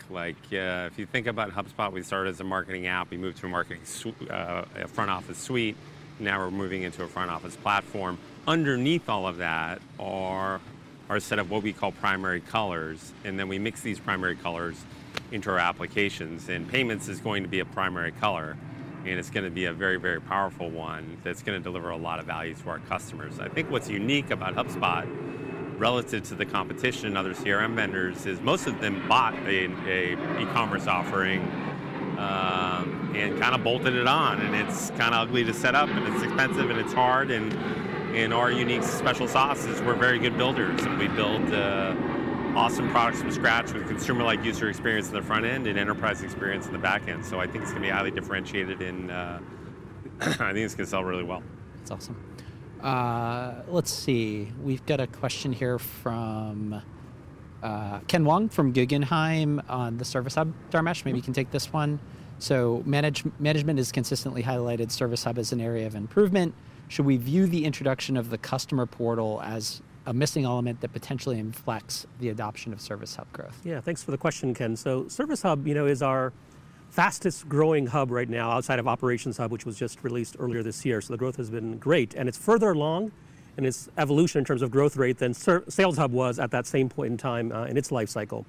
If you think about HubSpot, we started as a marketing app, we moved to a front office suite. Now we're moving into a front-office platform. Underneath all of that are our set of what we call Primary Colors, and then we mix these Primary Colors into our applications. Payments is going to be a Primary Color, and it's going to be a very powerful one that's going to deliver a lot of value to our customers. I think what's unique about HubSpot relative to the competition and other CRM vendors is most of them bought an e-commerce offering, and kind of bolted it on, and it's kind of ugly to set up, and it's expensive, and it's hard, and our unique special sauce is we're very good builders, and we build awesome products from scratch with consumer-like user experience in the front end and enterprise experience in the back end. I think it's going to be highly differentiated, and I think it's going to sell really well. That's awesome. Let's see. We've got a question here from Ken Wong from Guggenheim on the Service Hub. Dharmesh, maybe you can take this one. Management has consistently highlighted Service Hub as an area of improvement. Should we view the introduction of the customer portal as a missing element that potentially inflects the adoption of Service Hub growth? Yeah. Thanks for the question, Ken. Service Hub is our fastest-growing hub right now outside of Operations Hub, which was just released earlier this year. The growth has been great, and it's further along in its evolution in terms of growth rate than Sales Hub was at that same point in time in its life cycle.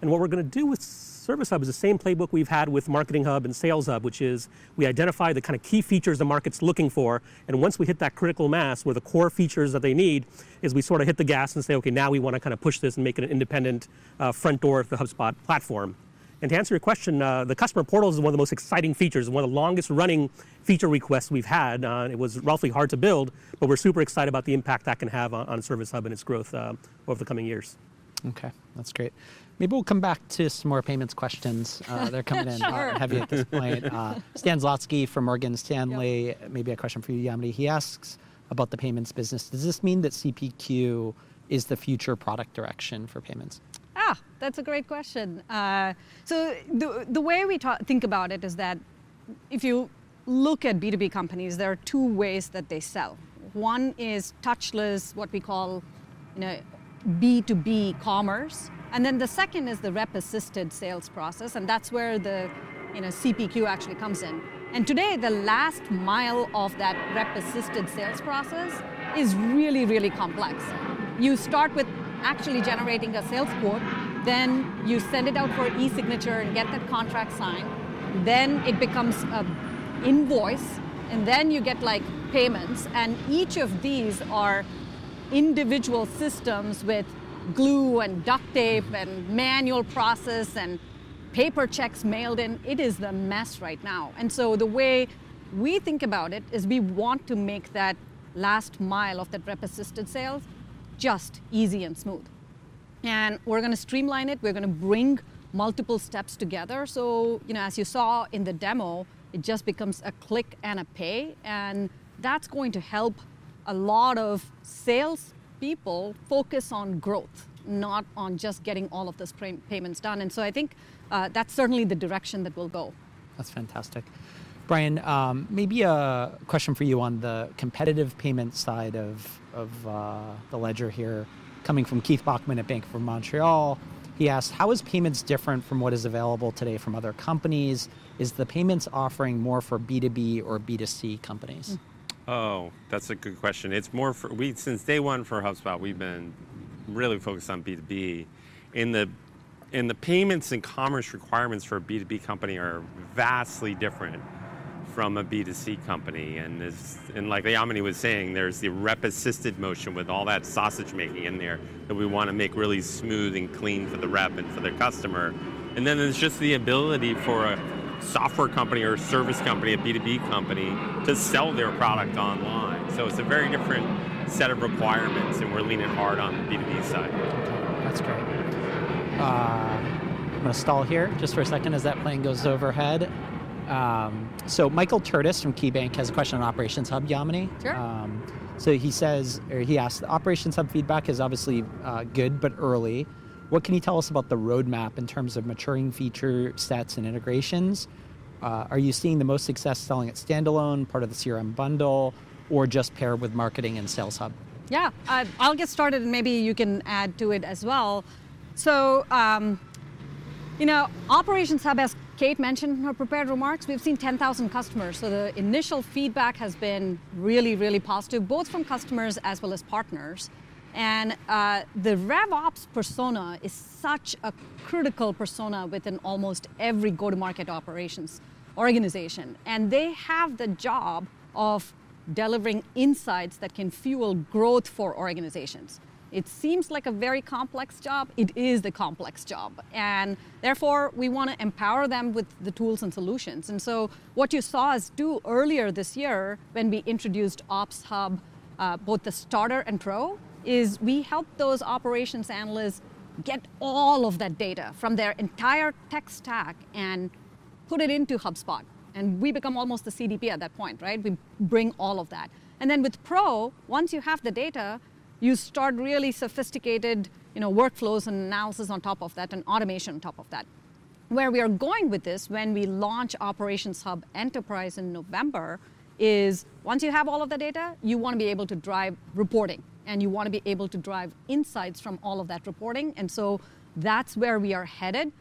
What we're going to do with Service Hub is the same playbook we've had with Marketing Hub and Sales Hub, which is we identify the key features the market's looking for, and once we hit that critical mass with the core features that they need, is we sort of hit the gas and say, "Okay, now we want to push this and make it an independent front door of the HubSpot platform." To answer your question, the customer portal is one of the most exciting features and one of the longest-running feature requests we've had. It was awfully hard to build, but we're super excited about the impact that can have on Service Hub and its growth over the coming years. Okay, that's great. Maybe we'll come back to some more payments questions. They're coming in. Sure heavy at this point. Stan Zlotsky from Morgan Stanley. Maybe a question for you, Yamini. He asks about the payments business. Does this mean that CPQ is the future product direction for payments? That's a great question. The way we think about it is that if you look at B2B companies, there are two ways that they sell. One is touchless, what we call B2B commerce, and then the second is the rep-assisted sales process, and that's where the CPQ actually comes in. Today, the last mile of that rep-assisted sales process is really complex. You start with actually generating a sales quote, then you send it out for an e-signature and get that contract signed, then it becomes an invoice, and then you get payments, and each of these are individual systems with glue and duct tape and manual process and paper checks mailed in. It is a mess right now. The way we think about it is we want to make that last mile of the rep-assisted sales just easy and smooth. We're going to streamline it. We're going to bring multiple steps together. As you saw in the demo, it just becomes a click and a pay, and that's going to help a lot of salespeople focus on growth, not on just getting all of those payments done. I think that's certainly the direction that we'll go. That's fantastic. Brian, maybe a question for you on the competitive payment side of the ledger here coming from Keith Bachman at Bank of Montreal. He asked, "How is payments different from what is available today from other companies? Is the payments offering more for B2B or B2C companies? Oh, that's a good question. Since day one for HubSpot, we've been really focused on B2B. The payments and commerce requirements for a B2B company are vastly different from a B2C company. Like Yamini was saying, there's the rep-assisted motion with all that sausage-making in there that we want to make really smooth and clean for the rep and for the customer. There's just the ability for a software company or a service company, a B2B company, to sell their product online. It's a very different set of requirements, and we're leaning hard on the B2B side. That's great. I'm going to stall here just for a second as that plane goes overhead. Michael Turits from KeyBanc has a question on Operations Hub, Yamini. Sure. He says, or he asks, "The Operations Hub feedback is obviously good but early. What can you tell us about the roadmap in terms of maturing feature sets and integrations? Are you seeing the most success selling it standalone, part of the CRM bundle, or just paired with Marketing and Sales Hub?" Yeah. I'll get started, and maybe you can add to it as well. Operations Hub, as Kate mentioned in her prepared remarks, we've seen 10,000 customers. The initial feedback has been really, really positive, both from customers as well as partners. The RevOps persona is such a critical persona within almost every go-to-market operations organization, and they have the job of delivering insights that can fuel growth for organizations. It seems like a very complex job. It is a complex job, and therefore, we want to empower them with the tools and solutions. What you saw us do earlier this year when we introduced Ops Hub, both the Starter and Pro, is we helped those operations analysts get all of that data from their entire tech stack and put it into HubSpot, and we become almost the CDP at that point, right? We bring all of that. With Pro, once you have the data, you start really sophisticated workflows and analysis on top of that, and automation on top of that. Where we are going with this when we launch Operations Hub Enterprise in November is once you have all of the data, you want to be able to drive reporting, and you want to be able to drive insights from all of that reporting. That's where we are headed.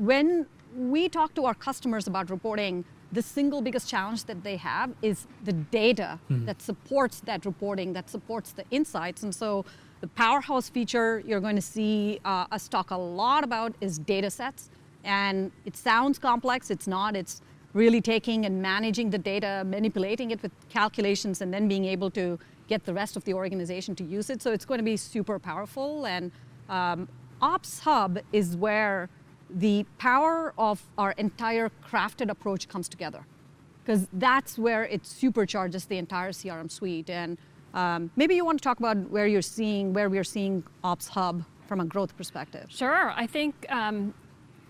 When we talk to our customers about reporting, the single biggest challenge that they have is the data that supports that reporting, that supports the insights. The powerhouse feature you're going to see us talk a lot about is Datasets, and it sounds complex. It's not. It's really taking and managing the data, manipulating it with calculations, and then being able to get the rest of the organization to use it. It's going to be super powerful. Ops Hub is where the power of our entire crafted approach comes together because that's where it supercharges the entire CRM Suite. Maybe you want to talk about where we are seeing Ops Hub from a growth perspective. Sure. I think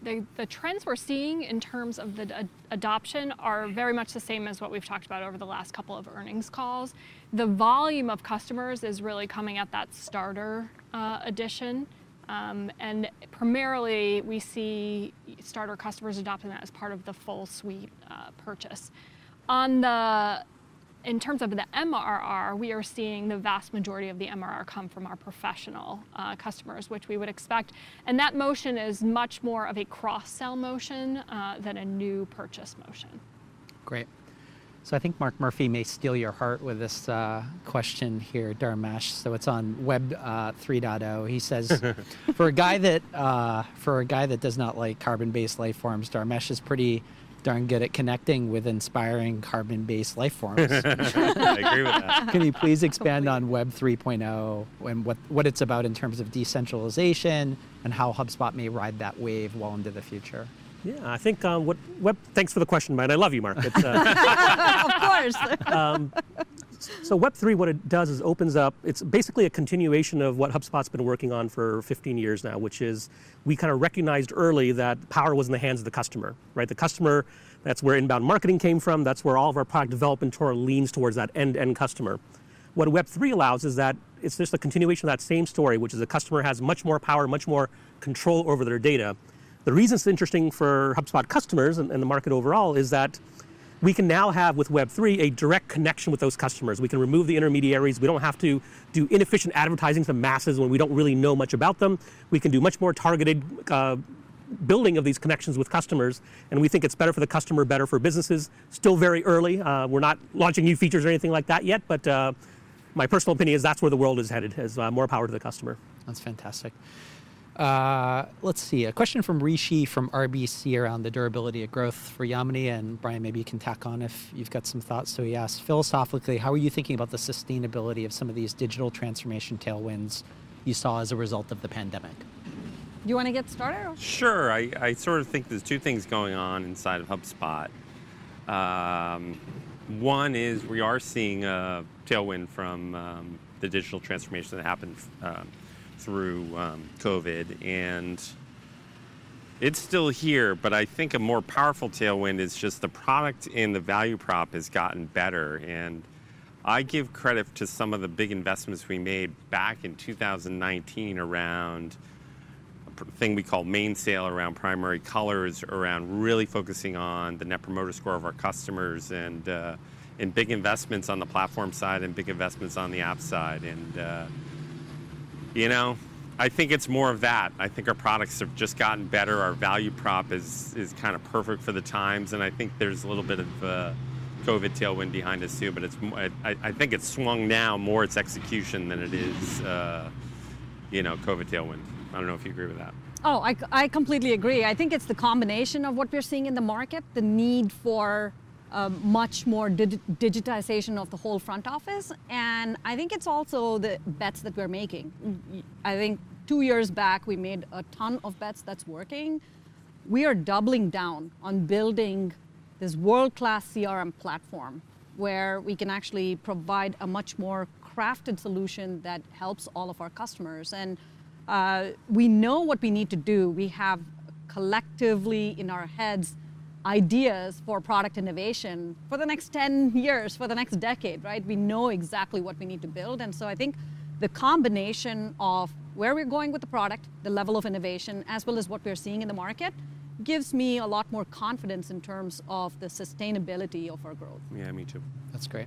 the trends we're seeing in terms of the adoption are very much the same as what we've talked about over the last couple of earnings calls. The volume of customers is really coming at that Starter edition. Primarily, we see Starter customers adopting that as part of the full suite purchase. In terms of the MRR, we are seeing the vast majority of the MRR come from our professional customers, which we would expect. That motion is much more of a cross-sell motion than a new purchase motion. Great. I think Mark Murphy may steal your heart with this question here, Dharmesh. It's on Web 3.0. He says, "For a guy that does not like carbon-based life forms, Dharmesh is pretty darn good at connecting with inspiring carbon-based life forms. I agree with that. Can you please expand on Web 3.0 And what it's about in terms of decentralization and how HubSpot may ride that wave well into the future? Yeah, thanks for the question, mate. I love you, Mark. Of course. Web3, what it does is It's basically a continuation of what HubSpot's been working on for 15 years now, which is we recognized early that power was in the hands of the customer, right? The customer, that's where inbound marketing came from. That's where all of our product development leans towards that end customer. What Web3 allows is that it's just a continuation of that same story, which is a customer has much more power, much more control over their data. The reason it's interesting for HubSpot customers and the market overall is that we can now have, with Web3, a direct connection with those customers. We can remove the intermediaries. We don't have to do inefficient advertising to the masses when we don't really know much about them. We can do much more targeted building of these connections with customers, and we think it's better for the customer, better for businesses. Still very early. We're not launching new features or anything like that yet. My personal opinion is that's where the world is headed, is more power to the customer. That's fantastic. Let's see. A question from Rishi from RBC around the durability of growth for Yamini, and Brian, maybe you can tack on if you've got some thoughts. He asked, "Philosophically, how are you thinking about the sustainability of some of these digital transformation tailwinds you saw as a result of the pandemic? You want to get started? Sure. I sort of think there's two things going on inside of HubSpot. One is we are seeing a tailwind from the digital transformation that happened through COVID, and it's still here, but I think a more powerful tailwind is just the product and the value prop has gotten better. I give credit to some of the big investments we made back in 2019 around a thing we call Mainsail, around Primary Colors, around really focusing on the Net Promoter Score of our customers, and big investments on the platform side and big investments on the app side. I think it's more of that. I think our products have just gotten better. Our value prop is kind of perfect for the times, and I think there's a little bit of COVID tailwind behind us, too, but I think it's swung now more it's execution than it is COVID tailwind. I don't know if you agree with that. Oh, I completely agree. I think it's the combination of what we're seeing in the market, the need for much more digitization of the whole front office, and I think it's also the bets that we're making. I think two years back, we made a ton of bets that's working. We are doubling down on building this world-class CRM platform where we can actually provide a much more crafted solution that helps all of our customers. We know what we need to do. We have, collectively, in our heads, ideas for product innovation for the next 10 years, for the next decade. We know exactly what we need to build. I think the combination of where we're going with the product, the level of innovation, as well as what we're seeing in the market, gives me a lot more confidence in terms of the sustainability of our growth. Yeah, me too. That's great.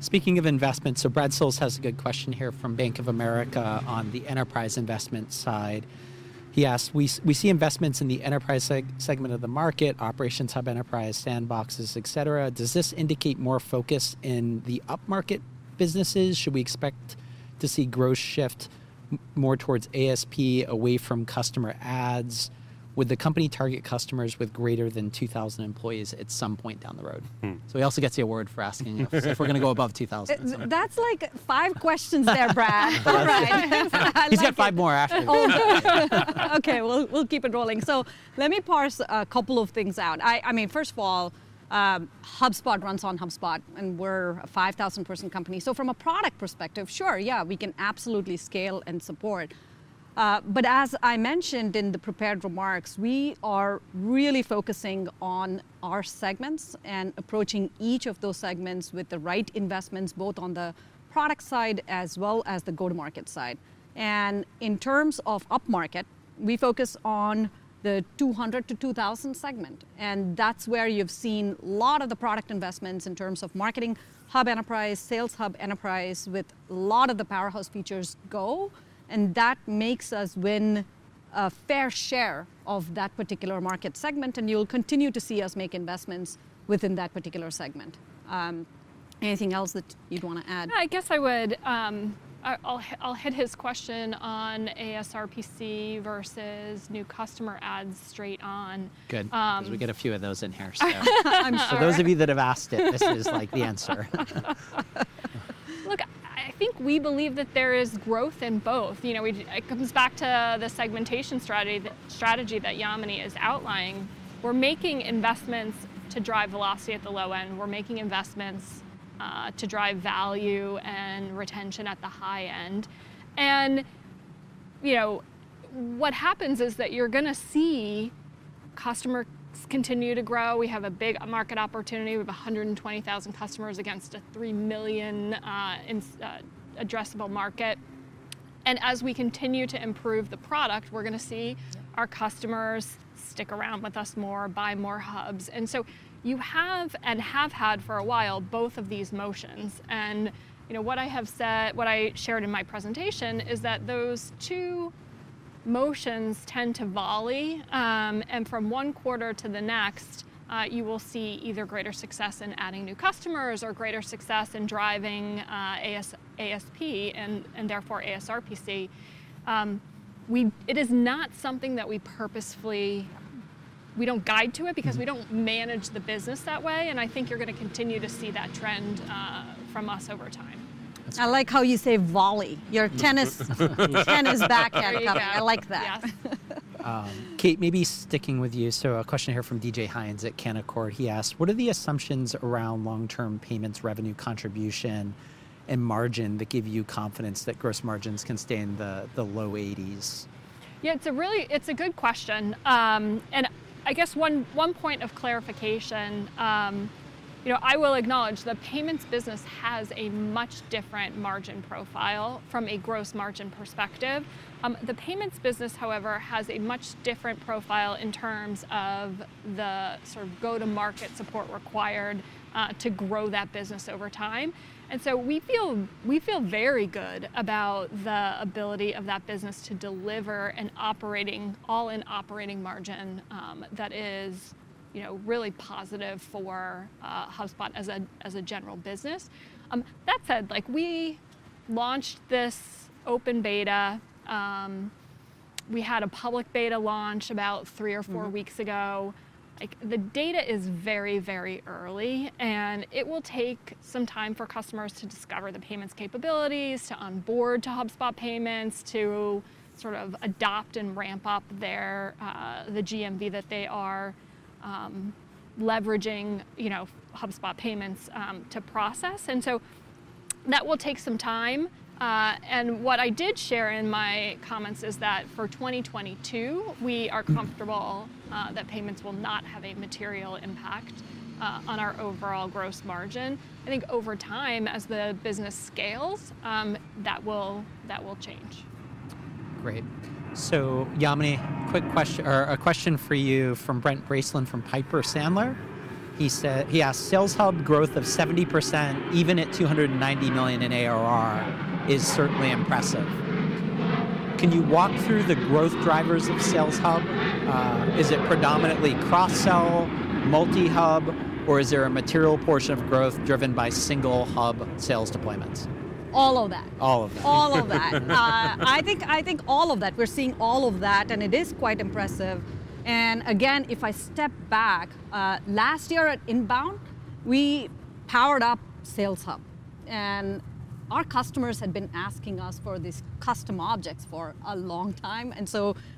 Speaking of investments, Brad Sills has a good question here from Bank of America on the enterprise investment side. He asked, "We see investments in the enterprise segment of the market, Operations Hub Enterprise, sandboxes, et cetera. Does this indicate more focus in the upmarket businesses? Should we expect to see growth shift more towards ASP away from customer adds? Would the company target customers with greater than 2,000 employees at some point down the road? He also gets the award for asking if we're going to go above 2,000. That's five questions there, Brad. All right. I like it. He's got five more after. Okay. We'll keep it rolling. Let me parse a couple of things out. First of all, HubSpot runs on HubSpot, and we're a 5,000-person company. From a product perspective, sure, yeah, we can absolutely scale and support. As I mentioned in the prepared remarks, we are really focusing on our segments and approaching each of those segments with the right investments, both on the product side as well as the go-to-market side. In terms of upmarket, we focus on the 200-2,000 segment, and that's where you've seen a lot of the product investments in terms of Marketing Hub Enterprise, Sales Hub Enterprise, with a lot of the powerhouse features go. That makes us win a fair share of that particular market segment. You'll continue to see us make investments within that particular segment. Anything else that you'd want to add? I guess I would. I'll hit his question on ASRPC versus new customer adds straight on. Good. Because we get a few of those in here. I'm sure. Those of you that have asked it, this is the answer. Look, I think we believe that there is growth in both. It comes back to the segmentation strategy that Yamini is outlining. We're making investments to drive velocity at the low end. We're making investments to drive value and retention at the high end. What happens is that you're going to see customers continue to grow. We have a big market opportunity. We have 120,000 customers against a three million addressable market. As we continue to improve the product, we're going to see our customers stick around with us more, buy more hubs. You have, and have had for a while, both of these motions. What I shared in my presentation is that those two motions tend to volley, and from one quarter to the next, you will see either greater success in adding new customers or greater success in driving ASP, and therefore ASRPC. It is not something that we purposefully don't guide to it because we don't manage the business that way, and I think you're going to continue to see that trend from us over time. I like how you say volley. Your tennis background. There you go. I like that. Yeah. Kate, maybe sticking with you, so a question here from DJ Hynes at Canaccord. He asked, "What are the assumptions around long-term payments, revenue contribution, and margin that give you confidence that gross margins can stay in the low 80s? Yeah, it's a good question. I guess one point of clarification, I will acknowledge the Payments business has a much different margin profile from a gross margin perspective. The Payments business, however, has a much different profile in terms of the sort of go-to-market support required to grow that business over time. We feel very good about the ability of that business to deliver an all-in operating margin that is really positive for HubSpot as a general business. That said, we had a public beta launch about three or four weeks ago. The data is very early, and it will take some time for customers to discover the payments capabilities, to onboard to HubSpot Payments, to sort of adopt and ramp up the GMV that they are leveraging HubSpot Payments to process. That will take some time. What I did share in my comments is that for 2022, we are comfortable that payments will not have a material impact on our overall gross margin. I think over time, as the business scales, that will change. Yamini, a question for you from Brent Bracelin from Piper Sandler. He asked, "Sales Hub growth of 70%, even at $290 million in ARR, is certainly impressive. Can you walk through the growth drivers of Sales Hub? Is it predominantly cross-sell, multi-Hub, or is there a material portion of growth driven by single Hub sales deployments? All of that. All of that. All of that. I think all of that. We are seeing all of that, and it is quite impressive. Again, if I step back, last year at INBOUND, we powered up Sales Hub. Our customers had been asking us for these custom objects for a long time,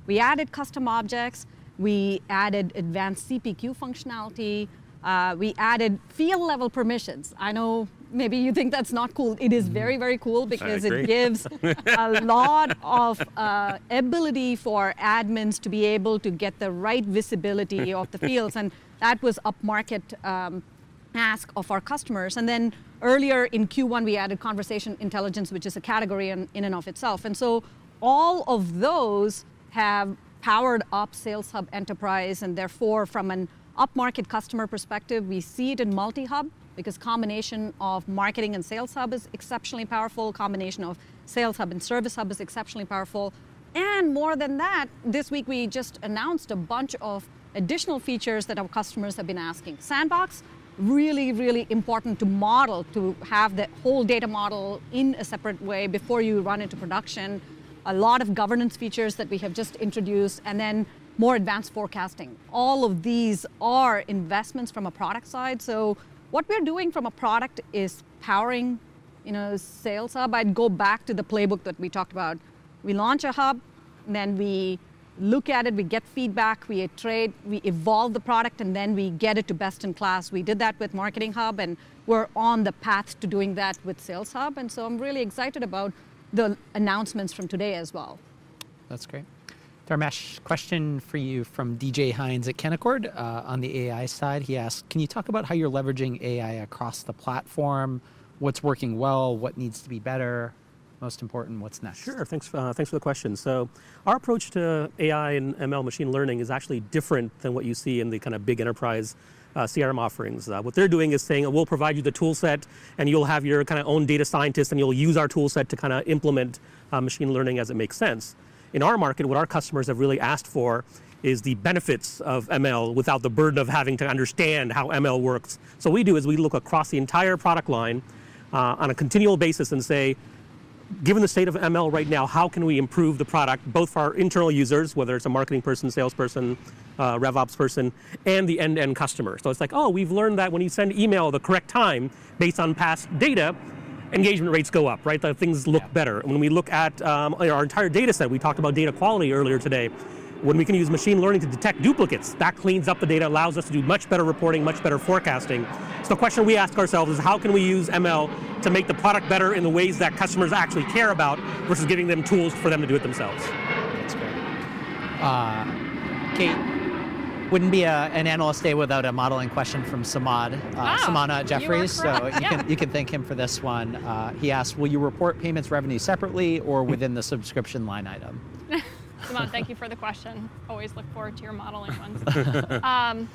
we added custom objects, we added advanced CPQ functionality, we added field level permissions. I know maybe you think that is not cool. It is very cool. I agree. it gives a lot of ability for admins to be able to get the right visibility of the fields, and that was up-market ask of our customers. Earlier in Q1, we added conversation intelligence, which is a category in and of itself. All of those have powered up Sales Hub Enterprise, and therefore, from an up-market customer perspective, we see it in multi-hub because combination of Marketing Hub and Sales Hub is exceptionally powerful. Combination of Sales Hub and Service Hub is exceptionally powerful. More than that, this week, we just announced a bunch of additional features that our customers have been asking. sandbox, really important to model, to have that whole data model in a separate way before you run into production. A lot of governance features that we have just introduced, and then more advanced forecasting. All of these are investments from a product side. What we're doing from a product is powering Sales Hub. I'd go back to the playbook that we talked about. We launch a hub, then we look at it, we get feedback, we iterate, we evolve the product, and then we get it to best in class. We did that with Marketing Hub, and we're on the path to doing that with Sales Hub. I'm really excited about the announcements from today as well. That's great. Dharmesh, question for you from DJ Hynes at Canaccord, on the AI side. He asked, "Can you talk about how you're leveraging AI across the platform? What's working well? What needs to be better? Most important, what's next. Sure. Thanks for the question. Our approach to AI and ML, machine learning, is actually different than what you see in the big enterprise CRM offerings. What they're doing is saying, "We'll provide you the tool set, and you'll have your own data scientist, and you'll use our tool set to implement machine learning as it makes sense." In our market, what our customers have really asked for is the benefits of ML without the burden of having to understand how ML works. What we do is we look across the entire product line on a continual basis and say, "Given the state of ML right now, how can we improve the product, both for our internal users, whether it's a marketing person, salesperson, RevOps person, and the end customer?" We've learned that when you send email at the correct time based on past data, engagement rates go up, right? That things look better. When we look at our entire data set, we talked about data quality earlier today. When we can use machine learning to detect duplicates, that cleans up the data, allows us to do much better reporting, much better forecasting. The question we ask ourselves is how can we use ML to make the product better in the ways that customers actually care about, versus giving them tools for them to do it themselves? That's great. Kate, wouldn't be an Analyst Day without a modeling question from Samad. Oh. Samad at Jefferies. You were correct. Yeah. You can thank him for this one. He asked, "Will you report payments revenue separately or within the subscription line item?" Samad, thank you for the question. Always look forward to your modeling ones.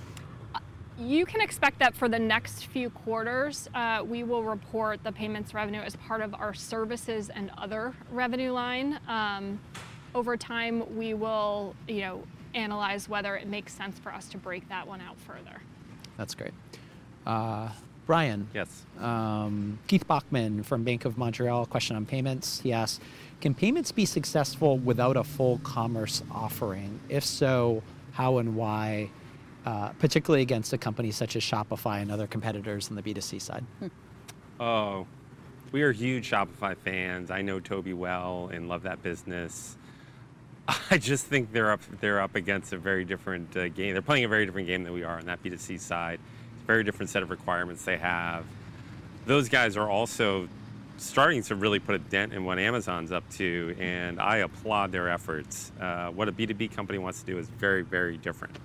You can expect that for the next few quarters, we will report the payments revenue as part of our services and other revenue line. Over time, we will analyze whether it makes sense for us to break that one out further. That's great. Brian? Yes. Keith Bachman from Bank of Montreal, question on payments. He asked, "Can payments be successful without a full commerce offering? If so, how and why? Particularly against a company such as Shopify and other competitors in the B2C side. Oh, we are huge Shopify fans. I know Tobi well and love that business. I just think they're up against a very different game. They're playing a very different game than we are on that B2C side. It's a very different set of requirements they have. Those guys are also starting to really put a dent in what Amazon's up to, and I applaud their efforts. What a B2B company wants to do is very different.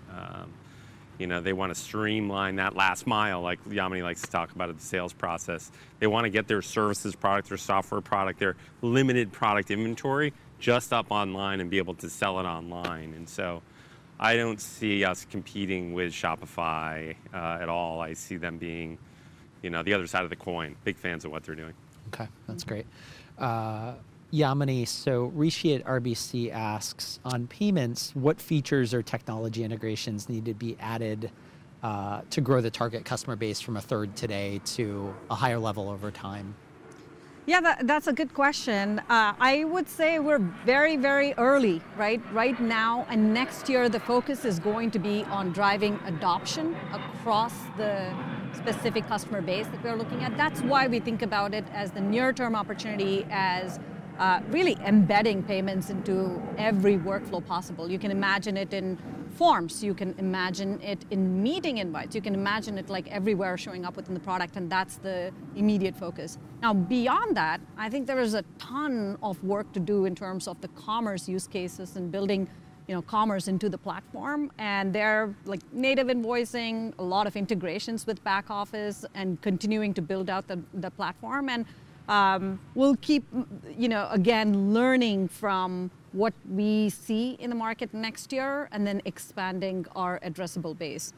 They want to streamline that last mile, like Yamini likes to talk about at the sales process. They want to get their services product or software product, their limited product inventory, just up online and be able to sell it online. I don't see us competing with Shopify at all. I see them being the other side of the coin. Big fans of what they're doing. Okay. That's great. Yamini, Rishi at RBC asks, "On payments, what features or technology integrations need to be added to grow the target customer base from a third today to a higher level over time? Yeah, that's a good question. I would say we're very early, right? Right now, next year, the focus is going to be on driving adoption across the specific customer base that we're looking at. That's why we think about it as the near-term opportunity as really embedding payments into every workflow possible. You can imagine it in forms, you can imagine it in meeting invites, you can imagine it everywhere showing up within the product. That's the immediate focus. Now, beyond that, I think there is a ton of work to do in terms of the commerce use cases and building commerce into the platform, their native invoicing, a lot of integrations with back office, continuing to build out the platform. We'll keep, again, learning from what we see in the market next year, expanding our addressable base.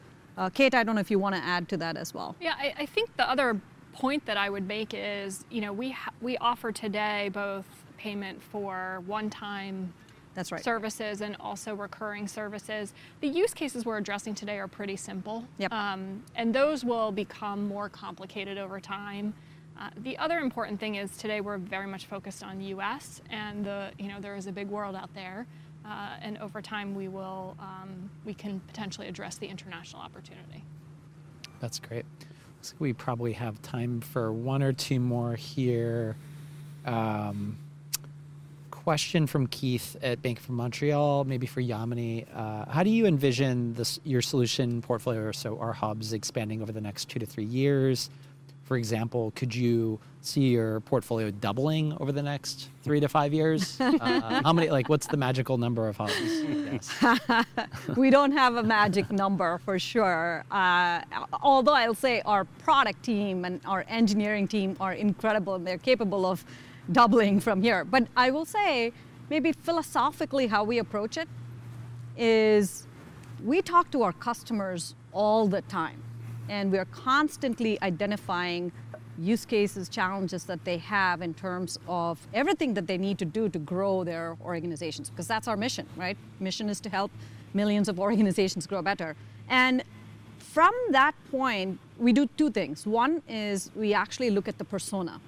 Kate, I don't know if you want to add to that as well? Yeah, I think the other point that I would make is we offer today both payment for one-time- That's right. ...services and also recurring services. The use cases we're addressing today are pretty simple. Yep. Those will become more complicated over time. The other important thing is today, we're very much focused on the U.S. and there is a big world out there. Over time we can potentially address the international opportunity. That's great. Looks like we probably have time for one or two more here. Question from Keith at Bank of Montreal, maybe for Yamini. How do you envision your solution portfolio or so, our hubs expanding over the next two to three years? For example, could you see your portfolio doubling over the next three to five years? What's the magical number of hubs? We don't have a magic number, for sure. Although I'll say our product team and our engineering team are incredible, and they're capable of doubling from here. I will say, maybe philosophically how we approach it is we talk to our customers all the time, and we're constantly identifying use cases, challenges that they have in terms of everything that they need to do to grow their organizations, because that's our mission, right? Mission is to help millions of organizations grow better. From that point, we do two things. One is we actually look at the persona.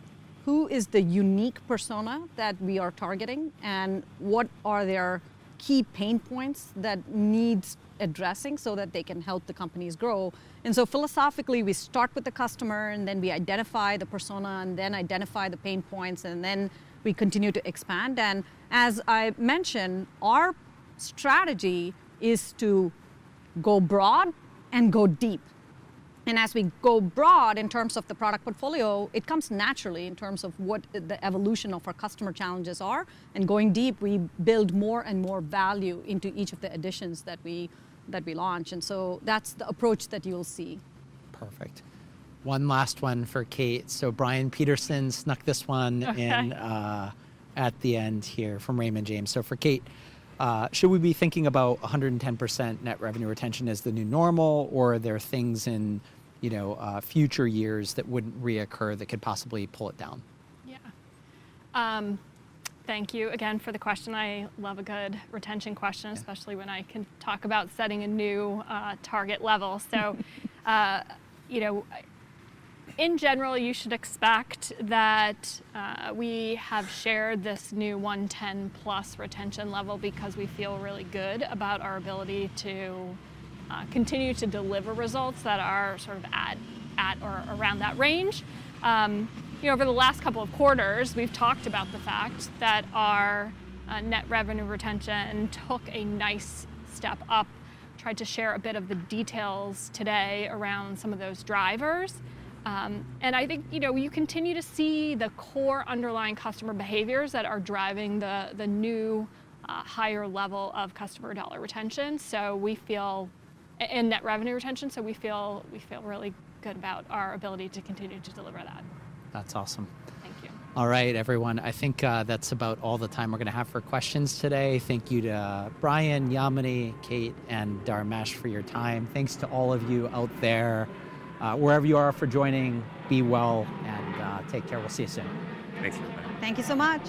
Who is the unique persona that we are targeting, and what are their key pain points that needs addressing so that they can help the companies grow? Philosophically, we start with the customer, then we identify the persona, then identify the pain points, then we continue to expand. As I mentioned, our strategy is to go broad and go deep. As we go broad in terms of the product portfolio, it comes naturally in terms of what the evolution of our customer challenges are, going deep, we build more and more value into each of the additions that we launch. That's the approach that you'll see. Perfect. One last one for Kate. Brian Peterson snuck this one in at the end here from Raymond James. For Kate, should we be thinking about 110% net revenue retention as the new normal, or are there things in future years that wouldn't reoccur that could possibly pull it down? Yeah. Thank you again for the question. I love a good retention question especially when I can talk about setting a new target level. In general, you should expect that we have shared this new 110+ retention level because we feel really good about our ability to continue to deliver results that are at or around that range. Over the last couple of quarters, we've talked about the fact that our net revenue retention took a nice step up, tried to share a bit of the details today around some of those drivers. I think you continue to see the core underlying customer behaviors that are driving the new, higher level of customer dollar retention. We feel, and net revenue retention, so we feel really good about our ability to continue to deliver that. That's awesome. Thank you. All right, everyone. I think that's about all the time we're going to have for questions today. Thank you to Brian, Yamini, Kate, and Dharmesh for your time. Thanks to all of you out there, wherever you are, for joining. Be well and take care. We'll see you soon. Thank you. Thank you so much.